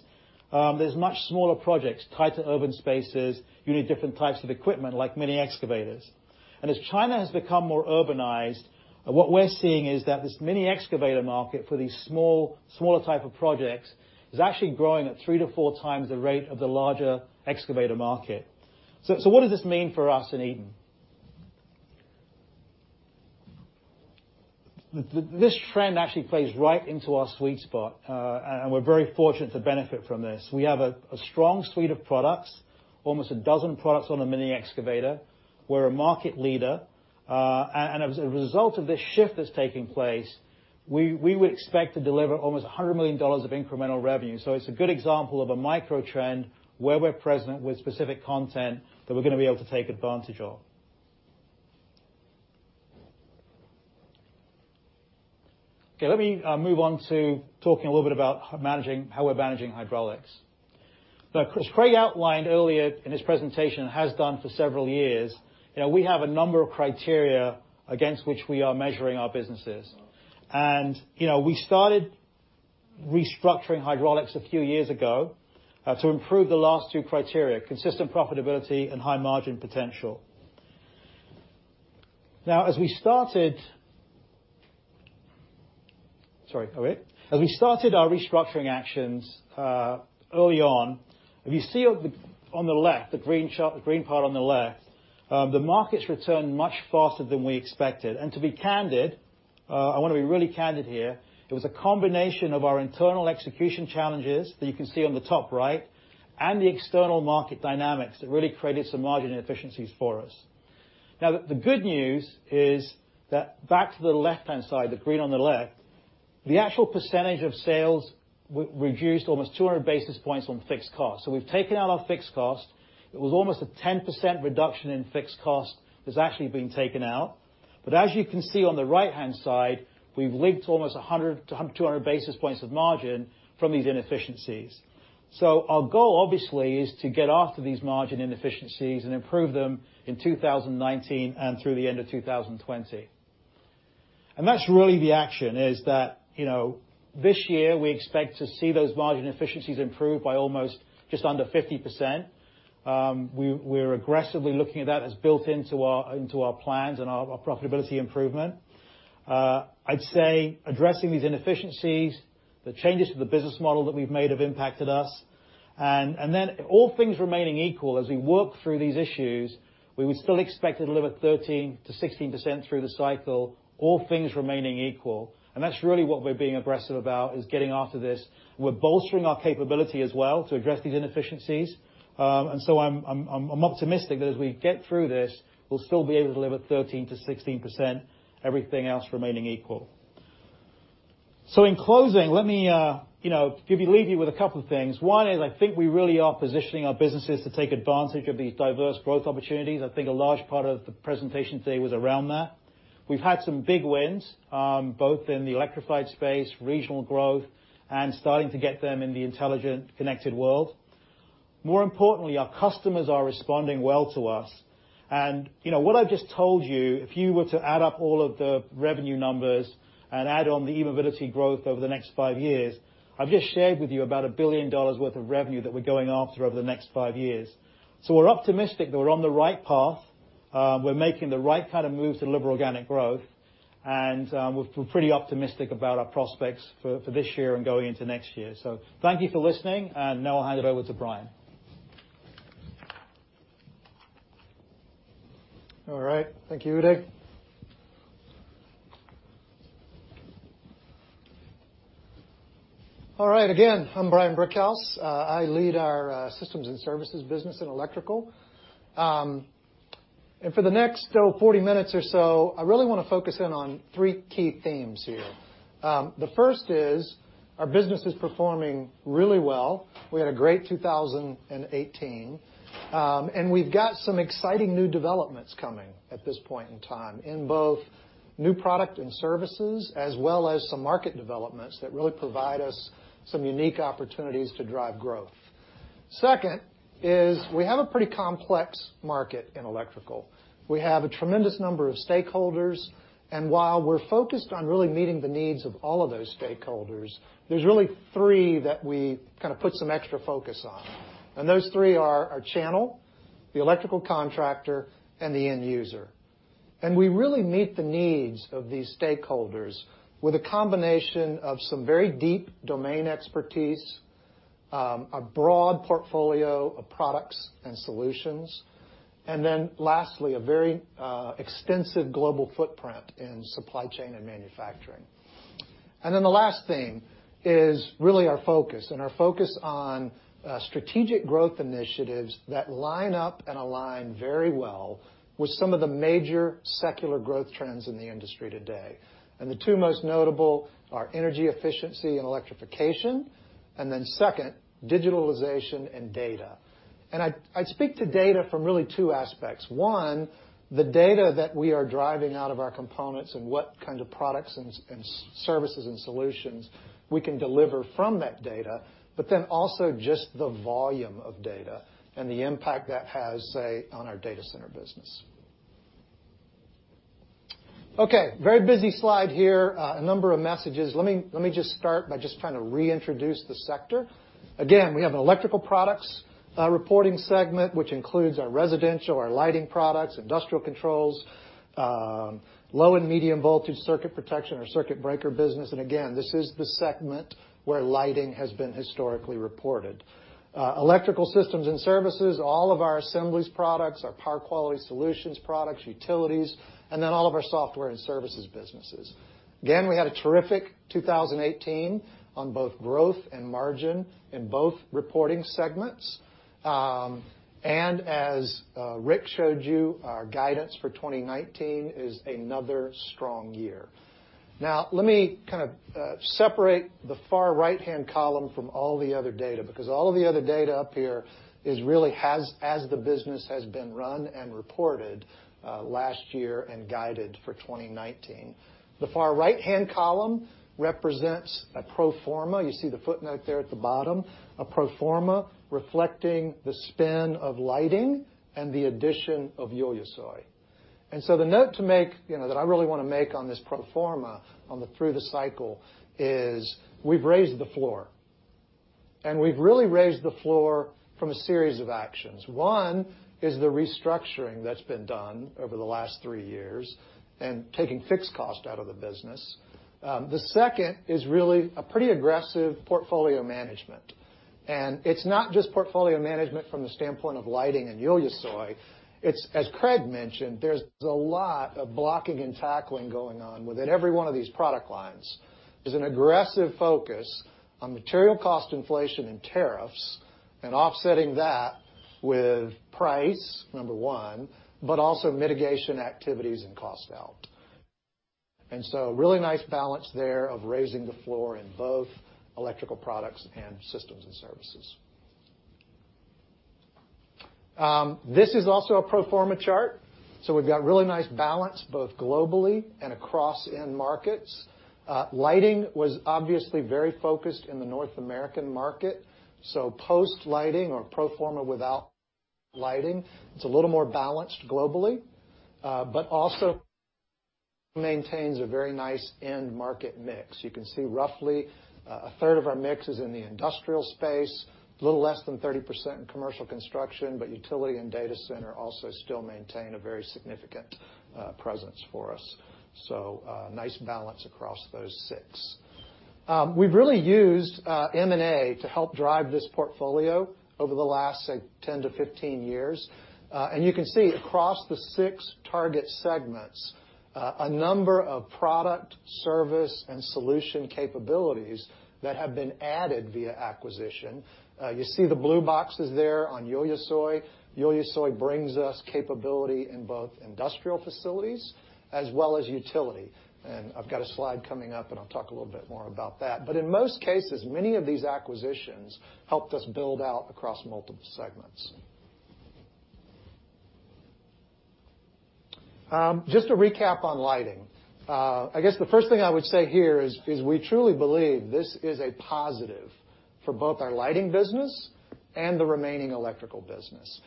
there's much smaller projects tied to urban spaces. You need different types of equipment, like mini excavators. As China has become more urbanized, what we're seeing is that this mini excavator market for these smaller type of projects is actually growing at three to four times the rate of the larger excavator market. What does this mean for us in Eaton? This trend actually plays right into our sweet spot. We're very fortunate to benefit from this. We have a strong suite of products, almost a dozen products on a mini excavator. We're a market leader. As a result of this shift that's taking place, we would expect to deliver almost $100 million of incremental revenue. It's a good example of a microtrend where we're present with specific content that we're going to be able to take advantage of. Let me move on to talking a little bit about how we're managing hydraulics. As Craig outlined earlier in his presentation, has done for several years, we have a number of criteria against which we are measuring our businesses. We started restructuring hydraulics a few years ago to improve the last 2 criteria, consistent profitability and high margin potential. As we started our restructuring actions early on, if you see on the left, the green part on the left, the market's returned much faster than we expected. To be candid, I want to be really candid here, it was a combination of our internal execution challenges that you can see on the top right, and the external market dynamics that really created some margin inefficiencies for us. The good news is that back to the left-hand side, the green on the left, the actual percentage of sales reduced almost 200 basis points on fixed cost. We've taken out our fixed cost. It was almost a 10% reduction in fixed cost that's actually been taken out. As you can see on the right-hand side, we've leaked almost 100 to 200 basis points of margin from these inefficiencies. Our goal, obviously, is to get after these margin inefficiencies and improve them in 2019 and through the end of 2020. That's really the action, is that this year we expect to see those margin efficiencies improve by almost just under 50%. We're aggressively looking at that as built into our plans and our profitability improvement. I'd say addressing these inefficiencies, the changes to the business model that we've made have impacted us. All things remaining equal as we work through these issues, we would still expect to deliver 13%-16% through the cycle, all things remaining equal. That's really what we're being aggressive about, is getting after this. We're bolstering our capability as well to address these inefficiencies. I'm optimistic that as we get through this, we'll still be able to deliver 13%-16%, everything else remaining equal. In closing, let me leave you with a couple of things. One is I think we really are positioning our businesses to take advantage of these diverse growth opportunities. I think a large part of the presentation today was around that. We've had some big wins, both in the electrified space, regional growth, and starting to get them in the intelligent, connected world. More importantly, our customers are responding well to us. What I've just told you, if you were to add up all of the revenue numbers and add on the eMobility growth over the next five years, I've just shared with you about $1 billion worth of revenue that we're going after over the next five years. We're optimistic that we're on the right path. We're making the right kind of moves to deliver organic growth, and we're pretty optimistic about our prospects for this year and going into next year. Thank you for listening, and now I'll hand it over to Brian. All right. Thank you, Uday. All right. Again, I'm Brian Brickhouse. I lead our systems and services business in electrical. For the next 40 minutes or so, I really want to focus in on three key themes here. The first is our business is performing really well. We had a great 2018. We've got some exciting new developments coming at this point in time in both new product and services, as well as some market developments that really provide us some unique opportunities to drive growth. Second is we have a pretty complex market in electrical. We have a tremendous number of stakeholders, and while we're focused on really meeting the needs of all of those stakeholders, there's really three that we kind of put some extra focus on. Those three are our channel, the electrical contractor, and the end user. We really meet the needs of these stakeholders with a combination of some very deep domain expertise, a broad portfolio of products and solutions, and then lastly, a very extensive global footprint in supply chain and manufacturing. The last thing is really our focus, and our focus on strategic growth initiatives that line up and align very well with some of the major secular growth trends in the industry today. The two most notable are energy efficiency and electrification, and then second, digitalization and data. I speak to data from really two aspects. One, the data that we are driving out of our components and what kind of products and services and solutions we can deliver from that data, but then also just the volume of data and the impact that has, say, on our data center business. Okay. Very busy slide here. A number of messages. Let me just start by just trying to reintroduce the sector. We have an Electrical Products reporting segment, which includes our residential, our lighting products, industrial controls, low and medium voltage circuit protection, our circuit breaker business. This is the segment where lighting has been historically reported. Electrical Systems and Services, all of our assemblies products, our power quality solutions products, utilities, all of our software and services businesses. We had a terrific 2018 on both growth and margin in both reporting segments. As Rick showed you, our guidance for 2019 is another strong year. Let me kind of separate the far right-hand column from all the other data, because all of the other data up here is really as the business has been run and reported last year and guided for 2019. The far right-hand column represents a pro forma. You see the footnote there at the bottom, a pro forma reflecting the spin of lighting and the addition of Ulusoy. The note to make, that I really want to make on this pro forma on the through the cycle is we've raised the floor. We've really raised the floor from a series of actions. One is the restructuring that's been done over the last three years and taking fixed cost out of the business. The second is really a pretty aggressive portfolio management. It's not just portfolio management from the standpoint of lighting and Ulusoy, it's, as Craig mentioned, there's a lot of blocking and tackling going on within every one of these product lines. There's an aggressive focus on material cost inflation and tariffs and offsetting that with price, number one, but also mitigation activities and cost out. A really nice balance there of raising the floor in both Electrical Products and Systems and Services. This is also a pro forma chart. We've got really nice balance both globally and across end markets. Lighting was obviously very focused in the North American market, post lighting or pro forma without lighting, it's a little more balanced globally. Also maintains a very nice end market mix. You can see roughly a third of our mix is in the industrial space, a little less than 30% in commercial construction, utility and data center also still maintain a very significant presence for us. Nice balance across those six. We've really used M&A to help drive this portfolio over the last, say, 10 to 15 years. You can see across the six target segments, a number of product, service, and solution capabilities that have been added via acquisition. You see the blue boxes there on Ulusoy. Ulusoy brings us capability in both industrial facilities as well as utility. I've got a slide coming up, I'll talk a little bit more about that. In most cases, many of these acquisitions helped us build out across multiple segments. Just to recap on lighting. I guess the first thing I would say here is we truly believe this is a positive for both our lighting business and the remaining electrical business.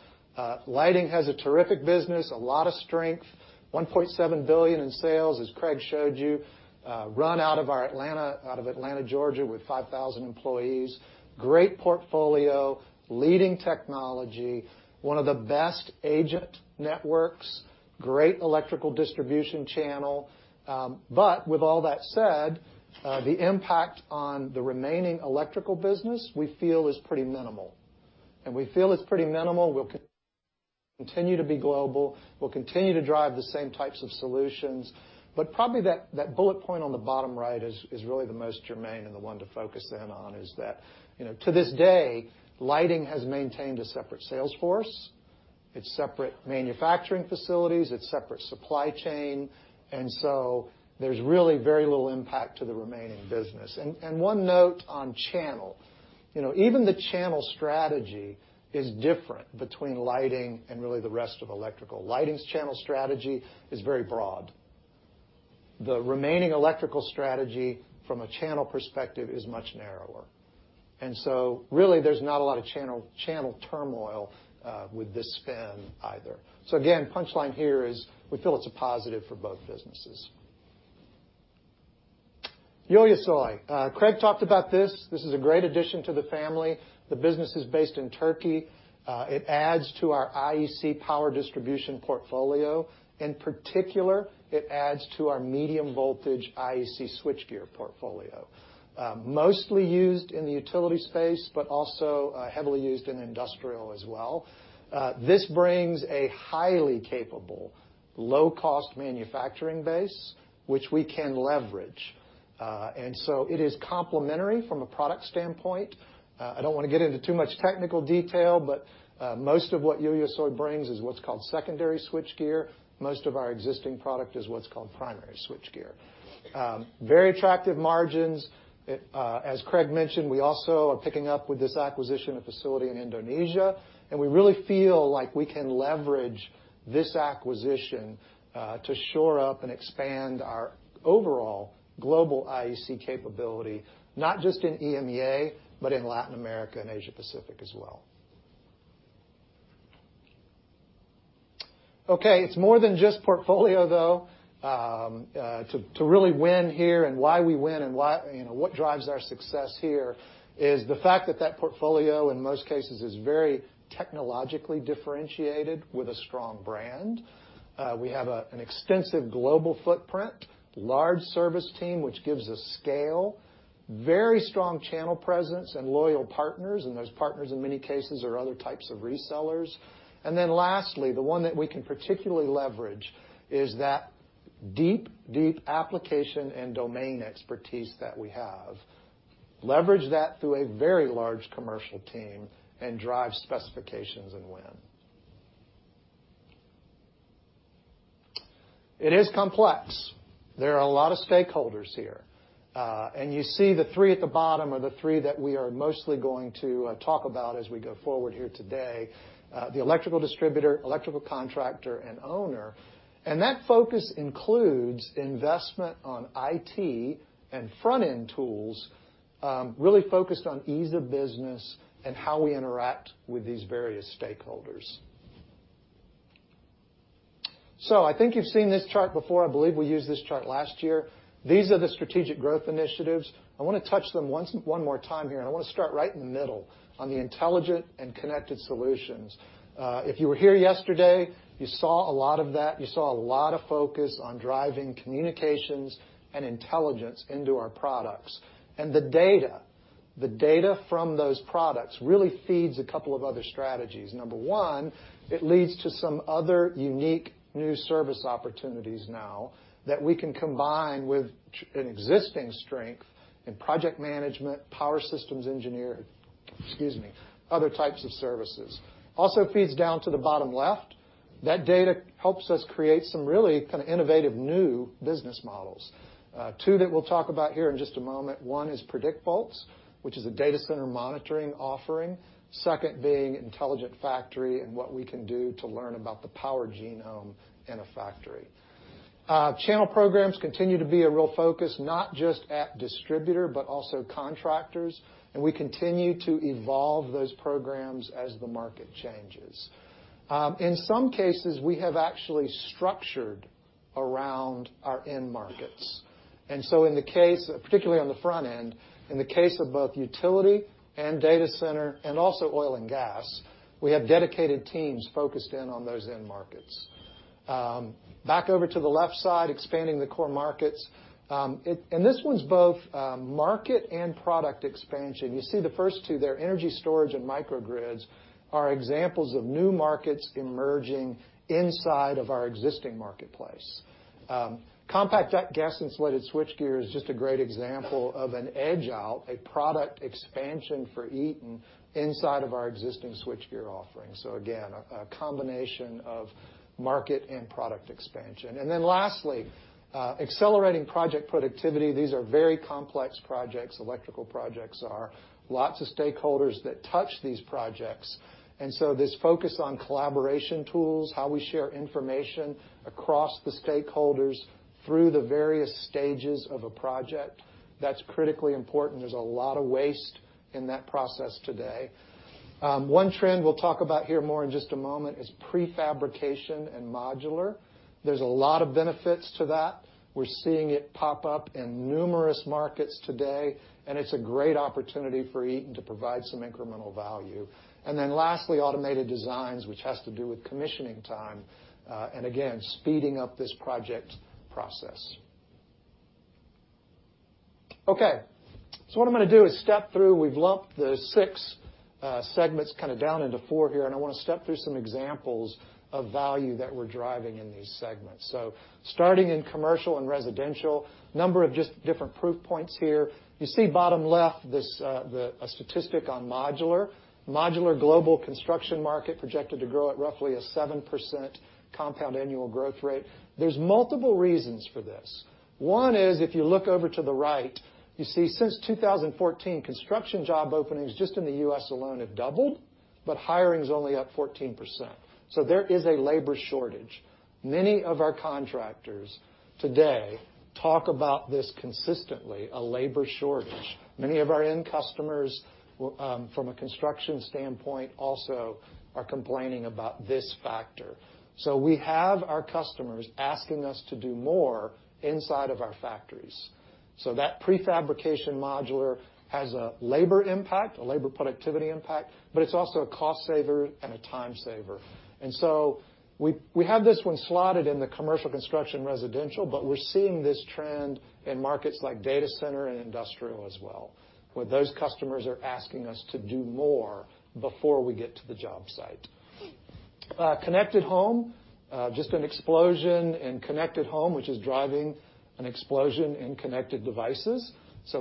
Lighting has a terrific business, a lot of strength, $1.7 billion in sales, as Craig showed you, run out of Atlanta, Georgia, with 5,000 employees. Great portfolio, leading technology, one of the best agent networks, great electrical distribution channel. With all that said, the impact on the remaining electrical business we feel is pretty minimal. We feel it's pretty minimal, we'll continue to be global. We'll continue to drive the same types of solutions. Probably that bullet point on the bottom right is really the most germane and the one to focus in on is that, to this day, lighting has maintained a separate sales force. Its separate manufacturing facilities. Its separate supply chain, so there's really very little impact to the remaining business. One note on channel. Even the channel strategy is different between lighting and really the rest of electrical. Lighting's channel strategy is very broad. The remaining electrical strategy from a channel perspective is much narrower. Really there's not a lot of channel turmoil with this spin either. Again, punchline here is we feel it's a positive for both businesses. Ulusoy. Craig talked about this. This is a great addition to the family. The business is based in Turkey. It adds to our IEC power distribution portfolio. In particular, it adds to our medium voltage IEC switchgear portfolio. Mostly used in the utility space, also heavily used in industrial as well. This brings a highly capable, low-cost manufacturing base, which we can leverage. It is complementary from a product standpoint. I don't want to get into too much technical detail, most of what Ulusoy brings is what's called secondary switchgear. Most of our existing product is what's called primary switchgear. Very attractive margins. As Craig mentioned, we also are picking up with this acquisition, a facility in Indonesia, we really feel like we can leverage this acquisition to shore up and expand our overall global IEC capability, not just in EMEA, but in Latin America and Asia Pacific as well. Okay, it's more than just portfolio, though. To really win here and why we win and what drives our success here is the fact that that portfolio, in most cases, is very technologically differentiated with a strong brand. We have an extensive global footprint, large service team, which gives us scale, very strong channel presence, loyal partners, those partners, in many cases, are other types of resellers. Lastly, the one that we can particularly leverage is that deep application and domain expertise that we have. Leverage that through a very large commercial team, drive specifications and win. It is complex. There are a lot of stakeholders here. You see the three at the bottom are the three that we are mostly going to talk about as we go forward here today. The electrical distributor, electrical contractor, and owner. That focus includes investment on IT and front-end tools, really focused on ease of business and how we interact with these various stakeholders. So I think you've seen this chart before. I believe we used this chart last year. These are the strategic growth initiatives. I want to touch them one more time here, I want to start right in the middle on the intelligent and connected solutions. If you were here yesterday, you saw a lot of that. You saw a lot of focus on driving communications and intelligence into our products. The data from those products really feeds a couple of other strategies. Number one, it leads to some other unique new service opportunities now that we can combine with an existing strength in project management, power systems engineer, other types of services. Feeds down to the bottom left. That data helps us create some really innovative new business models. Two that we'll talk about here in just a moment. One is PredictPulse, which is a data center monitoring offering. Second being intelligent factory and what we can do to learn about the power genome in a factory. Channel programs continue to be a real focus, not just at distributor, but also contractors, we continue to evolve those programs as the market changes. In some cases, we have actually structured around our end markets. Particularly on the front end, in the case of both utility and data center and also oil and gas, we have dedicated teams focused in on those end markets. Back over to the left side, expanding the core markets. This one's both market and product expansion. You see the first two there, energy storage and microgrids, are examples of new markets emerging inside of our existing marketplace. Compact gas-insulated switchgear is just a great example of an edge out, a product expansion for Eaton inside of our existing switchgear offerings. Again, a combination of market and product expansion. Lastly, accelerating project productivity. These are very complex projects, electrical projects are. Lots of stakeholders that touch these projects. This focus on collaboration tools, how we share information across the stakeholders through the various stages of a project, that's critically important. There's a lot of waste in that process today. One trend we'll talk about here more in just a moment is prefabrication and modular. There's a lot of benefits to that. We're seeing it pop up in numerous markets today, and it's a great opportunity for Eaton to provide some incremental value. Lastly, automated designs, which has to do with commissioning time, and again, speeding up this project process. Okay. What I'm going to do is step through. We've lumped the six segments down into four here, I want to step through some examples of value that we're driving in these segments. Starting in commercial and residential, number of just different proof points here. You see bottom left, a statistic on modular. Modular global construction market projected to grow at roughly a 7% compound annual growth rate. There's multiple reasons for this. One is, if you look over to the right, you see since 2014, construction job openings just in the U.S. alone have doubled, but hiring is only up 14%. There is a labor shortage. Many of our contractors today talk about this consistently, a labor shortage. Many of our end customers, from a construction standpoint, also are complaining about this factor. We have our customers asking us to do more inside of our factories. That prefabrication modular has a labor impact, a labor productivity impact, but it's also a cost saver and a time saver. We have this one slotted in the commercial construction residential, but we're seeing this trend in markets like data center and industrial as well, where those customers are asking us to do more before we get to the job site. Connected home, just an explosion in connected home, which is driving an explosion in connected devices.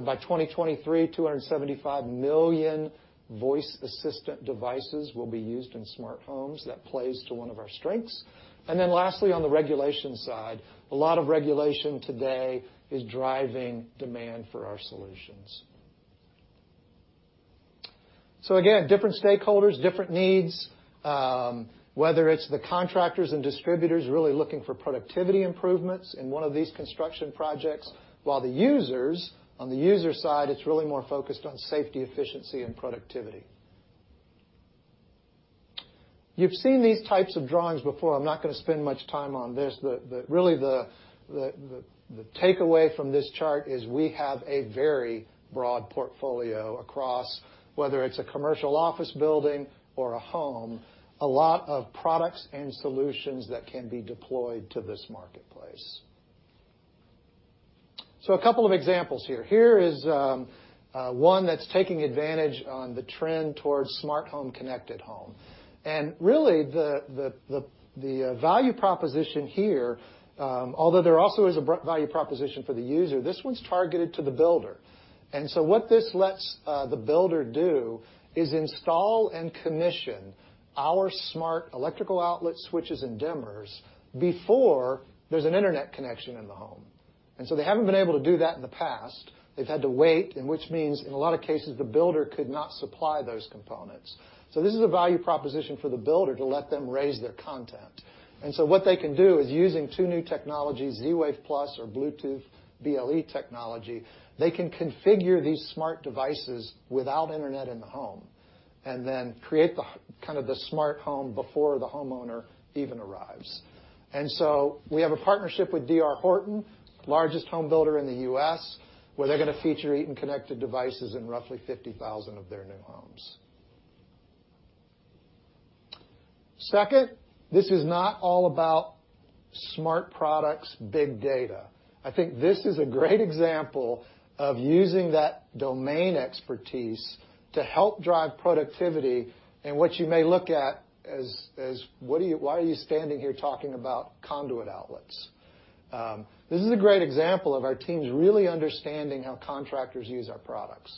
By 2023, 275 million voice assistant devices will be used in smart homes. That plays to one of our strengths. Lastly, on the regulation side, a lot of regulation today is driving demand for our solutions. Again, different stakeholders, different needs, whether it's the contractors and distributors really looking for productivity improvements in one of these construction projects, while the users, on the user side, it's really more focused on safety, efficiency and productivity. You've seen these types of drawings before. I'm not going to spend much time on this. Really, the takeaway from this chart is we have a very broad portfolio across, whether it's a commercial office building or a home, a lot of products and solutions that can be deployed to this marketplace. A couple of examples here. Here is one that's taking advantage on the trend towards smart home, connected home. Really the value proposition here, although there also is a value proposition for the user, this one's targeted to the builder. What this lets the builder do is install and commission our smart electrical outlet switches and dimmers before there's an internet connection in the home. They haven't been able to do that in the past. They've had to wait, which means in a lot of cases, the builder could not supply those components. This is a value proposition for the builder to let them raise their content. What they can do is using two new technologies, Z-Wave Plus or Bluetooth BLE technology, they can configure these smart devices without internet in the home, then create the smart home before the homeowner even arrives. We have a partnership with D.R. Horton, largest home builder in the U.S., where they're going to feature Eaton connected devices in roughly 50,000 of their new homes. Second, this is not all about smart products, big data. I think this is a great example of using that domain expertise to help drive productivity in what you may look at as, why are you standing here talking about conduit outlets? This is a great example of our teams really understanding how contractors use our products.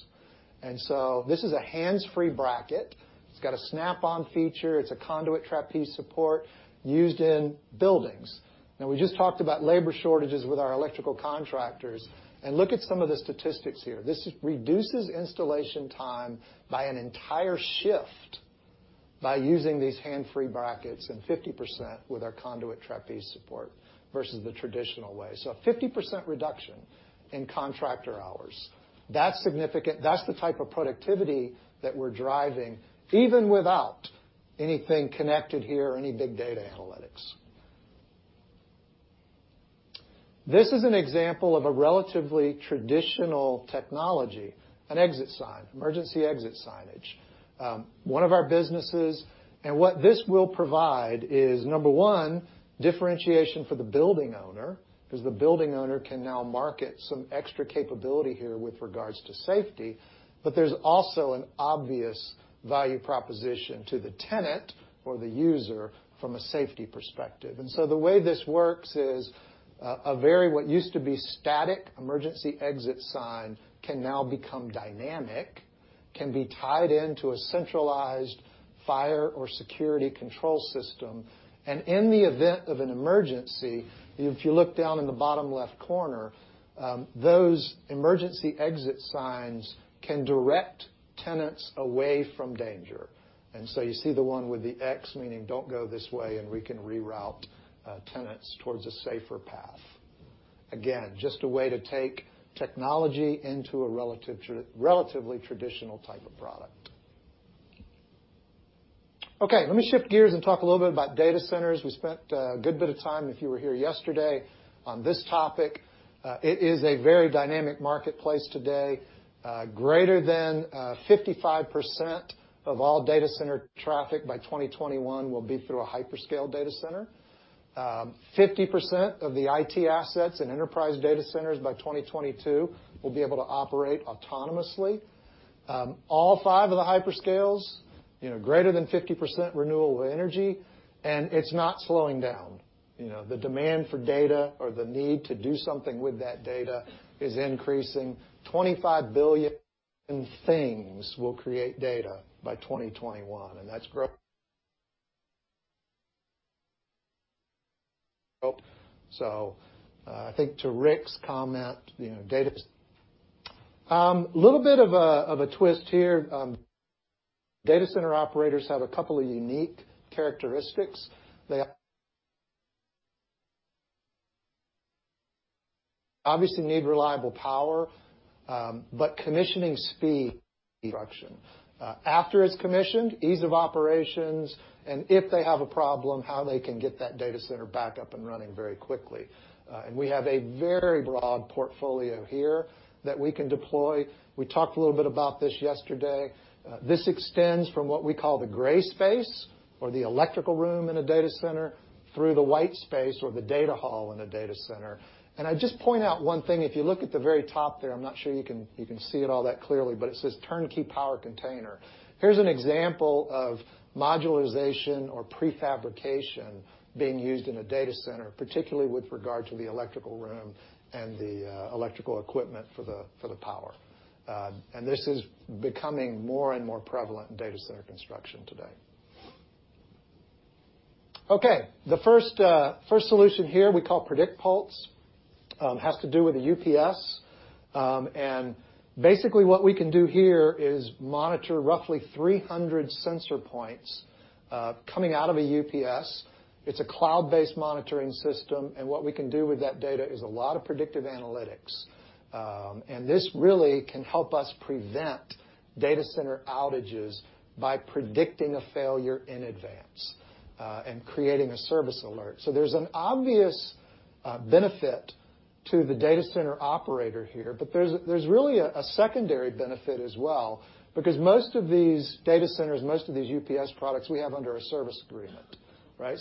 This is a hands-free bracket. It's got a snap-on feature. It's a conduit trapeze support used in buildings. We just talked about labor shortages with our electrical contractors. Look at some of the statistics here. This reduces installation time by an entire shift by using these hands-free brackets and 50% with our conduit trapeze support versus the traditional way. A 50% reduction in contractor hours. That's significant. That's the type of productivity that we're driving, even without anything connected here or any big data analytics. This is an example of a relatively traditional technology, an exit sign, emergency exit signage. One of our businesses, what this will provide is, number one, differentiation for the building owner, because the building owner can now market some extra capability here with regards to safety. There's also an obvious value proposition to the tenant or the user from a safety perspective. The way this works is a very what used to be static emergency exit sign can now become dynamic, can be tied into a centralized fire or security control system. In the event of an emergency, if you look down in the bottom left corner, those emergency exit signs can direct tenants away from danger. You see the one with the X, meaning don't go this way, and we can reroute tenants towards a safer path. Again, just a way to take technology into a relatively traditional type of product. Okay, let me shift gears and talk a little bit about data centers. We spent a good bit of time, if you were here yesterday, on this topic. It is a very dynamic marketplace today. Greater than 55% of all data center traffic by 2021 will be through a hyperscale data center. 50% of the IT assets and enterprise data centers by 2022 will be able to operate autonomously. All five of the hyperscales, greater than 50% renewable energy, and it's not slowing down. The demand for data or the need to do something with that data is increasing. 25 billion things will create data by 2021. I think to Rick's comment, data. Little bit of a twist here. Data center operators have a couple of unique characteristics. Obviously need reliable power, but commissioning speed, after it's commissioned, ease of operations, and if they have a problem, how they can get that data center back up and running very quickly. We have a very broad portfolio here that we can deploy. We talked a little bit about this yesterday. This extends from what we call the gray space or the electrical room in a data center through the white space or the data hall in a data center. I'd just point out one thing. If you look at the very top there, I'm not sure you can see it all that clearly, but it says turnkey power container. Here's an example of modularization or prefabrication being used in a data center, particularly with regard to the electrical room and the electrical equipment for the power. This is becoming more and more prevalent in data center construction today. Okay. The first solution here we call PredictPulse, has to do with a UPS. Basically what we can do here is monitor roughly 300 sensor points coming out of a UPS. It's a cloud-based monitoring system, and what we can do with that data is a lot of predictive analytics. This really can help us prevent data center outages by predicting a failure in advance, and creating a service alert. There's an obvious benefit to the data center operator here. There's really a secondary benefit as well, because most of these data centers, most of these UPS products we have under a service agreement.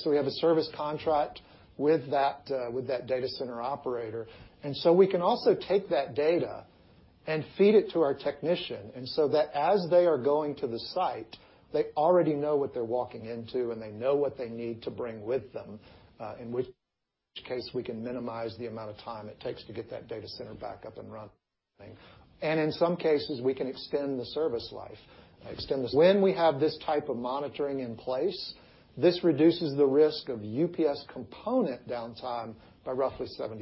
We have a service contract with that data center operator. We can also take that data and feed it to our technician, and so that as they are going to the site, they already know what they're walking into, and they know what they need to bring with them, in which case we can minimize the amount of time it takes to get that data center back up and running. In some cases, we can extend the service life. When we have this type of monitoring in place, this reduces the risk of UPS component downtime by roughly 75%.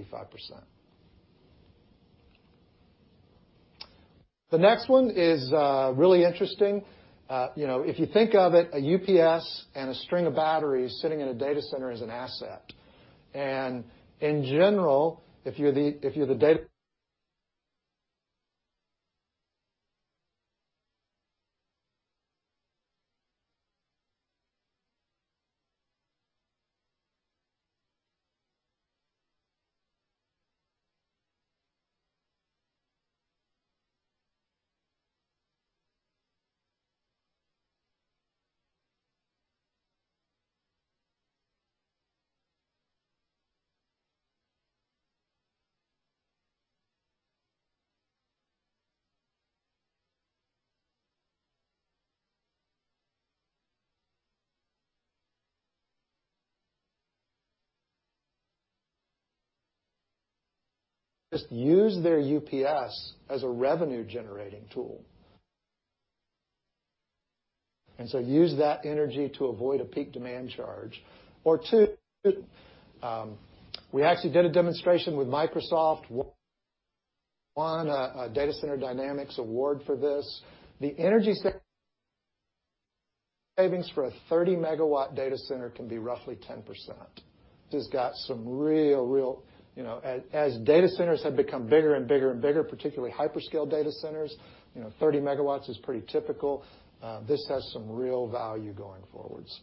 The next one is really interesting. If you think of it, a UPS and a string of batteries sitting in a data center is an asset. Just use their UPS as a revenue-generating tool. Use that energy to avoid a peak demand charge. Two, we actually did a demonstration with Microsoft, won a DatacenterDynamics award for this. The energy savings for a 30-megawatt data center can be roughly 10%. As data centers have become bigger and bigger, particularly hyperscale data centers, 30 megawatts is pretty typical. This has some real value going forwards.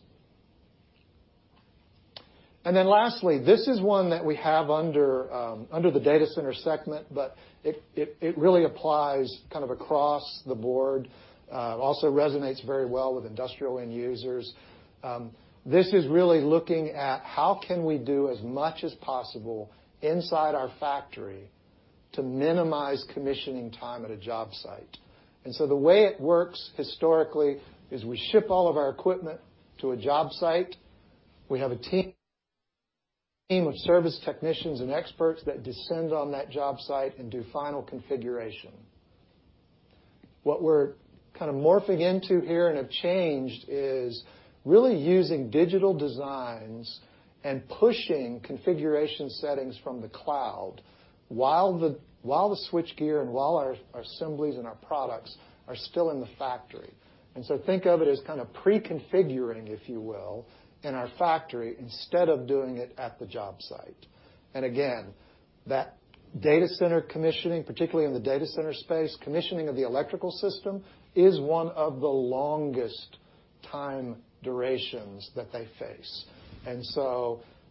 Lastly, this is one that we have under the data center segment, but it really applies kind of across the board, also resonates very well with industrial end users. Really looking at how can we do as much as possible inside our factory to minimize commissioning time at a job site. The way it works historically is we ship all of our equipment to a job site. We have a team of service technicians and experts that descend on that job site and do final configuration. What we're kind of morphing into here and have changed is really using digital designs and pushing configuration settings from the cloud while the switchgear and while our assemblies and our products are still in the factory. Think of it as kind of pre-configuring, if you will, in our factory instead of doing it at the job site. Again, that data center commissioning, particularly in the data center space, commissioning of the electrical system is one of the longest time durations that they face.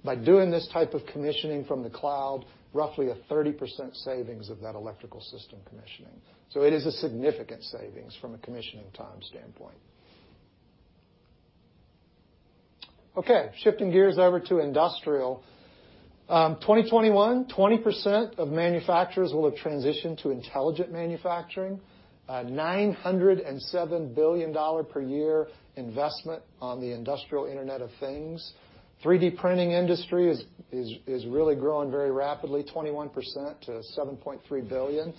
By doing this type of commissioning from the cloud, roughly a 30% savings of that electrical system commissioning. It is a significant savings from a commissioning time standpoint. Shifting gears over to industrial. 2021, 20% of manufacturers will have transitioned to intelligent manufacturing. A $907 billion per year investment on the industrial Internet of Things. 3D printing industry is really growing very rapidly, 21% to $7.3 billion.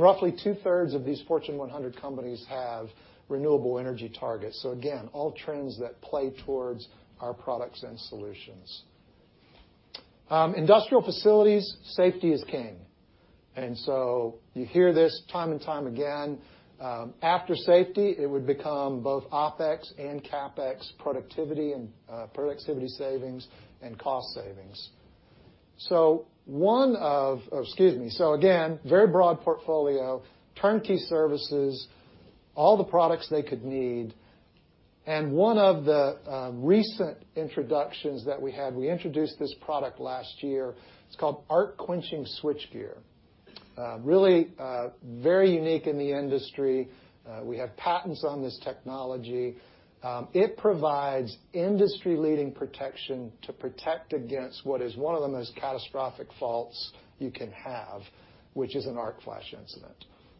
Roughly two-thirds of these Fortune 100 companies have renewable energy targets. Again, all trends that play towards our products and solutions. Industrial facilities, safety is king. You hear this time and time again. After safety, it would become both OpEx and CapEx productivity savings and cost savings. Again, very broad portfolio, turnkey services, all the products they could need. One of the recent introductions that we had, we introduced this product last year. It's called Arc Quenching switchgear. Really very unique in the industry. We have patents on this technology. It provides industry-leading protection to protect against what is one of the most catastrophic faults you can have, which is an arc flash incident.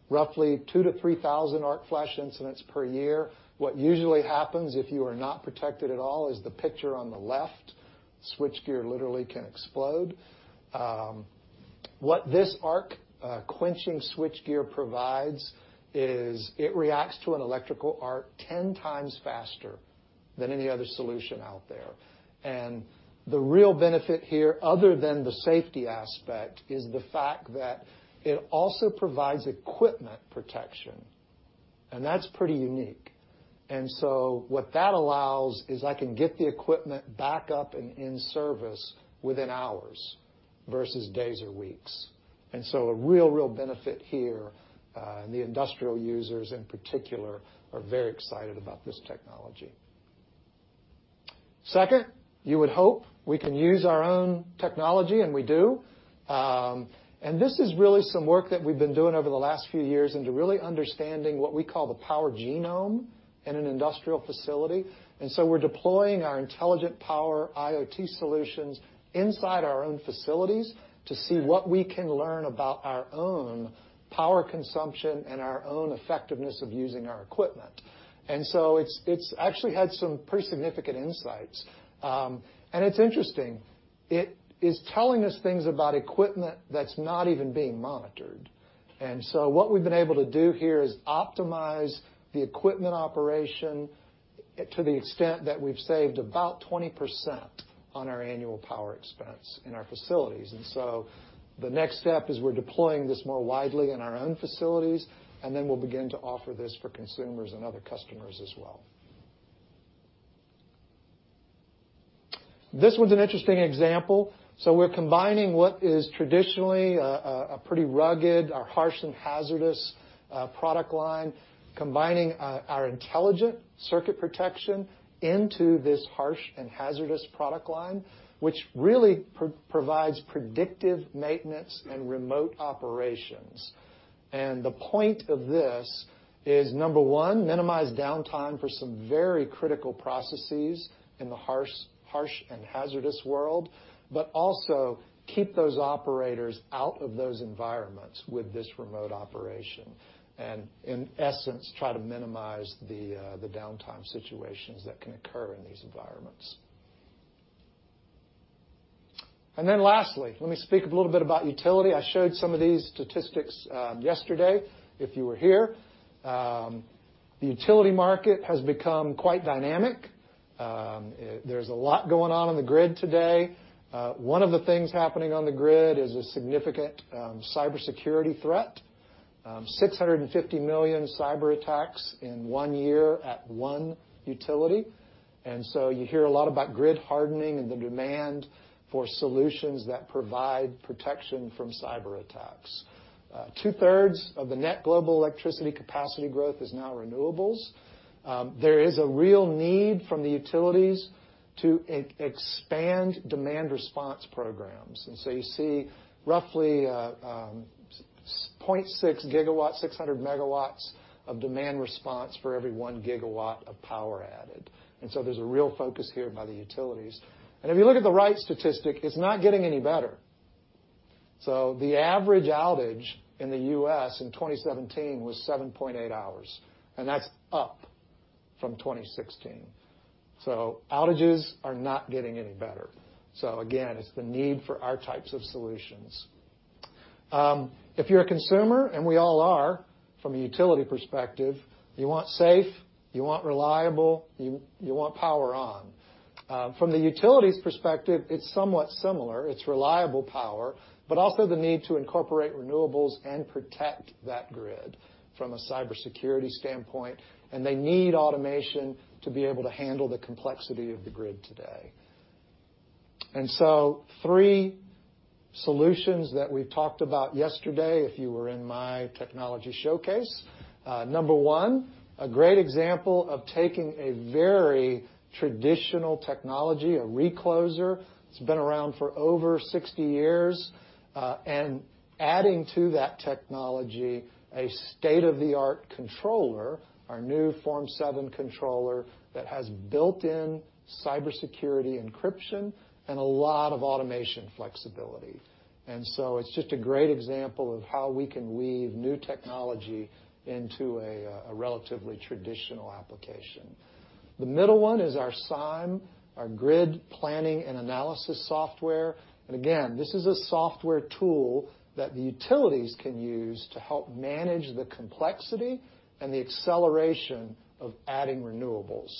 Roughly 2,000 to 3,000 arc flash incidents per year. What usually happens if you are not protected at all is the picture on the left. Switchgear literally can explode. What this Arc Quenching switchgear provides is it reacts to an electrical arc 10 times faster than any other solution out there. The real benefit here, other than the safety aspect, is the fact that it also provides equipment protection. That's pretty unique. What that allows is I can get the equipment back up and in service within hours versus days or weeks. A real benefit here, the industrial users, in particular, are very excited about this technology. Second, you would hope we can use our own technology. We do. This is really some work that we've been doing over the last few years into really understanding what we call the power genome in an industrial facility. We're deploying our intelligent power IoT solutions inside our own facilities to see what we can learn about our own power consumption and our own effectiveness of using our equipment. It's actually had some pretty significant insights. It's interesting. It is telling us things about equipment that's not even being monitored. What we've been able to do here is optimize the equipment operation to the extent that we've saved about 20% on our annual power expense in our facilities. The next step is we're deploying this more widely in our own facilities, then we'll begin to offer this for consumers and other customers as well. This one's an interesting example. We're combining what is traditionally a pretty rugged, our harsh and hazardous product line, combining our intelligent circuit protection into this harsh and hazardous product line, which really provides predictive maintenance and remote operations. The point of this is, number one, minimize downtime for some very critical processes in the harsh and hazardous world, also keep those operators out of those environments with this remote operation. In essence, try to minimize the downtime situations that can occur in these environments. Lastly, let me speak a little bit about utility. I showed some of these statistics yesterday, if you were here. The utility market has become quite dynamic. There's a lot going on in the grid today. One of the things happening on the grid is a significant cybersecurity threat. 650 million cyber attacks in one year at one utility. You hear a lot about grid hardening and the demand for solutions that provide protection from cyber attacks. Two-thirds of the net global electricity capacity growth is now renewables. There is a real need from the utilities to expand demand response programs. You see roughly 0.6 gigawatts, 600 megawatts of demand response for every one gigawatt of power added. There's a real focus here by the utilities. If you look at the right statistic, it's not getting any better. The average outage in the U.S. in 2017 was 7.8 hours, that's up from 2016. Outages are not getting any better. Again, it's the need for our types of solutions. If you're a consumer, we all are from a utility perspective, you want safe, you want reliable, you want power on. From the utility's perspective, it's somewhat similar. It's reliable power, also the need to incorporate renewables and protect that grid from a cybersecurity standpoint. They need automation to be able to handle the complexity of the grid today. Three solutions that we talked about yesterday, if you were in my technology showcase. Number one, a great example of taking a very traditional technology, a recloser. It's been around for over 60 years, adding to that technology, a state-of-the-art controller, our new Form 7 controller that has built-in cybersecurity encryption and a lot of automation flexibility. It's just a great example of how we can weave new technology into a relatively traditional application. The middle one is our CYME, our grid planning and analysis software. Again, this is a software tool that the utilities can use to help manage the complexity and the acceleration of adding renewables.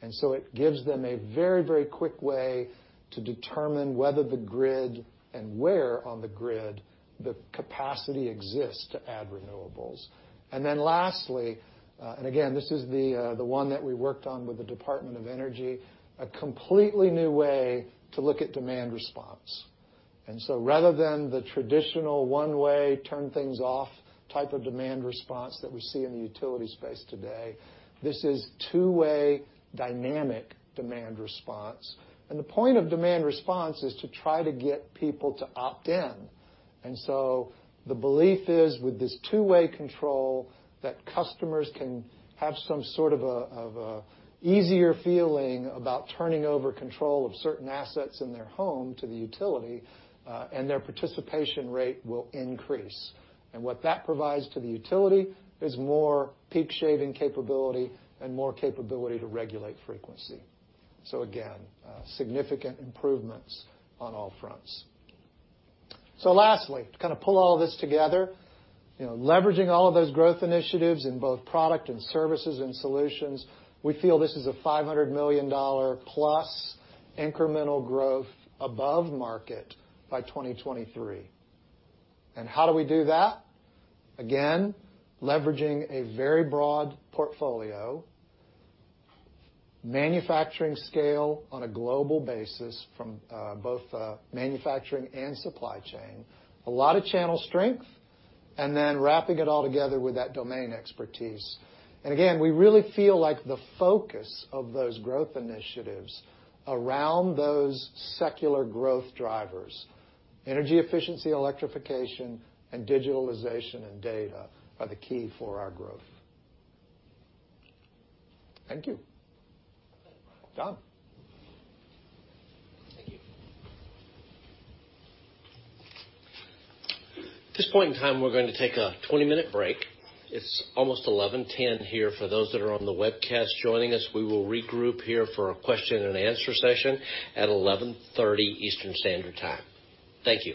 It gives them a very, very quick way to determine whether the grid and where on the grid the capacity exists to add renewables. Lastly, again, this is the one that we worked on with the Department of Energy, a completely new way to look at demand response. Rather than the traditional one-way, turn things off type of demand response that we see in the utility space today, this is two-way dynamic demand response. The point of demand response is to try to get people to opt in. The belief is with this two-way control, that customers can have some sort of a easier feeling about turning over control of certain assets in their home to the utility, and their participation rate will increase. What that provides to the utility is more peak shaving capability and more capability to regulate frequency. Again, significant improvements on all fronts. Lastly, to kind of pull all this together, leveraging all of those growth initiatives in both product and services and solutions, we feel this is a $500 million-plus incremental growth above market by 2023. How do we do that? Again, leveraging a very broad portfolio, manufacturing scale on a global basis from both manufacturing and supply chain, a lot of channel strength, wrapping it all together with that domain expertise. Again, we really feel like the focus of those growth initiatives around those secular growth drivers, energy efficiency, electrification, and digitalization and data, are the key for our growth. Thank you, John. Thank you. At this point in time, we're going to take a 20-minute break. It's almost 11:10 here. For those that are on the webcast joining us, we will regroup here for a question and answer session at 11:30 Eastern Standard Time. Thank you.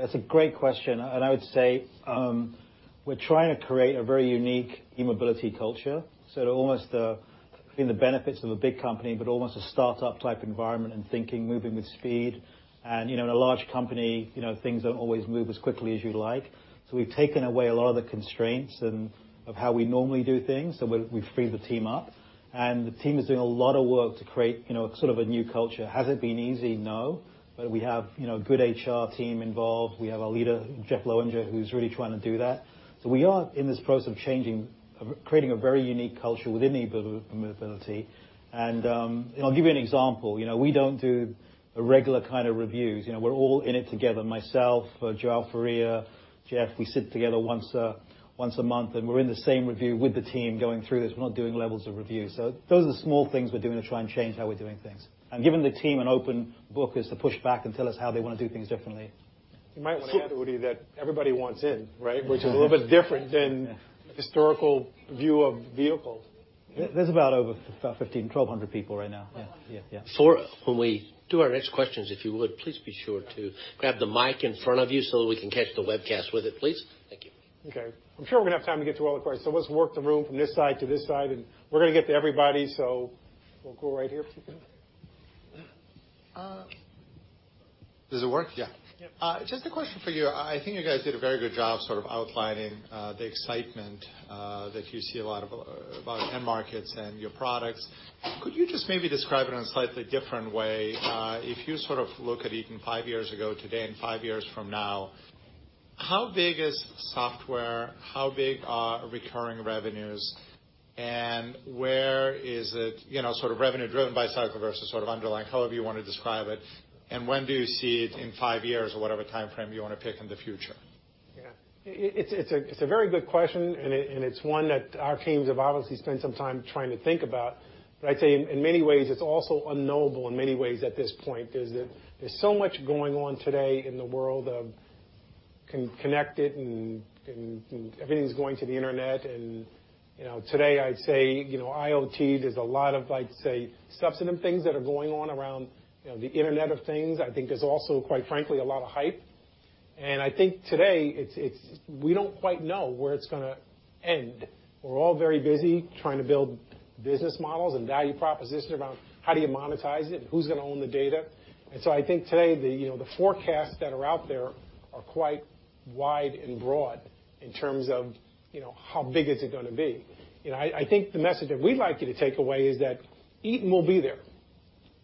that's a great question. I would say, we're trying to create a very unique eMobility culture. Almost having the benefits of a big company, but almost a start-up type environment and thinking, moving with speed. In a large company, things don't always move as quickly as you'd like. We've taken away a lot of the constraints of how we normally do things. We've freed the team up, and the team is doing a lot of work to create a new culture. Has it been easy? No. We have a good HR team involved. We have our leader, Jeffrey Lowinger, who's really trying to do that. We are in this process of creating a very unique culture within eMobility. I'll give you an example. We don't do regular kind of reviews. We're all in it together. Myself, João Faria, Jeff, we sit together once a month. We're in the same review with the team going through this. We're not doing levels of reviews. Those are small things we're doing to try and change how we're doing things. Giving the team an open book is to push back and tell us how they want to do things differently. You might want to add, Uday, that everybody wants in, right? Which is a little bit different than historical view of vehicles. There's about over 1,500, 1,200 people right now. Oh, wow. Yeah. Before when we do our next questions, if you would please be sure to grab the mic in front of you so that we can catch the webcast with it, please. Thank you. Okay. I'm sure we're going to have time to get to all the questions. Let's work the room from this side to this side. We're going to get to everybody. We'll go right here if you can. Does it work? Yeah. Yep. Just a question for you. I think you guys did a very good job sort of outlining the excitement that you see a lot about end markets and your products. Could you just maybe describe it in a slightly different way? If you sort of look at Eaton 5 years ago today and 5 years from now, how big is software? How big are recurring revenues? Where is it sort of revenue-driven by cycle versus sort of underlying, however you want to describe it, and when do you see it in 5 years or whatever timeframe you want to pick in the future? Yeah. It's a very good question, and it's one that our teams have obviously spent some time trying to think about. I'd say, in many ways, it's also unknowable in many ways at this point, because there's so much going on today in the world of connected, everything's going to the internet. Today, I'd say, IoT, there's a lot of, say, substantive things that are going on around the Internet of Things. I think there's also, quite frankly, a lot of hype. I think today, we don't quite know where it's going to end. We're all very busy trying to build business models and value propositions around how do you monetize it? Who's going to own the data? I think today, the forecasts that are out there are quite wide and broad in terms of how big is it going to be. I think the message that we'd like you to take away is that Eaton will be there.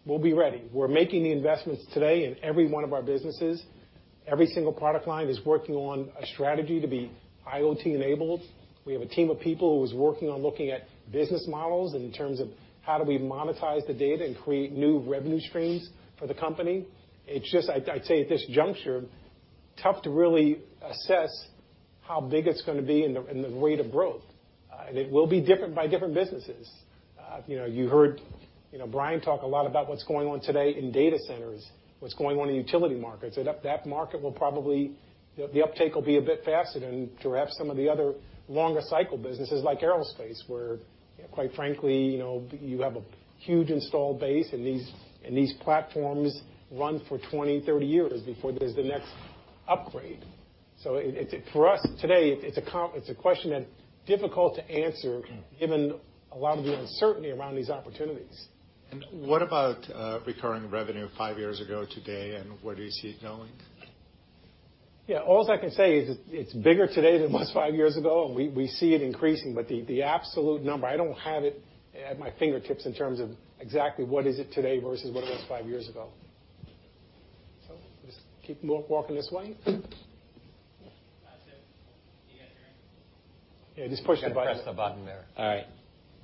We'll be ready. We're making the investments today in every one of our businesses. Every single product line is working on a strategy to be IoT-enabled. We have a team of people who is working on looking at business models in terms of how do we monetize the data and create new revenue streams for the company. It's just, I'd say, at this juncture, tough to really assess how big it's going to be and the rate of growth. It will be different by different businesses. You heard Brian talk a lot about what's going on today in data centers, what's going on in utility markets. The uptake will be a bit faster than perhaps some of the other longer cycle businesses like aerospace, where, quite frankly, you have a huge installed base, and these platforms run for 20, 30 years before there's the next upgrade. For us today, it's a question that's difficult to answer given a lot of the uncertainty around these opportunities. What about recurring revenue five years ago today, and where do you see it going? Yeah. All I can say is it's bigger today than it was five years ago, and we see it increasing. The absolute number, I don't have it at my fingertips in terms of exactly what is it today versus what it was five years ago. Just keep walking this way. Hi, sir. Can you guys hear me? Yeah, just push the button. You got to press the button there.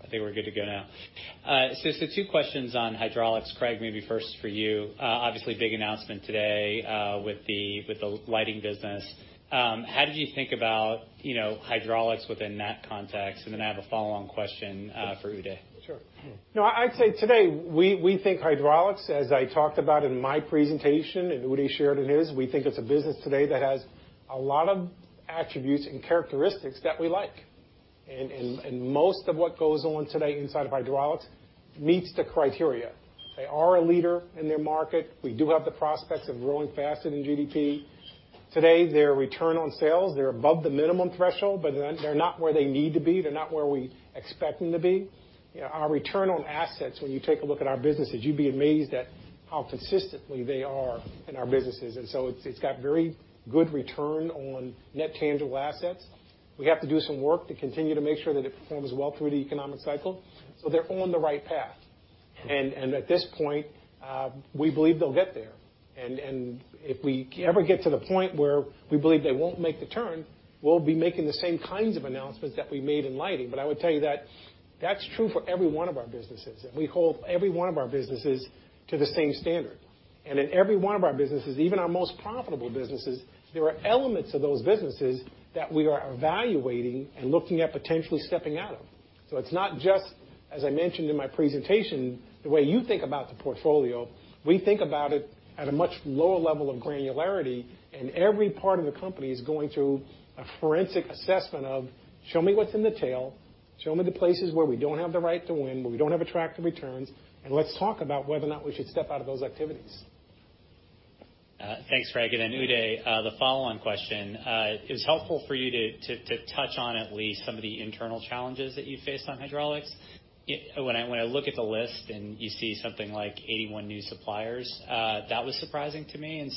I think we're good to go now. Just two questions on hydraulics. Craig, maybe first for you. Obviously, big announcement today, with the lighting business. How did you think about hydraulics within that context? I have a follow-on question for Uday. Sure. No, I'd say today, we think hydraulics, as I talked about in my presentation and Uday shared in his, we think it's a business today that has a lot of attributes and characteristics that we like. Most of what goes on today inside of hydraulics meets the criteria. They are a leader in their market. We do have the prospects of growing faster than GDP. Today, their return on sales, they're above the minimum threshold, but they're not where they need to be, they're not where we expect them to be. Our return on assets, when you take a look at our businesses, you'd be amazed at how consistently they are in our businesses. It's got very good return on net tangible assets. We have to do some work to continue to make sure that it performs well through the economic cycle, so they're on the right path. At this point, we believe they'll get there. If we ever get to the point where we believe they won't make the turn, we'll be making the same kinds of announcements that we made in lighting. I would tell you that that's true for every one of our businesses. We hold every one of our businesses to the same standard. In every one of our businesses, even our most profitable businesses, there are elements of those businesses that we are evaluating and looking at potentially stepping out of. It's not just, as I mentioned in my presentation, the way you think about the portfolio. We think about it at a much lower level of granularity, and every part of the company is going through a forensic assessment of show me what's in the tail, show me the places where we don't have the right to win, where we don't have attractive returns, and let's talk about whether or not we should step out of those activities. Thanks, Craig. Uday, the follow-on question. It was helpful for you to touch on at least some of the internal challenges that you faced on hydraulics. When I look at the list and you see something like 81 new suppliers, that was surprising to me.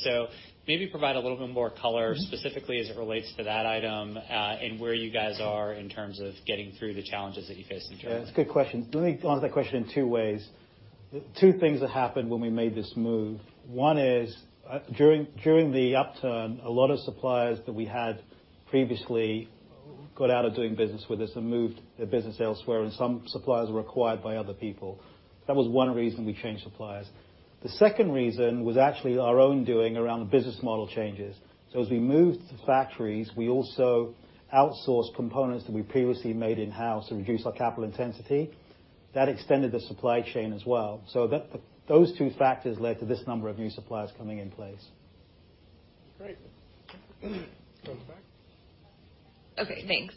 Maybe provide a little bit more color specifically as it relates to that item, and where you guys are in terms of getting through the challenges that you faced internally. Yeah, it's a good question. Let me answer that question in two ways. Two things that happened when we made this move. One is, during the upturn, a lot of suppliers that we had previously got out of doing business with us and moved their business elsewhere, and some suppliers were acquired by other people. That was one reason we changed suppliers. The second reason was actually our own doing around the business model changes. As we moved the factories, we also outsourced components that we previously made in-house to reduce our capital intensity. That extended the supply chain as well. Those two factors led to this number of new suppliers coming in place. Great. Go to the back. Okay, thanks.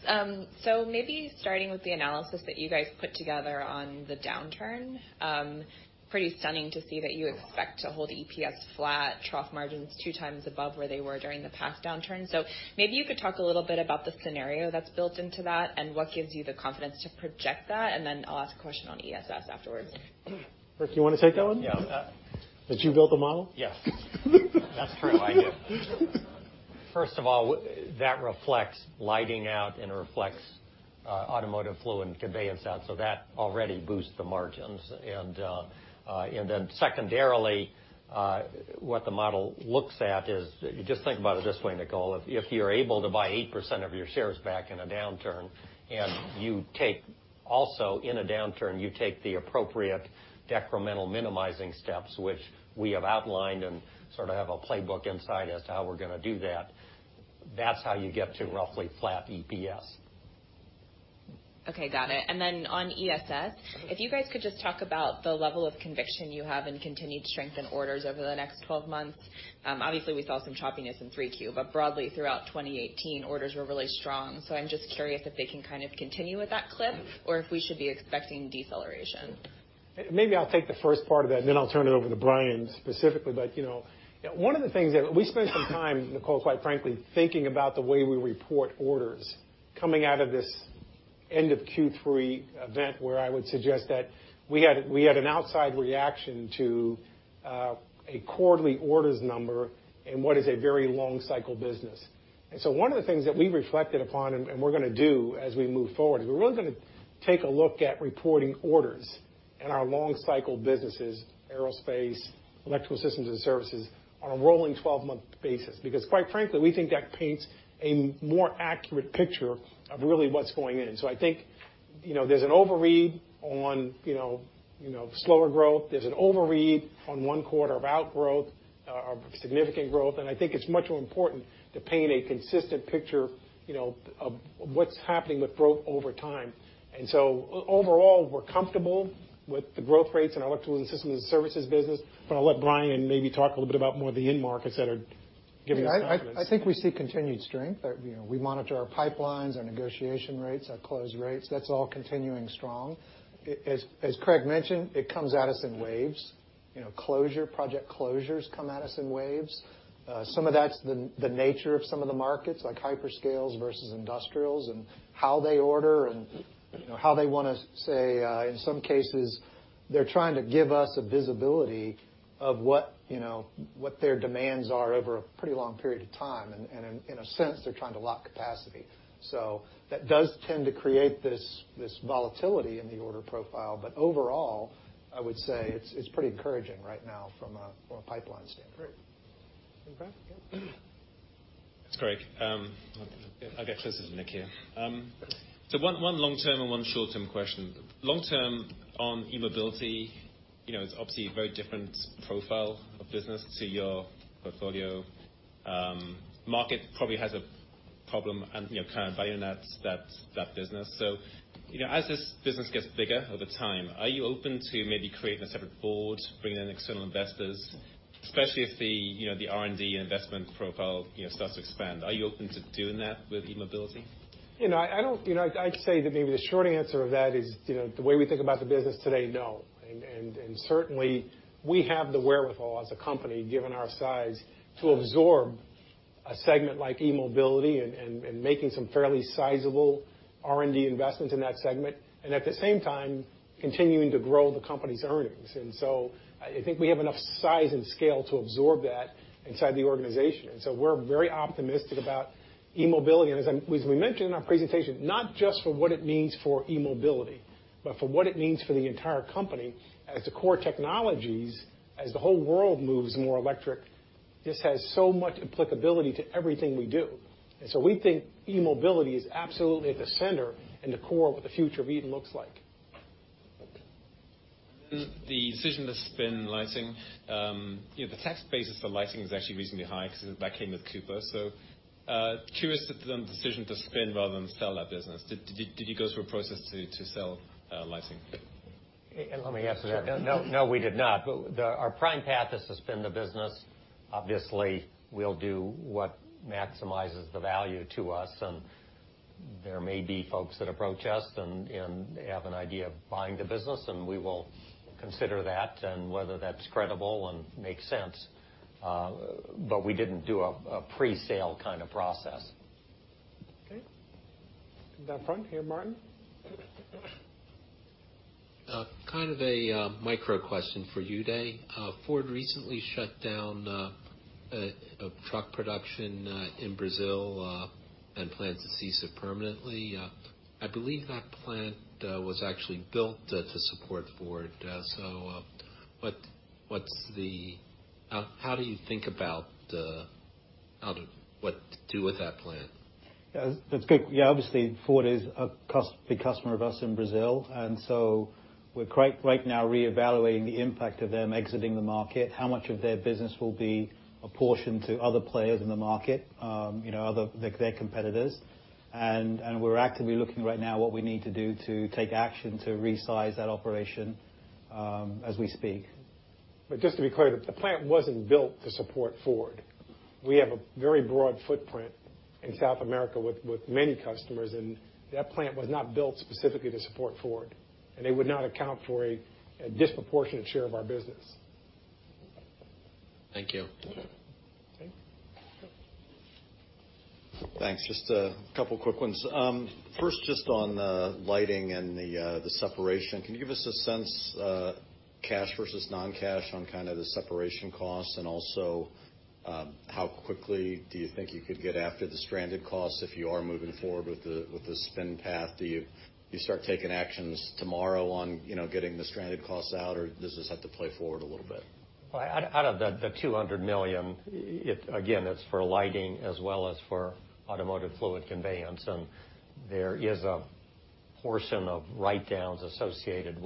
Maybe starting with the analysis that you guys put together on the downturn. Pretty stunning to see that you expect to hold EPS flat, trough margins two times above where they were during the past downturn. Maybe you could talk a little bit about the scenario that's built into that and what gives you the confidence to project that, then I'll ask a question on ESS afterwards. Rick, you want to take that one? Yeah. Since you built the model. Yes. That's true. I did. First of all, that reflects lighting out and reflects-automotive fluid conveyance out. That already boosts the margins. Secondarily, what the model looks at is, just think about it this way, Nicole. If you're able to buy 8% of your shares back in a downturn, you take also in a downturn, you take the appropriate decremental minimizing steps, which we have outlined and sort of have a playbook inside as to how we're going to do that. That's how you get to roughly flat EPS. Okay. Got it. On ESS, if you guys could just talk about the level of conviction you have in continued strength in orders over the next 12 months. Obviously, we saw some choppiness in 3Q, but broadly throughout 2018, orders were really strong. I'm just curious if they can kind of continue at that clip, or if we should be expecting deceleration. Maybe I'll take the first part of that. I'll turn it over to Brian specifically. One of the things that we spent some time, Nicole, quite frankly, thinking about the way we report orders coming out of this end of Q3 event, where I would suggest that we had an outside reaction to a quarterly orders number in what is a very long cycle business. One of the things that we reflected upon, and we're going to do as we move forward, is we're really going to take a look at reporting orders in our long cycle businesses, aerospace, Electrical Systems and Services, on a rolling 12-month basis. Because quite frankly, we think that paints a more accurate picture of really what's going in. I think there's an overread on slower growth. There's an overread on one quarter of outgrowth or significant growth, and I think it's much more important to paint a consistent picture of what's happening with growth over time. Overall, we're comfortable with the growth rates in our electrical and systems and services business. I'll let Brian maybe talk a little bit about more of the end markets that are giving us confidence. I think we see continued strength. We monitor our pipelines, our negotiation rates, our close rates. That's all continuing strong. As Craig mentioned, it comes at us in waves. Project closures come at us in waves. Some of that's the nature of some of the markets, like hyperscales versus industrials and how they order and how they want to, say, in some cases, they're trying to give us a visibility of what their demands are over a pretty long period of time. In a sense, they're trying to lock capacity. That does tend to create this volatility in the order profile. Overall, I would say it's pretty encouraging right now from a pipeline standpoint. Great. Craig, yeah. It's Craig. I'll get closer to Nick here. One long-term and one short-term question. Long-term on eMobility, it's obviously a very different profile of business to your portfolio. Market probably has a problem and kind of buying that business. As this business gets bigger over time, are you open to maybe creating a separate board, bringing in external investors, especially if the R&D and investment profile starts to expand? Are you open to doing that with eMobility? I'd say that maybe the short answer of that is, the way we think about the business today, no. Certainly, we have the wherewithal as a company, given our size, to absorb a segment like eMobility and making some fairly sizable R&D investments in that segment. At the same time, continuing to grow the company's earnings. I think we have enough size and scale to absorb that inside the organization. We're very optimistic about eMobility. As we mentioned in our presentation, not just for what it means for eMobility, but for what it means for the entire company as the core technologies, as the whole world moves more electric. This has so much applicability to everything we do. We think eMobility is absolutely at the center and the core of what the future of Eaton looks like. The decision to spin lighting. The tax base for lighting is actually reasonably high because that came with Cooper. Curious to the decision to spin rather than sell that business. Did you go through a process to sell lighting? Let me answer that. Sure. No, we did not. Our prime path is to spin the business. Obviously, we'll do what maximizes the value to us, and there may be folks that approach us, and they have an idea of buying the business, and we will consider that and whether that's credible and makes sense. We didn't do a pre-sale kind of process. Okay. In that front here, Martin. Kind of a micro question for you, Uday. Ford recently shut down truck production in Brazil and plans to cease it permanently. I believe that plant was actually built to support Ford. How do you think about what to do with that plant? Yeah. That's good. Obviously, Ford is a big customer of ours in Brazil, we're right now reevaluating the impact of them exiting the market, how much of their business will be apportioned to other players in the market, their competitors. We're actively looking right now what we need to do to take action to resize that operation as we speak. Just to be clear, the plant wasn't built to support Ford. We have a very broad footprint in South America with many customers, and that plant was not built specifically to support Ford, and it would not account for a disproportionate share of our business. Thank you. Okay. Go. Thanks. Just a couple quick ones. First, just on the lighting and the separation. Can you give us a sense cash versus non-cash on the separation costs, and also how quickly do you think you could get after the stranded costs if you are moving forward with the spin path? Do you start taking actions tomorrow on getting the stranded costs out or does this have to play forward a little bit? Well, out of the $200 million, again, it's for lighting as well as for automotive fluid conveyance. There is a portion of write-downs associated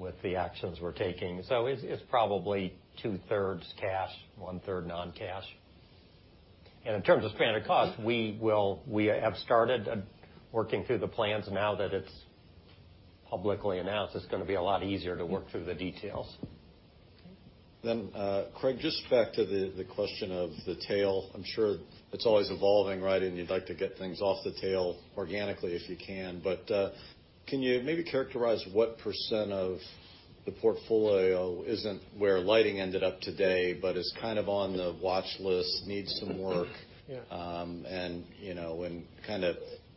with the actions we're taking. It's probably two-thirds cash, one-third non-cash. In terms of stranded costs, we have started working through the plans. Now that it's publicly announced, it's going to be a lot easier to work through the details. Okay. Craig, just back to the question of the tail. I'm sure it's always evolving, right? You'd like to get things off the tail organically if you can, but can you maybe characterize what % of the portfolio isn't where lighting ended up today, but is on the watch list, needs some work- Yeah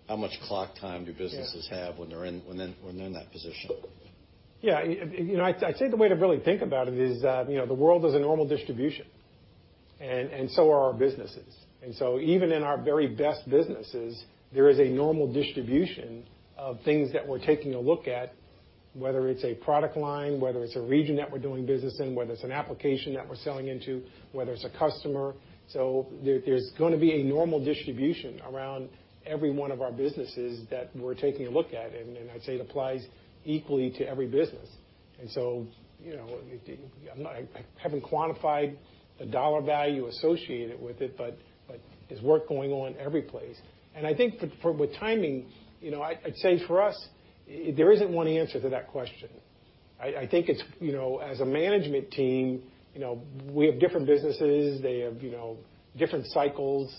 How much clock time do businesses have when they're in that position? Yeah. I'd say the way to really think about it is, the world is a normal distribution, and so are our businesses. Even in our very best businesses, there is a normal distribution of things that we're taking a look at, whether it's a product line, whether it's a region that we're doing business in, whether it's an application that we're selling into, whether it's a customer. There's going to be a normal distribution around every one of our businesses that we're taking a look at, I'd say it applies equally to every business. I haven't quantified a dollar value associated with it, but there's work going on every place. I think with timing, I'd say for us, there isn't one answer to that question. I think as a management team, we have different businesses. They have different cycles.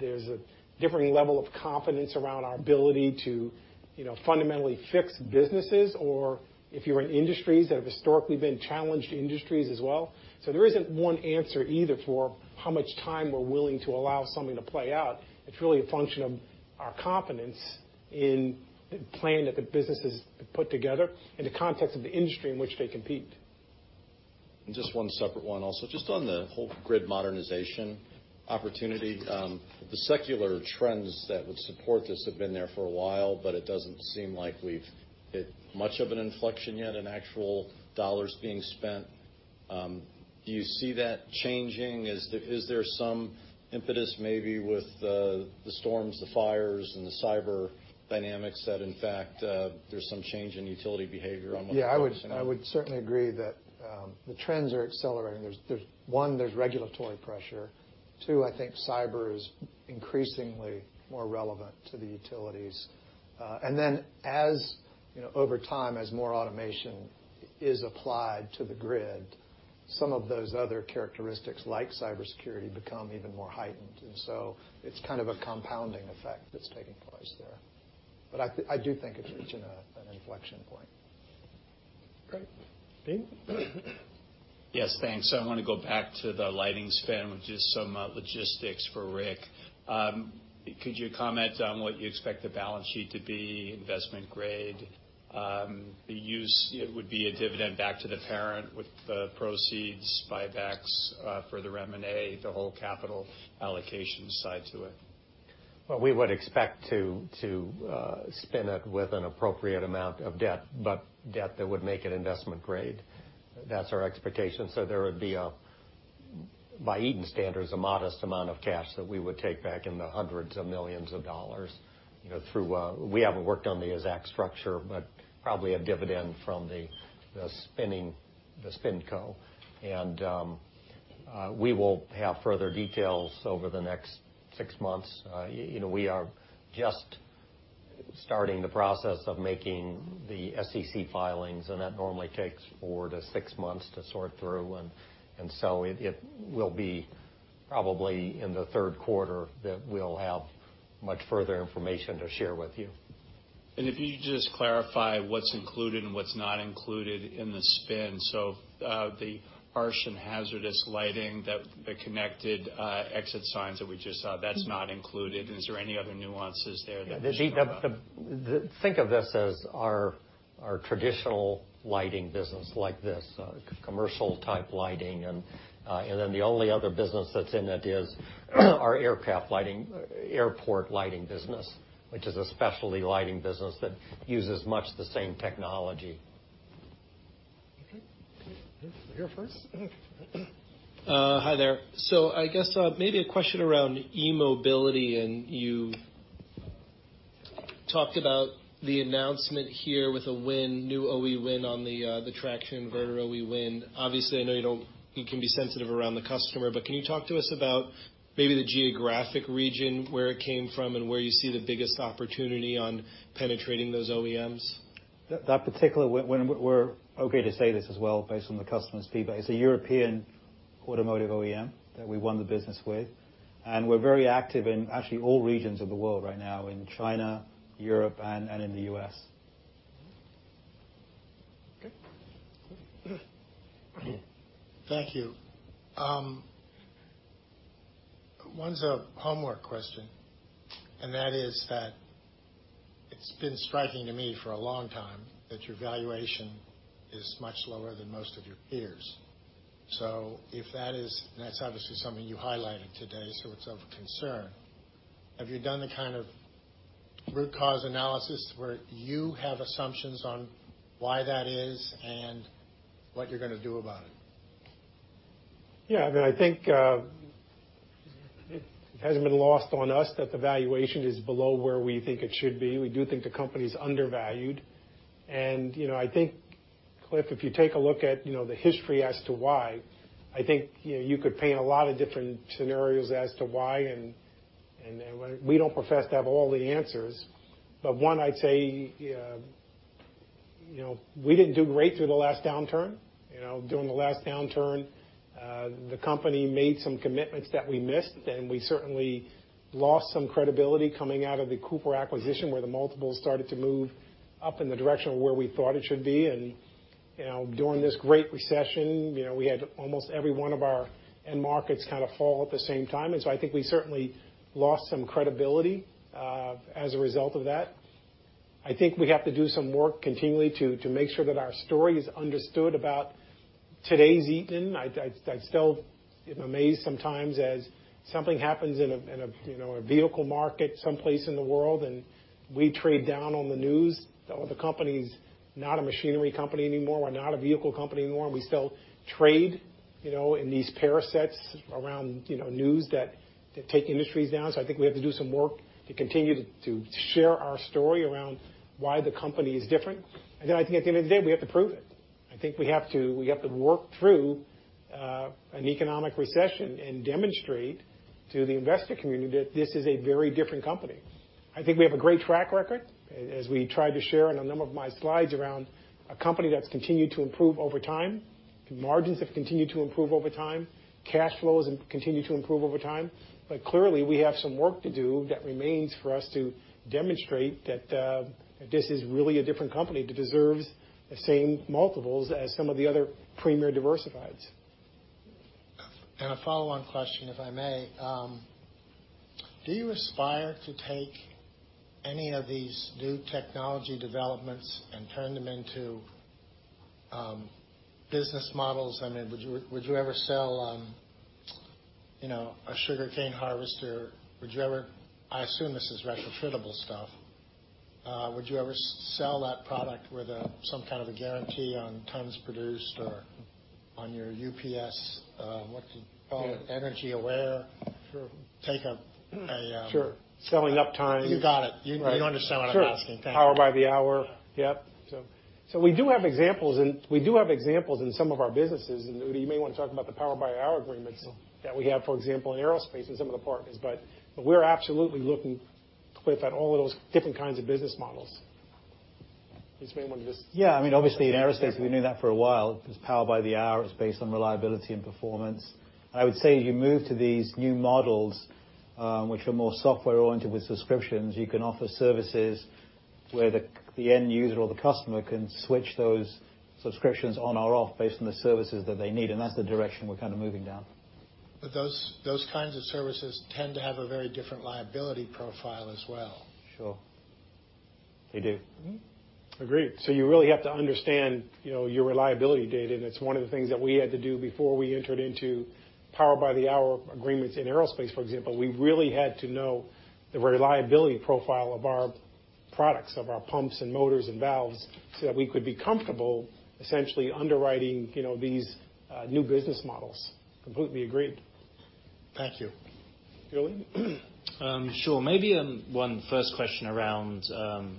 There's a differing level of confidence around our ability to fundamentally fix businesses or if you're in industries that have historically been challenged industries as well. There isn't one answer either for how much time we're willing to allow something to play out. It's really a function of our confidence in the plan that the businesses put together and the context of the industry in which they compete. Just one separate one also. Just on the whole grid modernization opportunity, the secular trends that would support this have been there for a while, it doesn't seem like we've hit much of an inflection yet in actual dollars being spent. Do you see that changing? Is there some impetus maybe with the storms, the fires, and the cyber dynamics that in fact, there's some change in utility behavior on what- Yeah, I would certainly agree that the trends are accelerating. One, there's regulatory pressure. Two, I think cyber is increasingly more relevant to the utilities. Then over time, as more automation is applied to the grid, some of those other characteristics, like cybersecurity, become even more heightened. It's kind of a compounding effect that's taking place there. I do think it's reaching an inflection point. Craig. Dean? Yes, thanks. I want to go back to the lighting spin, which is some logistics for Rick. Could you comment on what you expect the balance sheet to be, investment grade? The use, it would be a dividend back to the parent with the proceeds, buybacks for the M&A, the whole capital allocation side to it. Well, we would expect to spin it with an appropriate amount of debt, but debt that would make it investment grade. That's our expectation. There would be, by Eaton standards, a modest amount of cash that we would take back in the hundreds of millions of dollars. We haven't worked on the exact structure, but probably a dividend from the spin co. We will have further details over the next six months. We are just starting the process of making the SEC filings, that normally takes four to six months to sort through. It will be probably in the third quarter that we'll have much further information to share with you. If you could just clarify what's included and what's not included in the spin. The harsh and hazardous lighting, the connected exit signs that we just saw, that's not included. Is there any other nuances there? Think of this as our traditional lighting business like this, commercial type lighting. The only other business that's in it is our airport lighting business, which is a specialty lighting business that uses much the same technology. Okay. Here first. Hi there. I guess, maybe a question around eMobility, and you talked about the announcement here with a win, new OE win on the traction inverter OE win. Obviously, I know you can be sensitive around the customer, but can you talk to us about maybe the geographic region, where it came from, and where you see the biggest opportunity on penetrating those OEMs? That particular win, we are okay to say this as well based on the customer's feedback. It's a European automotive OEM that we won the business with, and we are very active in actually all regions of the world right now, in China, Europe, and in the U.S. Okay. Thank you. One is a homework question, and that is that it has been striking to me for a long time that your valuation is much lower than most of your peers. That is obviously something you highlighted today, it is of concern. Have you done the kind of root cause analysis where you have assumptions on why that is and what you are going to do about it? Yeah. I think it has not been lost on us that the valuation is below where we think it should be. We do think the company is undervalued, and I think, Cliff, if you take a look at the history as to why, I think you could paint a lot of different scenarios as to why. We do not profess to have all the answers, but one, I would say, we did not do great through the last downturn. During the last downturn, the company made some commitments that we missed, and we certainly lost some credibility coming out of the Cooper acquisition, where the multiples started to move up in the direction of where we thought it should be. During this great recession, we had almost every one of our end markets kind of fall at the same time. I think we certainly lost some credibility, as a result of that. I think we have to do some work continually to make sure that our story is understood about today's Eaton. I still am amazed sometimes as something happens in a vehicle market someplace in the world, and we trade down on the news. The company is not a machinery company anymore. We are not a vehicle company anymore. We still trade in these peer sets around news that take industries down. I think we have to do some work to continue to share our story around why the company is different. I think at the end of the day, we have to prove it. I think we have to work through an economic recession and demonstrate to the investor community that this is a very different company. I think we have a great track record, as we tried to share in a number of my slides, around a company that has continued to improve over time. Margins have continued to improve over time. Cash flows have continued to improve over time. Clearly, we have some work to do that remains for us to demonstrate that this is really a different company that deserves the same multiples as some of the other premier diversifieds. A follow-on question, if I may. Do you aspire to take any of these new technology developments and turn them into business models? Would you ever sell a sugarcane harvester? I assume this is retrofittable stuff. Would you ever sell that product with some kind of a guarantee on tons produced or on your UPS, what do you call it? EnergyAware. Sure. Take a- Sure. Selling up times. You got it. Right. You understand what I'm asking. Sure. Thank you. Power by the Hour. Yep. We do have examples in some of our businesses, and Uday, you may want to talk about the Power by the Hour agreements that we have, for example, in aerospace and some of the partners. We're absolutely looking, Cliff, at all of those different kinds of business models. Yeah. Obviously, in aerospace, we knew that for a while, because Power by the Hour is based on reliability and performance. I would say as you move to these new models, which are more software-oriented with subscriptions, you can offer services where the end user or the customer can switch those subscriptions on or off based on the services that they need, and that's the direction we're kind of moving down. Those kinds of services tend to have a very different liability profile as well. Sure. They do. Agreed. You really have to understand your reliability data, and it's one of the things that we had to do before we entered into Power by the Hour agreements in aerospace, for example. We really had to know the reliability profile of our products, of our pumps and motors and valves, so that we could be comfortable essentially underwriting these new business models. Completely agreed. Thank you. Julian? Sure. Maybe one first question around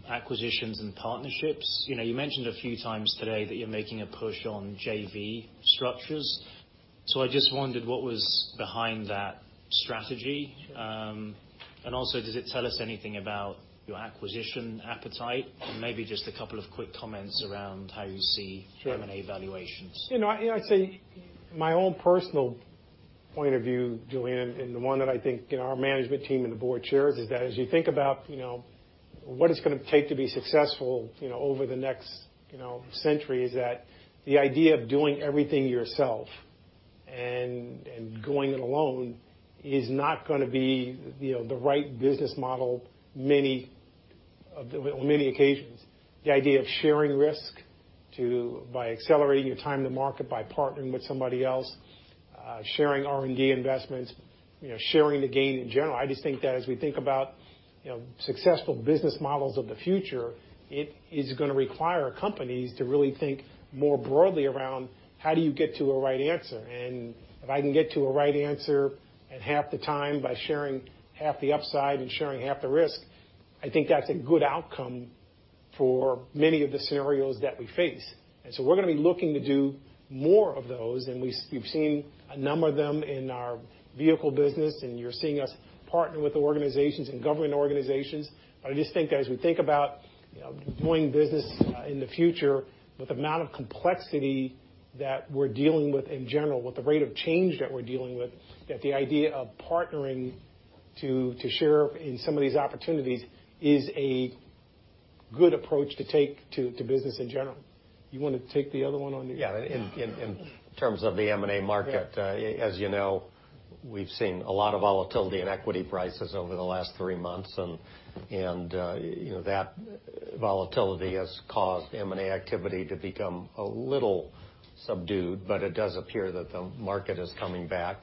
acquisitions and partnerships. You mentioned a few times today that you're making a push on JV structures. I just wondered what was behind that strategy. Also, does it tell us anything about your acquisition appetite? Maybe just a couple of quick comments around how you see M&A valuations. I'd say my own personal point of view, Julian, and the one that I think our management team and the board shares, is that as you think about what it's going to take to be successful over the next century, is that the idea of doing everything yourself and going it alone is not going to be the right business model on many occasions. The idea of sharing risk by accelerating your time to market by partnering with somebody else, sharing R&D investments, sharing the gain in general. I just think that as we think about successful business models of the future, it is going to require companies to really think more broadly around how do you get to a right answer. If I can get to a right answer in half the time by sharing half the upside and sharing half the risk, I think that's a good outcome for many of the scenarios that we face. We're going to be looking to do more of those. You've seen a number of them in our vehicle business. You're seeing us partner with organizations and government organizations. I just think as we think about doing business in the future with the amount of complexity that we're dealing with in general, with the rate of change that we're dealing with, that the idea of partnering to share in some of these opportunities is a good approach to take to business in general. You want to take the other one on? Yeah. In terms of the M&A market. Yeah. As you know, we've seen a lot of volatility in equity prices over the last three months. That volatility has caused M&A activity to become a little subdued, but it does appear that the market is coming back.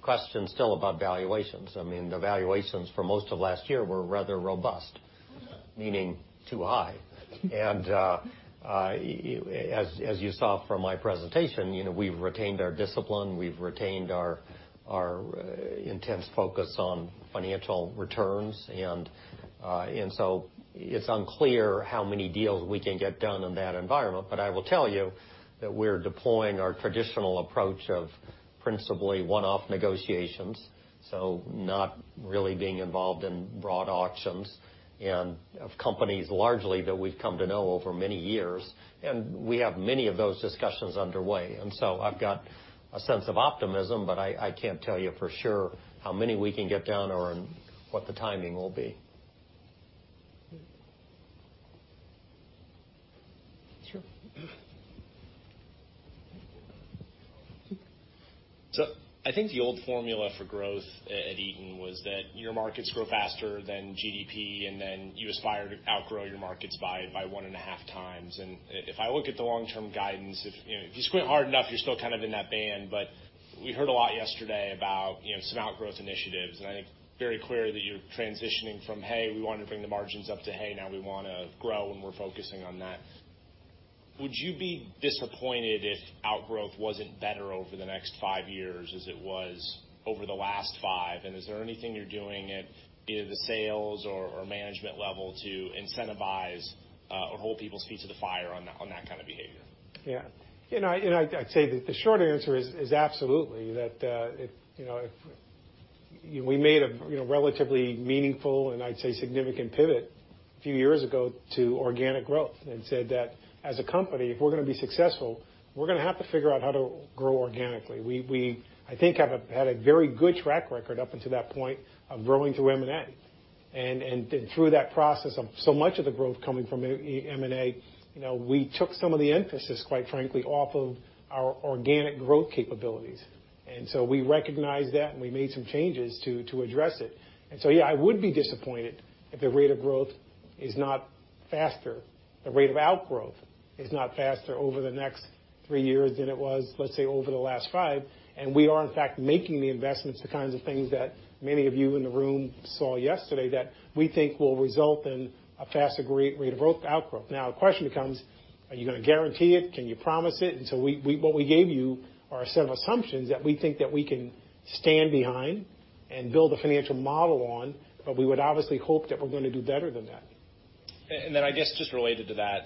Question's still about valuations. I mean, the valuations for most of last year were rather robust, meaning too high. As you saw from my presentation, we've retained our discipline, we've retained our intense focus on financial returns. It's unclear how many deals we can get done in that environment. I will tell you that we're deploying our traditional approach of principally one-off negotiations, so not really being involved in broad auctions, and of companies largely that we've come to know over many years. We have many of those discussions underway. I've got a sense of optimism, but I can't tell you for sure how many we can get done or what the timing will be. Sure. I think the old formula for growth at Eaton was that your markets grow faster than GDP. Then you aspire to outgrow your markets by one and a half times. If I look at the long-term guidance, if you squint hard enough, you're still kind of in that band. We heard a lot yesterday about some outgrowth initiatives, and I think very clear that you're transitioning from, hey, we want to bring the margins up, to, hey, now we want to grow and we're focusing on that. Would you be disappointed if outgrowth wasn't better over the next five years, as it was over the last five? Is there anything you're doing at either the sales or management level to incentivize or hold people's feet to the fire on that kind of behavior? Yeah. I'd say that the short answer is absolutely. We made a relatively meaningful, and I'd say significant pivot a few years ago to organic growth and said that as a company, if we're going to be successful, we're going to have to figure out how to grow organically. We, I think, have had a very good track record up until that point of growing through M&A. Through that process of so much of the growth coming from M&A, we took some of the emphasis, quite frankly, off of our organic growth capabilities. We recognized that, and we made some changes to address it. Yeah, I would be disappointed if the rate of growth is not faster, the rate of outgrowth is not faster over the next three years than it was, let's say, over the last five. We are, in fact, making the investments, the kinds of things that many of you in the room saw yesterday that we think will result in a faster rate of outgrowth. Now, the question becomes, are you going to guarantee it? Can you promise it? What we gave you are a set of assumptions that we think that we can stand behind and build a financial model on. We would obviously hope that we're going to do better than that. I guess, just related to that,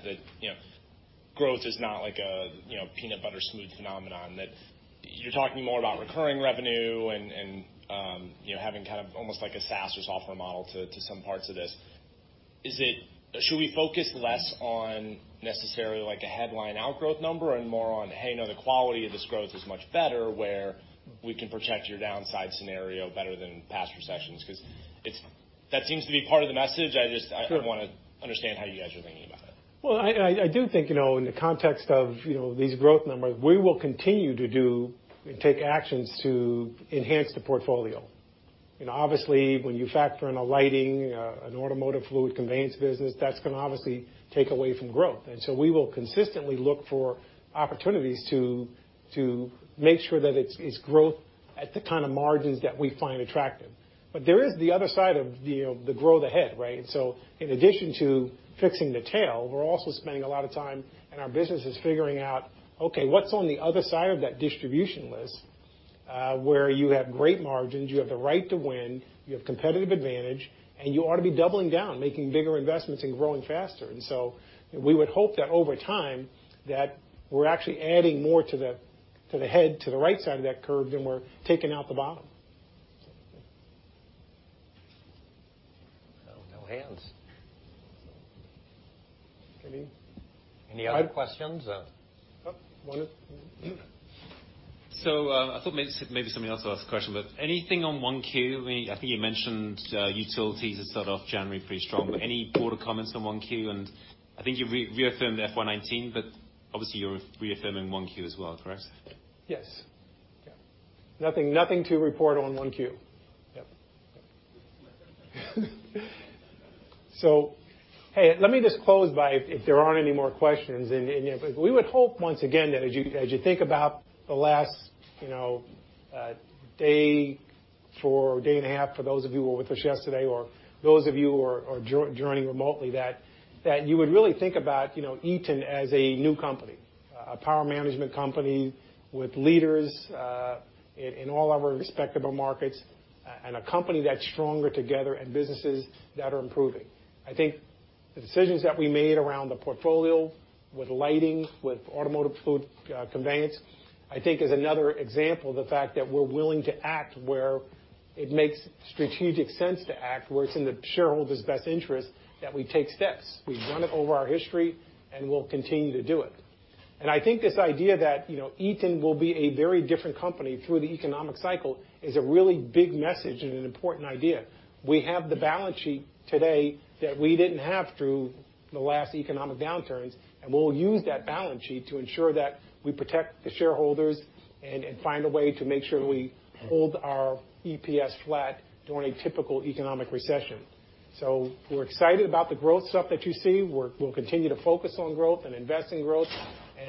growth is not like a peanut butter smooth phenomenon. You're talking more about recurring revenue and having kind of almost like a SaaS or software model to some parts of this. Should we focus less on necessarily like a headline outgrowth number and more on, hey, no, the quality of this growth is much better, where we can protect your downside scenario better than past recessions? That seems to be part of the message. Sure. I want to understand how you guys are thinking about it. Well, I do think, in the context of these growth numbers, we will continue to do and take actions to enhance the portfolio. Obviously, when you factor in a lighting, an automotive fluid conveyance business, that's going to obviously take away from growth. We will consistently look for opportunities to make sure that it's growth at the kind of margins that we find attractive. There is the other side of the growth ahead, right? In addition to fixing the tail, we're also spending a lot of time, and our business is figuring out, okay, what's on the other side of that distribution list? Where you have great margins, you have the right to win, you have competitive advantage, and you ought to be doubling down, making bigger investments and growing faster. We would hope that over time, that we're actually adding more to the head, to the right side of that curve than we're taking out the bottom. No hands. Any- Any other questions? Oh, one. I thought maybe somebody else will ask a question, but anything on 1Q? I think you mentioned utilities had started off January pretty strong. Any broader comments on 1Q? I think you reaffirmed the FY 2019, but obviously you're reaffirming 1Q as well, correct? Yes. Nothing to report on 1Q. Yep. Hey, let me just close by, if there aren't any more questions, and we would hope, once again, that as you think about the last day or day and a half, for those of you who were with us yesterday or those of you who are joining remotely, that you would really think about Eaton as a new company. A power management company with leaders in all our respectable markets, and a company that's stronger together and businesses that are improving. I think the decisions that we made around the portfolio with lighting, with automotive fluid conveyance, I think, is another example of the fact that we're willing to act where it makes strategic sense to act, where it's in the shareholders' best interest that we take steps. We've done it over our history, and we'll continue to do it. I think this idea that Eaton will be a very different company through the economic cycle is a really big message and an important idea. We have the balance sheet today that we didn't have through the last economic downturns, and we'll use that balance sheet to ensure that we protect the shareholders and find a way to make sure we hold our EPS flat during a typical economic recession. We're excited about the growth stuff that you see. We'll continue to focus on growth and invest in growth.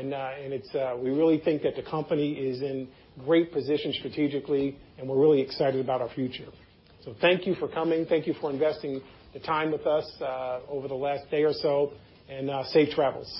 We really think that the company is in great position strategically, and we're really excited about our future. Thank you for coming. Thank you for investing the time with us over the last day or so, and safe travels.